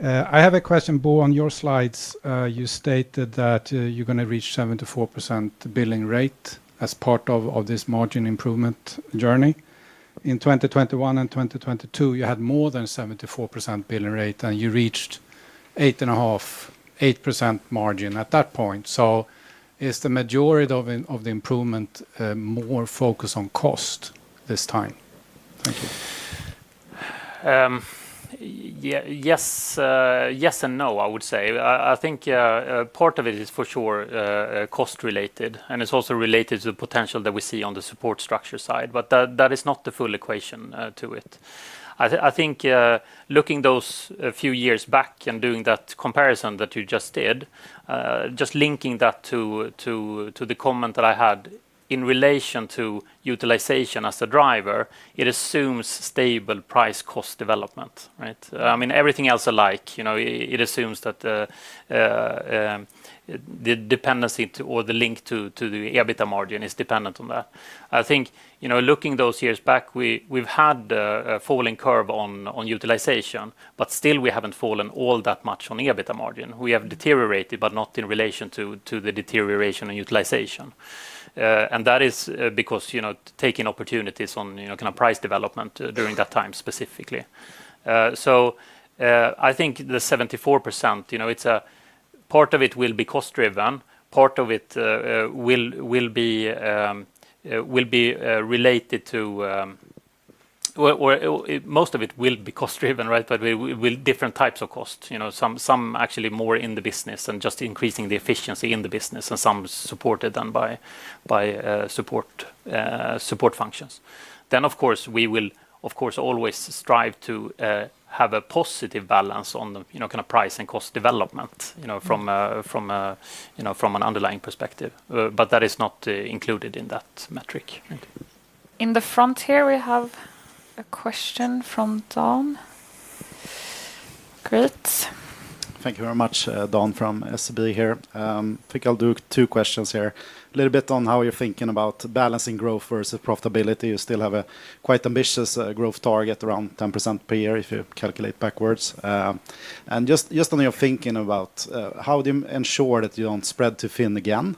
I have a question, Bo, on your slides. You stated that you're going to reach 74% billing rate as part of this margin improvement journey. In 2021 and 2022, you had more than 74% billing rate, and you reached 8.8% margin at that point. Is the majority of the improvement more focused on cost this time? Thank you. Yes. Yes and no, I would say. I think part of it is for sure cost-related, and it's also related to the potential that we see on the support structure side. That is not the full equation to it. I think looking those few years back and doing that comparison that you just did. Just linking that to. The comment that I had in relation to utilization as a driver, it assumes stable price-cost development, right? I mean, everything else alike, it assumes that. The dependency or the link to the EBITDA margin is dependent on that. I think looking those years back, we've had a falling curve on utilization, but still we haven't fallen all that much on EBITDA margin. We have deteriorated, but not in relation to the deterioration in utilization. That is because taking opportunities on kind of price development during that time specifically. I think the 74% part of it will be cost-driven. Part of it will be related to, most of it will be cost-driven, right? Different types of costs, some actually more in the business and just increasing the efficiency in the business, and some supported then by support functions. Of course, we will always strive to have a positive balance on the kind of price and cost development from an underlying perspective. That is not included in that metric. In the front here, we have a question from Dan. Great. Thank you very much, Dan from SEB here. I think I'll do two questions here. A little bit on how you're thinking about balancing growth versus profitability. You still have a quite ambitious growth target around 10% per year if you calculate backwards. Just on your thinking about how do you ensure that you don't spread too thin again,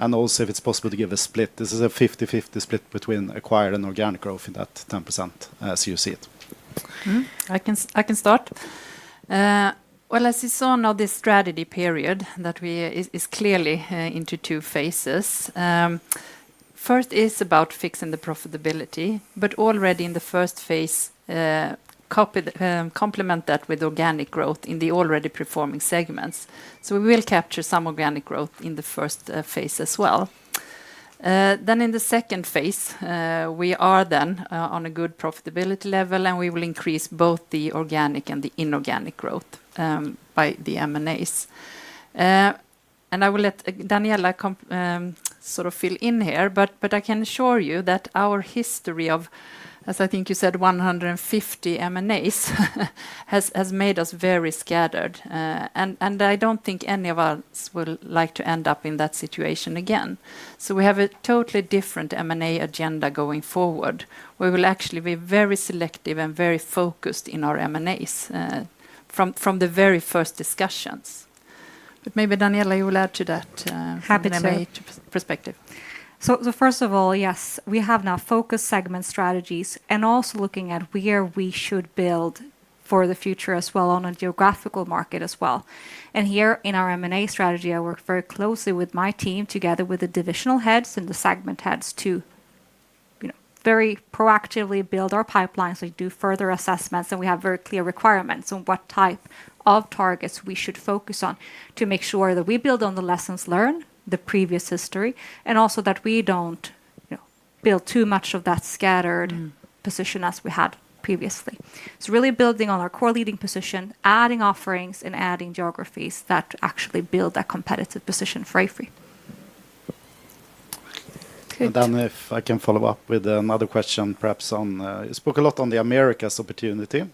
and also if it's possible to give a split. This is a 50-50 split between acquired and organic growth in that 10% as you see it. I can start. As you saw, now this strategy period is clearly into two phases. First is about fixing the profitability, but already in the first phase. Complement that with organic growth in the already performing segments. We will capture some organic growth in the first phase as well. In the second phase, we are then on a good profitability level, and we will increase both the organic and the inorganic growth by the M&As. I will let Daniela sort of fill in here, but I can assure you that our history of, as I think you said, 150 M&As has made us very scattered. I do not think any of us will like to end up in that situation again. We have a totally different M&A agenda going forward. We will actually be very selective and very focused in our M&As from the very first discussions. Maybe Daniela, you will add to that habits perspective. First of all, yes, we have now focused segment strategies and also looking at where we should build for the future as well on a geographical market as well. In our M&A strategy, I work very closely with my team together with the divisional heads and the segment heads to very proactively build our pipelines. We do further assessments, and we have very clear requirements on what type of targets we should focus on to make sure that we build on the lessons learned, the previous history, and also that we do not build too much of that scattered position as we had previously. Really building on our core leading position, adding offerings, and adding geographies that actually build a competitive position for AFRY. If I can follow up with another question, perhaps on you spoke a lot on the Americas opportunity.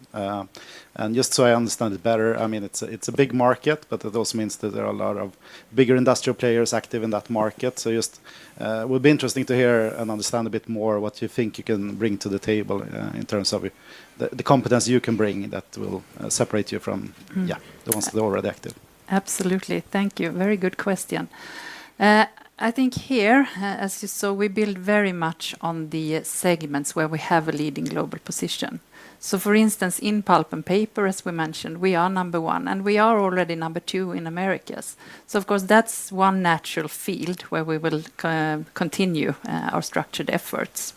Just so I understand it better, I mean, it's a big market, but it also means that there are a lot of bigger industrial players active in that market. It would be interesting to hear and understand a bit more what you think you can bring to the table in terms of the competence you can bring that will separate you from, yeah, the ones that are already active. Absolutely. Thank you. Very good question. I think here, as you saw, we build very much on the segments where we have a leading global position. For instance, in pulp and paper, as we mentioned, we are number one, and we are already number two in Americas. Of course, that's one natural field where we will continue our structured efforts.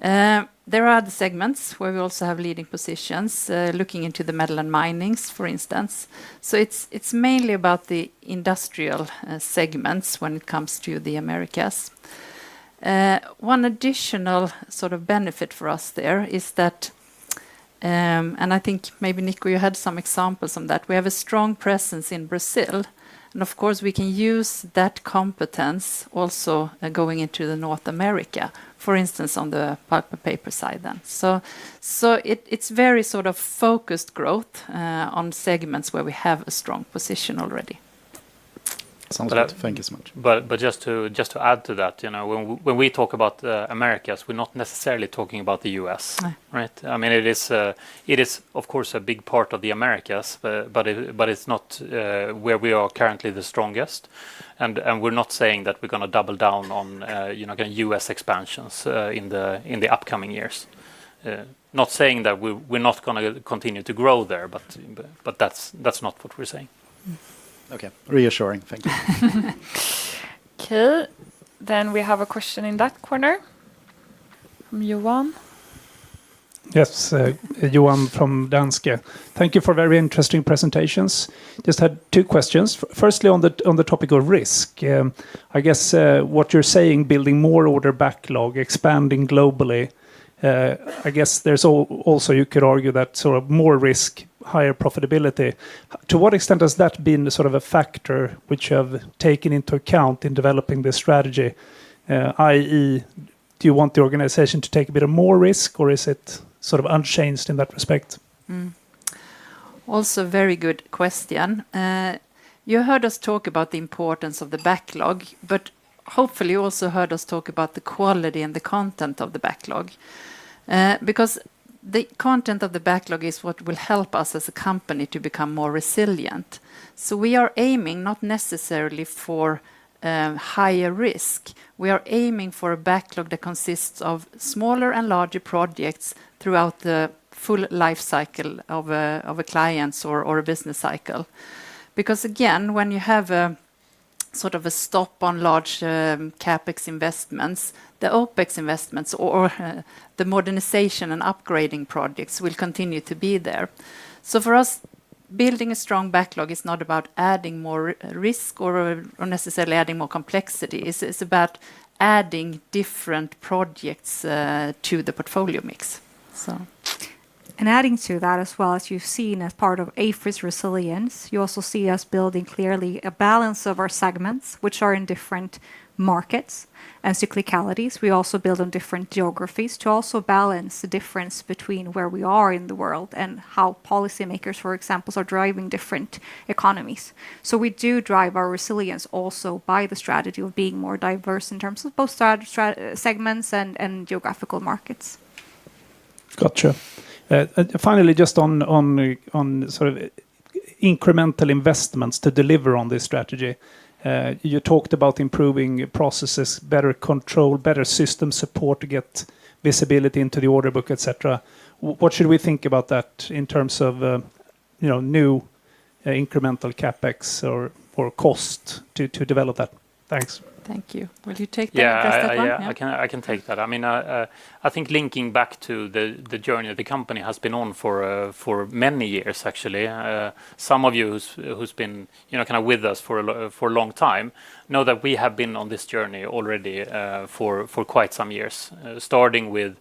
There are other segments where we also have leading positions, looking into the metal and minings, for instance. It is mainly about the industrial segments when it comes to the Americas. One additional sort of benefit for us there is that, and I think maybe Nico, you had some examples on that. We have a strong presence in Brazil. Of course, we can use that competence also going into North America, for instance, on the pulp and paper side then. It is very sort of focused growth on segments where we have a strong position already. Sounds good. Thank you so much. Just to add to that, when we talk about Americas, we are not necessarily talking about the U.S., right? I mean, it is, of course, a big part of the Americas, but it is not where we are currently the strongest. We're not saying that we're going to double down on U.S. expansions in the upcoming years. Not saying that we're not going to continue to grow there, but that's not what we're saying. Okay. Reassuring. Thank you. Okay. We have a question in that corner. From Johan. Yes. Johan from Danske. Thank you for very interesting presentations. Just had two questions. Firstly, on the topic of risk, I guess what you're saying, building more order backlog, expanding globally, I guess there's also, you could argue that sort of more risk, higher profitability. To what extent has that been sort of a factor which you have taken into account in developing this strategy? I.e., do you want the organization to take a bit more risk, or is it sort of unchanged in that respect? Also a very good question. You heard us talk about the importance of the backlog, but hopefully you also heard us talk about the quality and the content of the backlog. Because the content of the backlog is what will help us as a company to become more resilient. We are aiming not necessarily for higher risk. We are aiming for a backlog that consists of smaller and larger projects throughout the full life cycle of a client's or a business cycle. Again, when you have a sort of a stop on large CapEx investments, the OpEx investments or the modernization and upgrading projects will continue to be there. For us, building a strong backlog is not about adding more risk or necessarily adding more complexity. It is about adding different projects to the portfolio mix. Adding to that as well, as you've seen as part of AFRY's resilience, you also see us building clearly a balance of our segments which are in different markets and cyclicalities. We also build on different geographies to also balance the difference between where we are in the world and how policymakers, for example, are driving different economies. We do drive our resilience also by the strategy of being more diverse in terms of both segments and geographical markets. Gotcha. Finally, just on sort of incremental investments to deliver on this strategy, you talked about improving processes, better control, better system support to get visibility into the order book, etc. What should we think about that in terms of new incremental CapEx or cost to develop that? Thanks. Thank you. Will you take that, Christopher? Yeah, I can take that. I mean, I think linking back to the journey that the company has been on for many years, actually, some of you who've been kind of with us for a long time know that we have been on this journey already for quite some years, starting with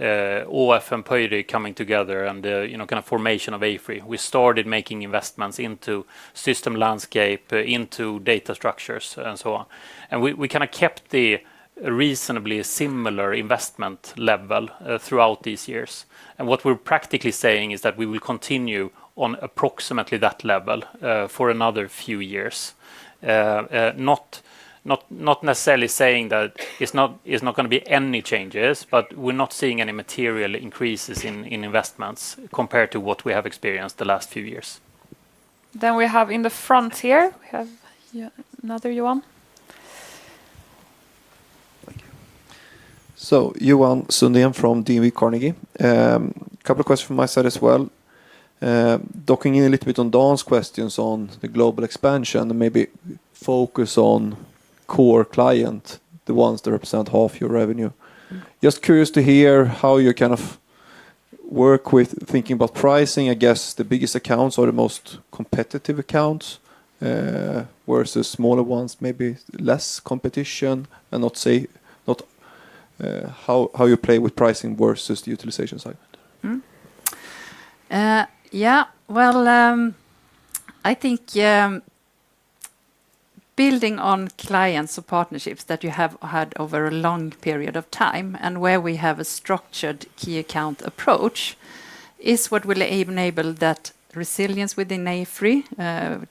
ÅF and Pöyry coming together and the kind of formation of AFRY. We started making investments into system landscape, into data structures, and so on. We kind of kept a reasonably similar investment level throughout these years. What we're practically saying is that we will continue on approximately that level for another few years. Not necessarily saying that it's not going to be any changes, but we're not seeing any material increases in investments compared to what we have experienced the last few years. In the front here, we have another Johan. Thank you. Johan Sundén from DNB Carnegie. A couple of questions from my side as well. Docking in a little bit on Dan's questions on the global expansion and maybe focus on core client, the ones that represent half your revenue. Just curious to hear how you kind of work with thinking about pricing, I guess, the biggest accounts or the most competitive accounts versus smaller ones, maybe less competition, and not how you play with pricing versus the utilization side. Yeah, I think building on clients or partnerships that you have had over a long period of time and where we have a structured key account approach is what will enable that resilience within AFRY,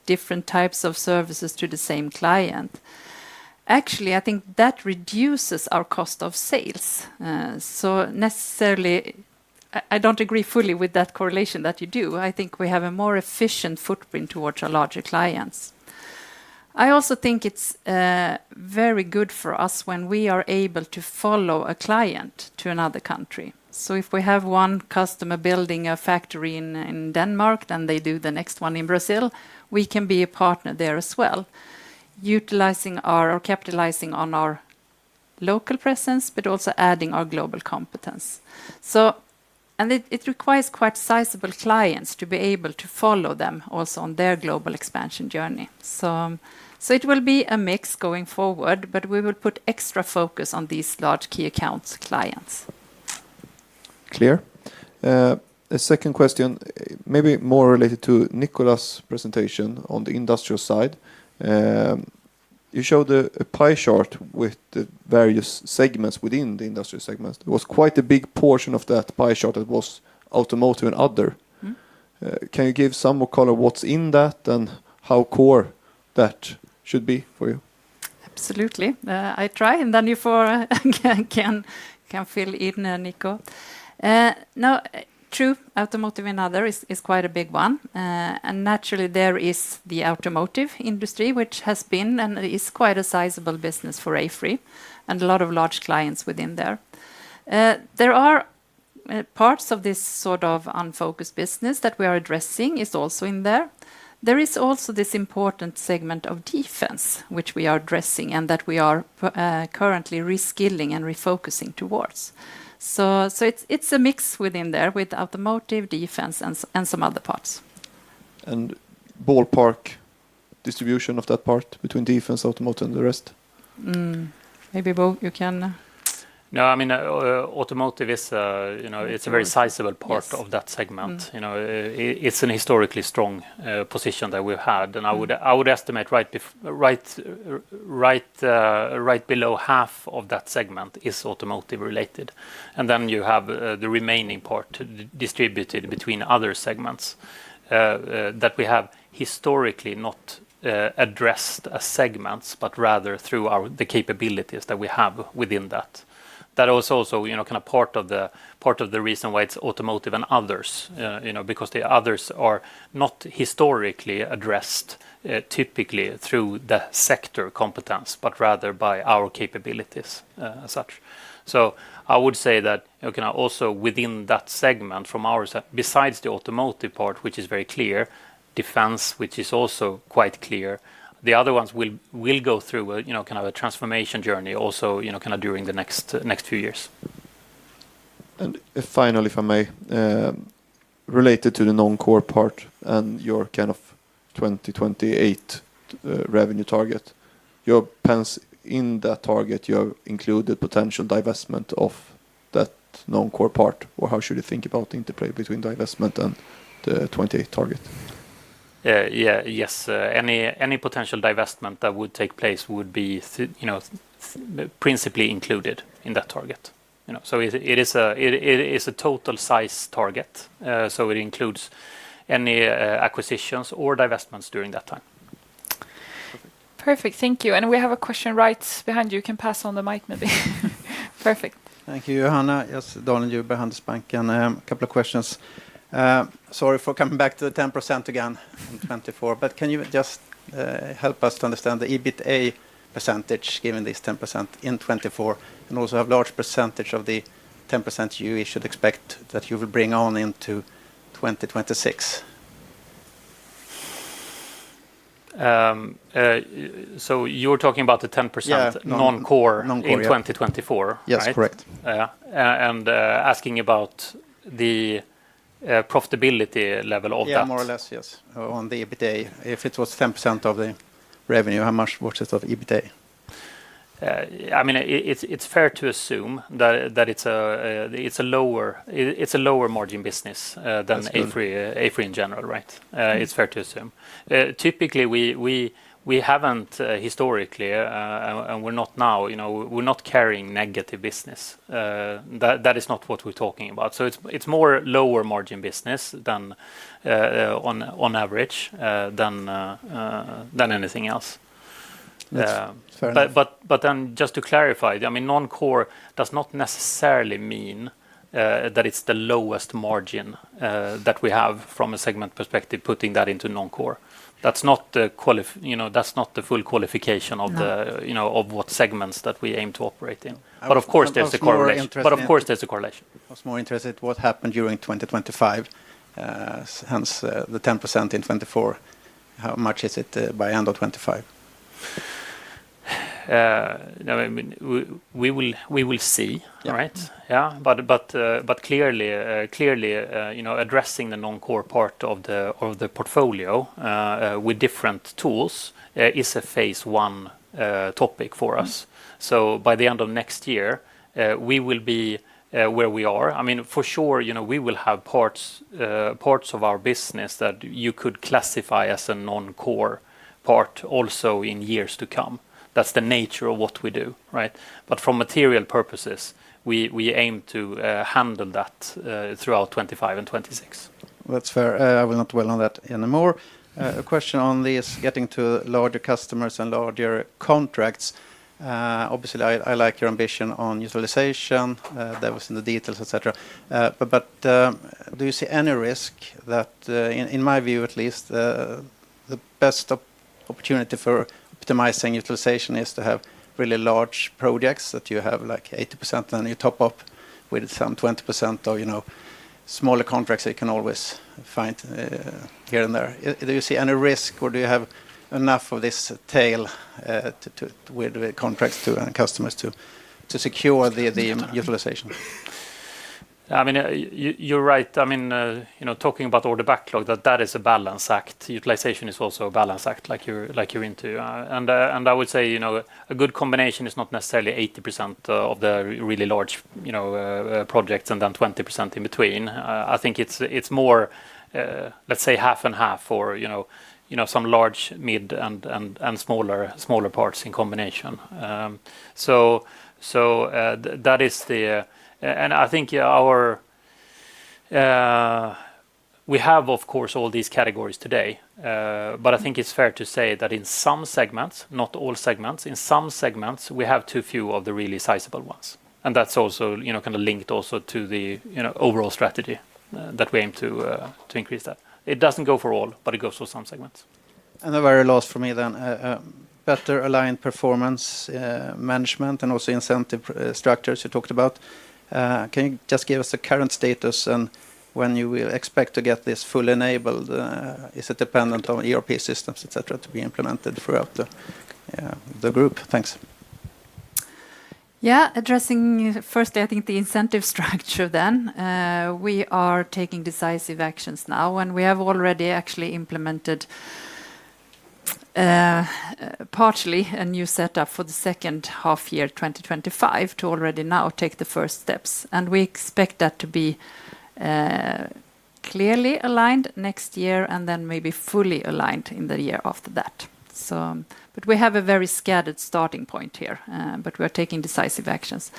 different types of services to the same client. Actually, I think that reduces our cost of sales. So necessarily, I don't agree fully with that correlation that you do. I think we have a more efficient footprint towards our larger clients. I also think it's very good for us when we are able to follow a client to another country. If we have one customer building a factory in Denmark, then they do the next one in Brazil, we can be a partner there as well. Utilizing our or capitalizing on our local presence, but also adding our global competence. It requires quite sizable clients to be able to follow them also on their global expansion journey. It will be a mix going forward, but we will put extra focus on these large key accounts clients. Clear. A second question, maybe more related to Nicholas' presentation on the industrial side. You showed a pie chart with the various segments within the industrial segments. It was quite a big portion of that pie chart that was automotive and other. Can you give some more color what's in that and how core that should be for you? Absolutely. I try, and then you can. Fill in, Nico. Now, true, automotive and other is quite a big one. Naturally, there is the automotive industry, which has been and is quite a sizable business for AFRY and a lot of large clients within there. There are parts of this sort of unfocused business that we are addressing is also in there. There is also this important segment of defense, which we are addressing and that we are currently reskilling and refocusing towards. It is a mix within there with automotive, defense, and some other parts. And ballpark distribution of that part between defense, automotive, and the rest? Maybe you can. No, I mean, automotive is a very sizable part of that segment. It is a historically strong position that we have had. I would estimate right below half of that segment is automotive related. You have the remaining part distributed between other segments. We have historically not addressed those as segments, but rather through the capabilities that we have within that. That was also kind of part of the reason why it is automotive and others, because the others are not historically addressed typically through the sector competence, but rather by our capabilities as such. I would say that also within that segment from our side, besides the automotive part, which is very clear, defense, which is also quite clear, the other ones will go through kind of a transformation journey also during the next few years. Finally, if I may. Related to the non-core part and your kind of 2028 revenue target, in that target, you have included potential divestment of that non-core part, or how should you think about the interplay between divestment and the 2028 target? Yeah, yes. Any potential divestment that would take place would be principally included in that target. So it is a total size target. It includes any acquisitions or divestments during that time. Perfect. Thank you. We have a question right behind you. You can pass on the mic, maybe. Perfect. Thank you, Johanna. Yes, Dan Djurberg, Handelsbanken. A couple of questions. Sorry for coming back to the 10% again in 2024, but can you just help us to understand the EBITDA percentage given this 10% in 2024 and also how large a percentage of the 10% you should expect that you will bring on into 2026? You're talking about the 10% non-core in 2024, right? Yes, correct. Yeah. And asking about the profitability level of that. Yeah, more or less, yes. On the EBITDA, if it was 10% of the revenue, how much was it of EBITDA? I mean, it's fair to assume that it's a lower margin business than AFRY in general, right? It's fair to assume. Typically, we haven't historically, and we're not now, we're not carrying negative business. That is not what we're talking about. It's more lower margin business on average than anything else. Just to clarify, I mean, non-core does not necessarily mean that it's the lowest margin that we have from a segment perspective putting that into non-core. That's not the full qualification of what segments that we aim to operate in. Of course, there's a correlation. What's more interesting? What's more interesting? What happened during 2025. Hence the 10% in 2024?How much is it by end of 2025? We will see, right? Yeah. Clearly, addressing the non-core part of the portfolio with different tools is a phase I topic for us. By the end of next year, we will be where we are. I mean, for sure, we will have parts of our business that you could classify as a non-core part also in years to come. That is the nature of what we do, right? For material purposes, we aim to handle that throughout 2025 and 2026. That is fair. I will not dwell on that anymore. A question on this, getting to larger customers and larger contracts. Obviously, I like your ambition on utilization. That was in the details, etc. Do you see any risk that, in my view at least. The best opportunity for optimizing utilization is to have really large projects that you have like 80% and then you top up with some 20% of smaller contracts that you can always find here and there. Do you see any risk or do you have enough of this tail with the contracts to customers to secure the utilization? I mean, you're right. I mean, talking about order backlog, that is a balance act. Utilization is also a balance act like you're into. I would say a good combination is not necessarily 80% of the really large projects and then 20% in between. I think it's more, let's say, half and half or some large, mid, and smaller parts in combination. That is the, and I think we have, of course, all these categories today. I think it's fair to say that in some segments, not all segments, in some segments, we have too few of the really sizable ones. That's also kind of linked also to the overall strategy that we aim to increase that. It doesn't go for all, but it goes for some segments. A very last for me then. Better aligned performance management and also incentive structures you talked about. Can you just give us the current status and when you expect to get this fully enabled? Is it dependent on ERP systems, etc., to be implemented throughout the group? Thanks. Yeah. Addressing firstly, I think the incentive structure then. We are taking decisive actions now, and we have already actually implemented partially a new setup for the second half year 2025 to already now take the first steps. We expect that to be. Clearly aligned next year and then maybe fully aligned in the year after that. We have a very scattered starting point here, but we are taking decisive actions.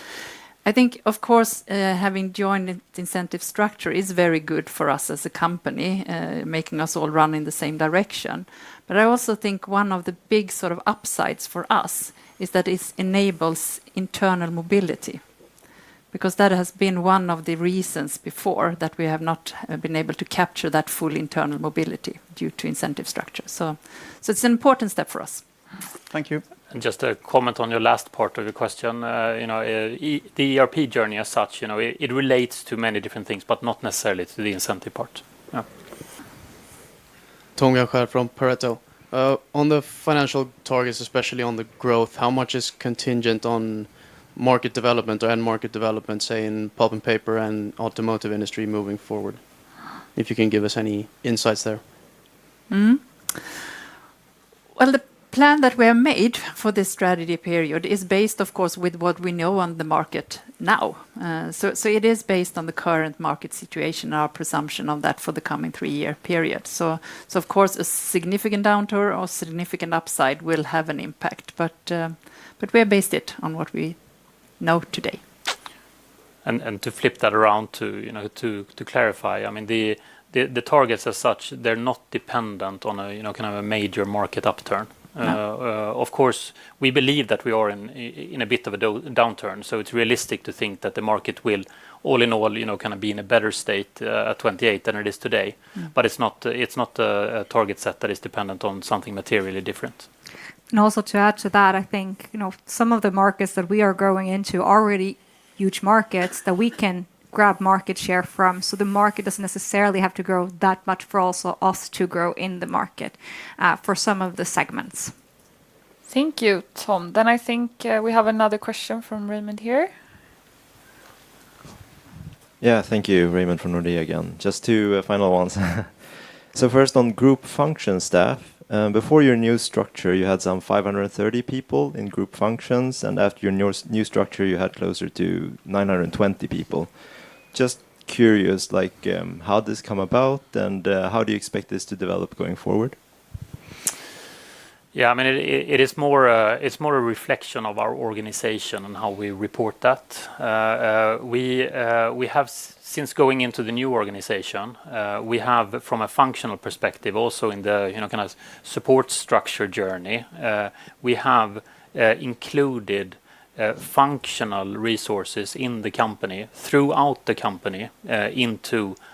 I think, of course, having joined the incentive structure is very good for us as a company, making us all run in the same direction. I also think one of the big sort of upsides for us is that it enables internal mobility because that has been one of the reasons before that we have not been able to capture that full internal mobility due to incentive structure. It is an important step for us. Thank you. Just a comment on your last part of your question. The ERP journey as such, it relates to many different things, but not necessarily to the incentive part. Yeah. Tom Guinchard from Pareto. On the financial targets, especially on the growth, how much is contingent on market development or end market development, say in pulp and paper and automotive industry moving forward? If you can give us any insights there. The plan that we have made for this strategy period is based, of course, with what we know on the market now. It is based on the current market situation and our presumption of that for the coming three-year period. Of course, a significant downturn or significant upside will have an impact, but we have based it on what we know today. To flip that around to clarify, I mean, the targets as such, they're not dependent on a kind of a major market upturn. Of course, we believe that we are in a bit of a downturn, so it's realistic to think that the market will, all in all, kind of be in a better state at 2028 than it is today. It is not a target set that is dependent on something materially different. Also to add to that, I think some of the markets that we are growing into are already huge markets that we can grab market share from. The market does not necessarily have to grow that much for also us to grow in the market for some of the segments. Thank you, Tom. I think we have another question from Raymond here. Yeah, thank you, Raymond from Nordea again. Just two final ones. First on group function staff. Before your new structure, you had some 530 people in group functions, and after your new structure, you had closer to 920 people. Just curious, how did this come about, and how do you expect this to develop going forward? Yeah, I mean, it is more a reflection of our organization and how we report that. Since going into the new organization, we have, from a functional perspective, also in the kind of support structure journey, we have included functional resources in the company throughout the company.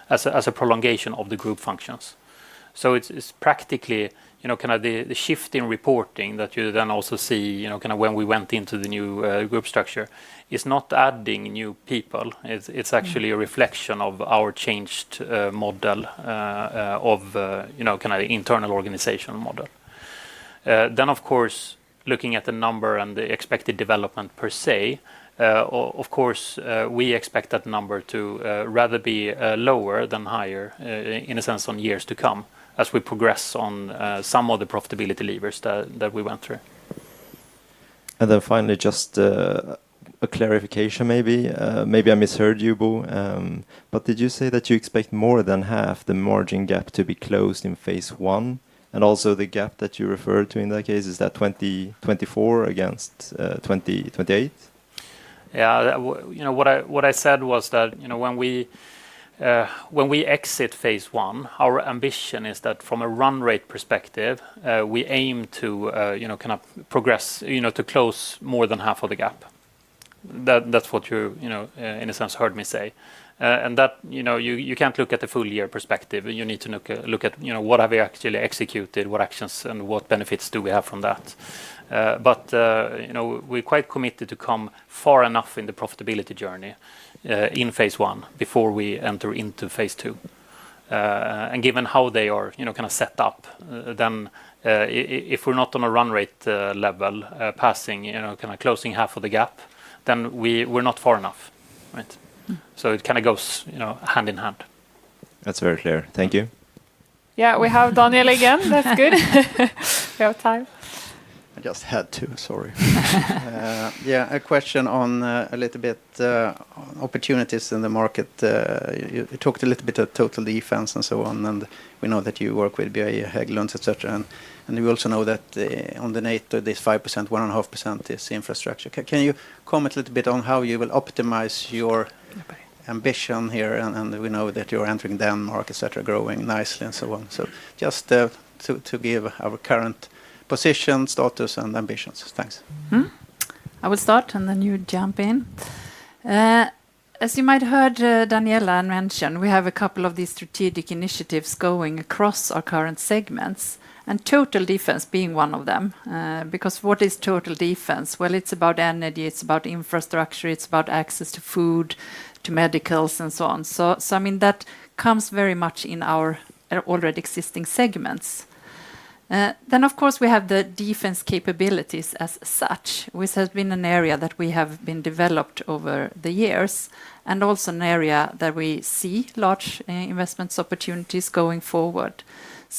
As a prolongation of the group functions. So it's practically kind of the shift in reporting that you then also see kind of when we went into the new group structure is not adding new people. It's actually a reflection of our changed model, of kind of internal organizational model. Then, of course, looking at the number and the expected development per se. Of course, we expect that number to rather be lower than higher in a sense on years to come as we progress on some of the profitability levers that we went through. Finally, just a clarification maybe. Maybe I misheard you, Bo. Did you say that you expect more than half the margin gap to be closed in phase I? Also, the gap that you referred to in that case, is that 2024 against 2028? Yeah. What I said was that when we exit phase I, our ambition is that from a run rate perspective, we aim to kind of progress to close more than half of the gap. That's what you, in a sense, heard me say. You can't look at the full-year perspective. You need to look at what have we actually executed, what actions, and what benefits do we have from that. We're quite committed to come far enough in the profitability journey in phase I before we enter into phase II. Given how they are kind of set up, if we're not on a run rate level passing kind of closing half of the gap, then we're not far enough, right? It kind of goes hand in hand. That's very clear. Thank you. Yeah, we have Daniel again. That's good. We have time. I just had two, sorry. Yeah, a question on a little bit. Opportunities in the market. You talked a little bit of total defense and so on, and we know that you work with BAE, Hägglunds, etc. We also know that on the NATO, this 5%, 1.5% is infrastructure. Can you comment a little bit on how you will optimize your ambition here? We know that you're entering Denmark, etc., growing nicely and so on. Just to give our current position, status, and ambitions. Thanks. I will start, and then you jump in. As you might have heard Daniela mention, we have a couple of these strategic initiatives going across our current segments, and total defense being one of them. What is total defense? It is about energy, it is about infrastructure, it is about access to food, to medicals, and so on. I mean, that comes very much in our already existing segments. Of course, we have the defense capabilities as such, which has been an area that we have developed over the years, and also an area that we see large investment opportunities going forward.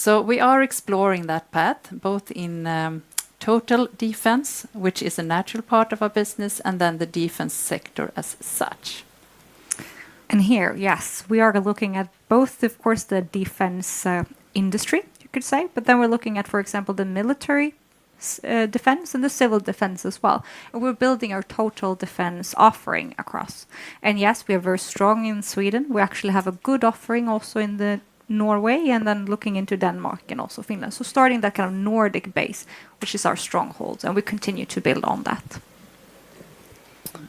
We are exploring that path, both in. Total defense, which is a natural part of our business, and then the defense sector as such. Here, yes, we are looking at both, of course, the defense industry, you could say, but then we're looking at, for example, the military, defense and the civil defense as well. We're building our total defense offering across. Yes, we are very strong in Sweden. We actually have a good offering also in Norway, and then looking into Denmark and also Finland. Starting that kind of Nordic base, which is our stronghold, we continue to build on that.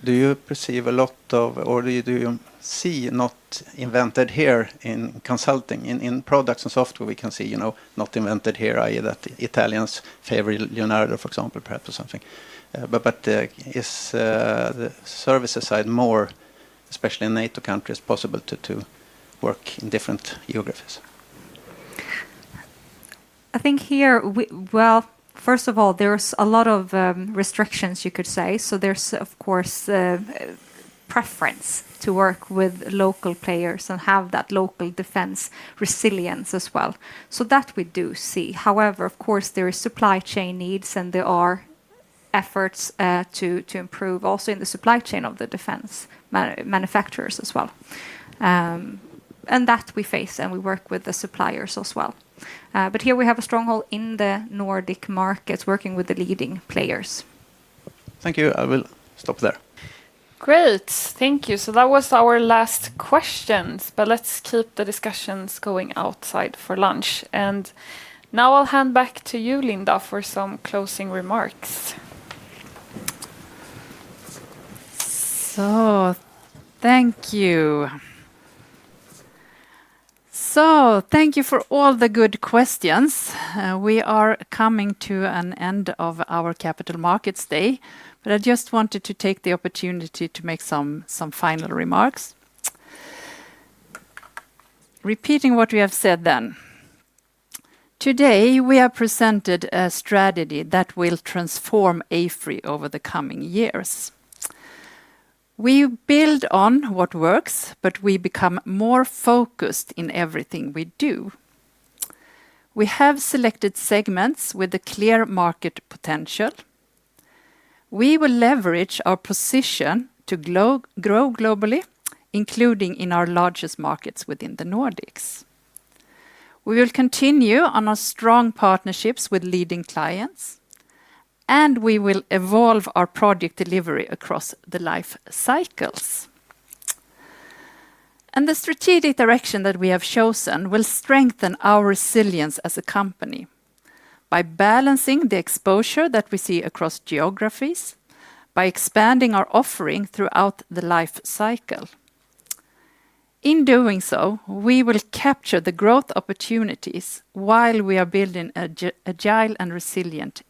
Do you perceive a lot of, or do you see not invented here in consulting, in products and software we can see not invented here, i.e., that Italian's favorite Leonardo, for example, perhaps or something. Is. The services side more, especially in NATO countries, possible to work in different geographies? I think here, first of all, there's a lot of restrictions, you could say. There is, of course, preference to work with local players and have that local defense resilience as well. That we do see. However, there are supply chain needs, and there are efforts to improve also in the supply chain of the defense manufacturers as well. That we face, and we work with the suppliers as well. Here we have a stronghold in the Nordic markets, working with the leading players. Thank you. I will stop there. Great. Thank you. That was our last questions, but let's keep the discussions going outside for lunch. Now I'll hand back to you, Linda, for some closing remarks. Thank you. Thank you for all the good questions. We are coming to an end of our capital markets day, but I just wanted to take the opportunity to make some final remarks. Repeating what we have said then. Today, we have presented a strategy that will transform AFRY over the coming years. We build on what works, but we become more focused in everything we do. We have selected segments with a clear market potential. We will leverage our position to grow globally, including in our largest markets within the Nordics. We will continue on our strong partnerships with leading clients, and we will evolve our project delivery across the life cycles. The strategic direction that we have chosen will strengthen our resilience as a company. By balancing the exposure that we see across geographies, by expanding our offering throughout the life cycle. In doing so, we will capture the growth opportunities while we are building agile and resilient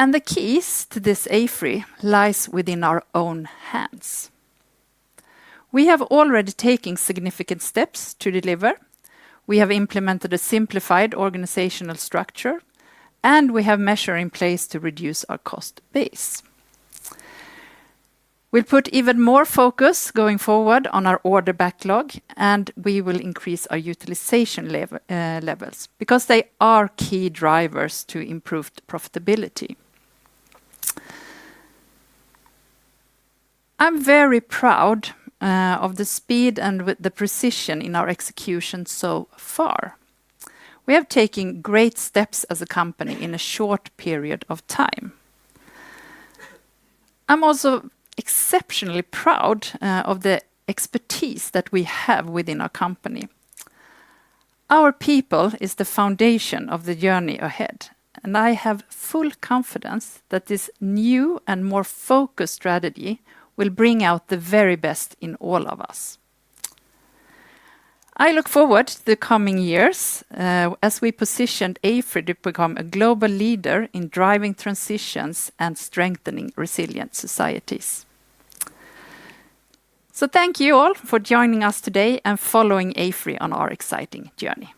AFRY. The keys to this AFRY lie within our own hands. We have already taken significant steps to deliver. We have implemented a simplified organizational structure, and we have measures in place to reduce our cost base. We'll put even more focus going forward on our order backlog, and we will increase our utilization levels because they are key drivers to improved profitability. I'm very proud of the speed and the precision in our execution so far. We have taken great steps as a company in a short period of time. I'm also exceptionally proud of the expertise that we have within our company. Our people are the foundation of the journey ahead, and I have full confidence that this new and more focused strategy will bring out the very best in all of us. I look forward to the coming years as we position AFRY to become a global leader in driving transitions and strengthening resilient societies. Thank you all for joining us today and following AFRY on our exciting journey.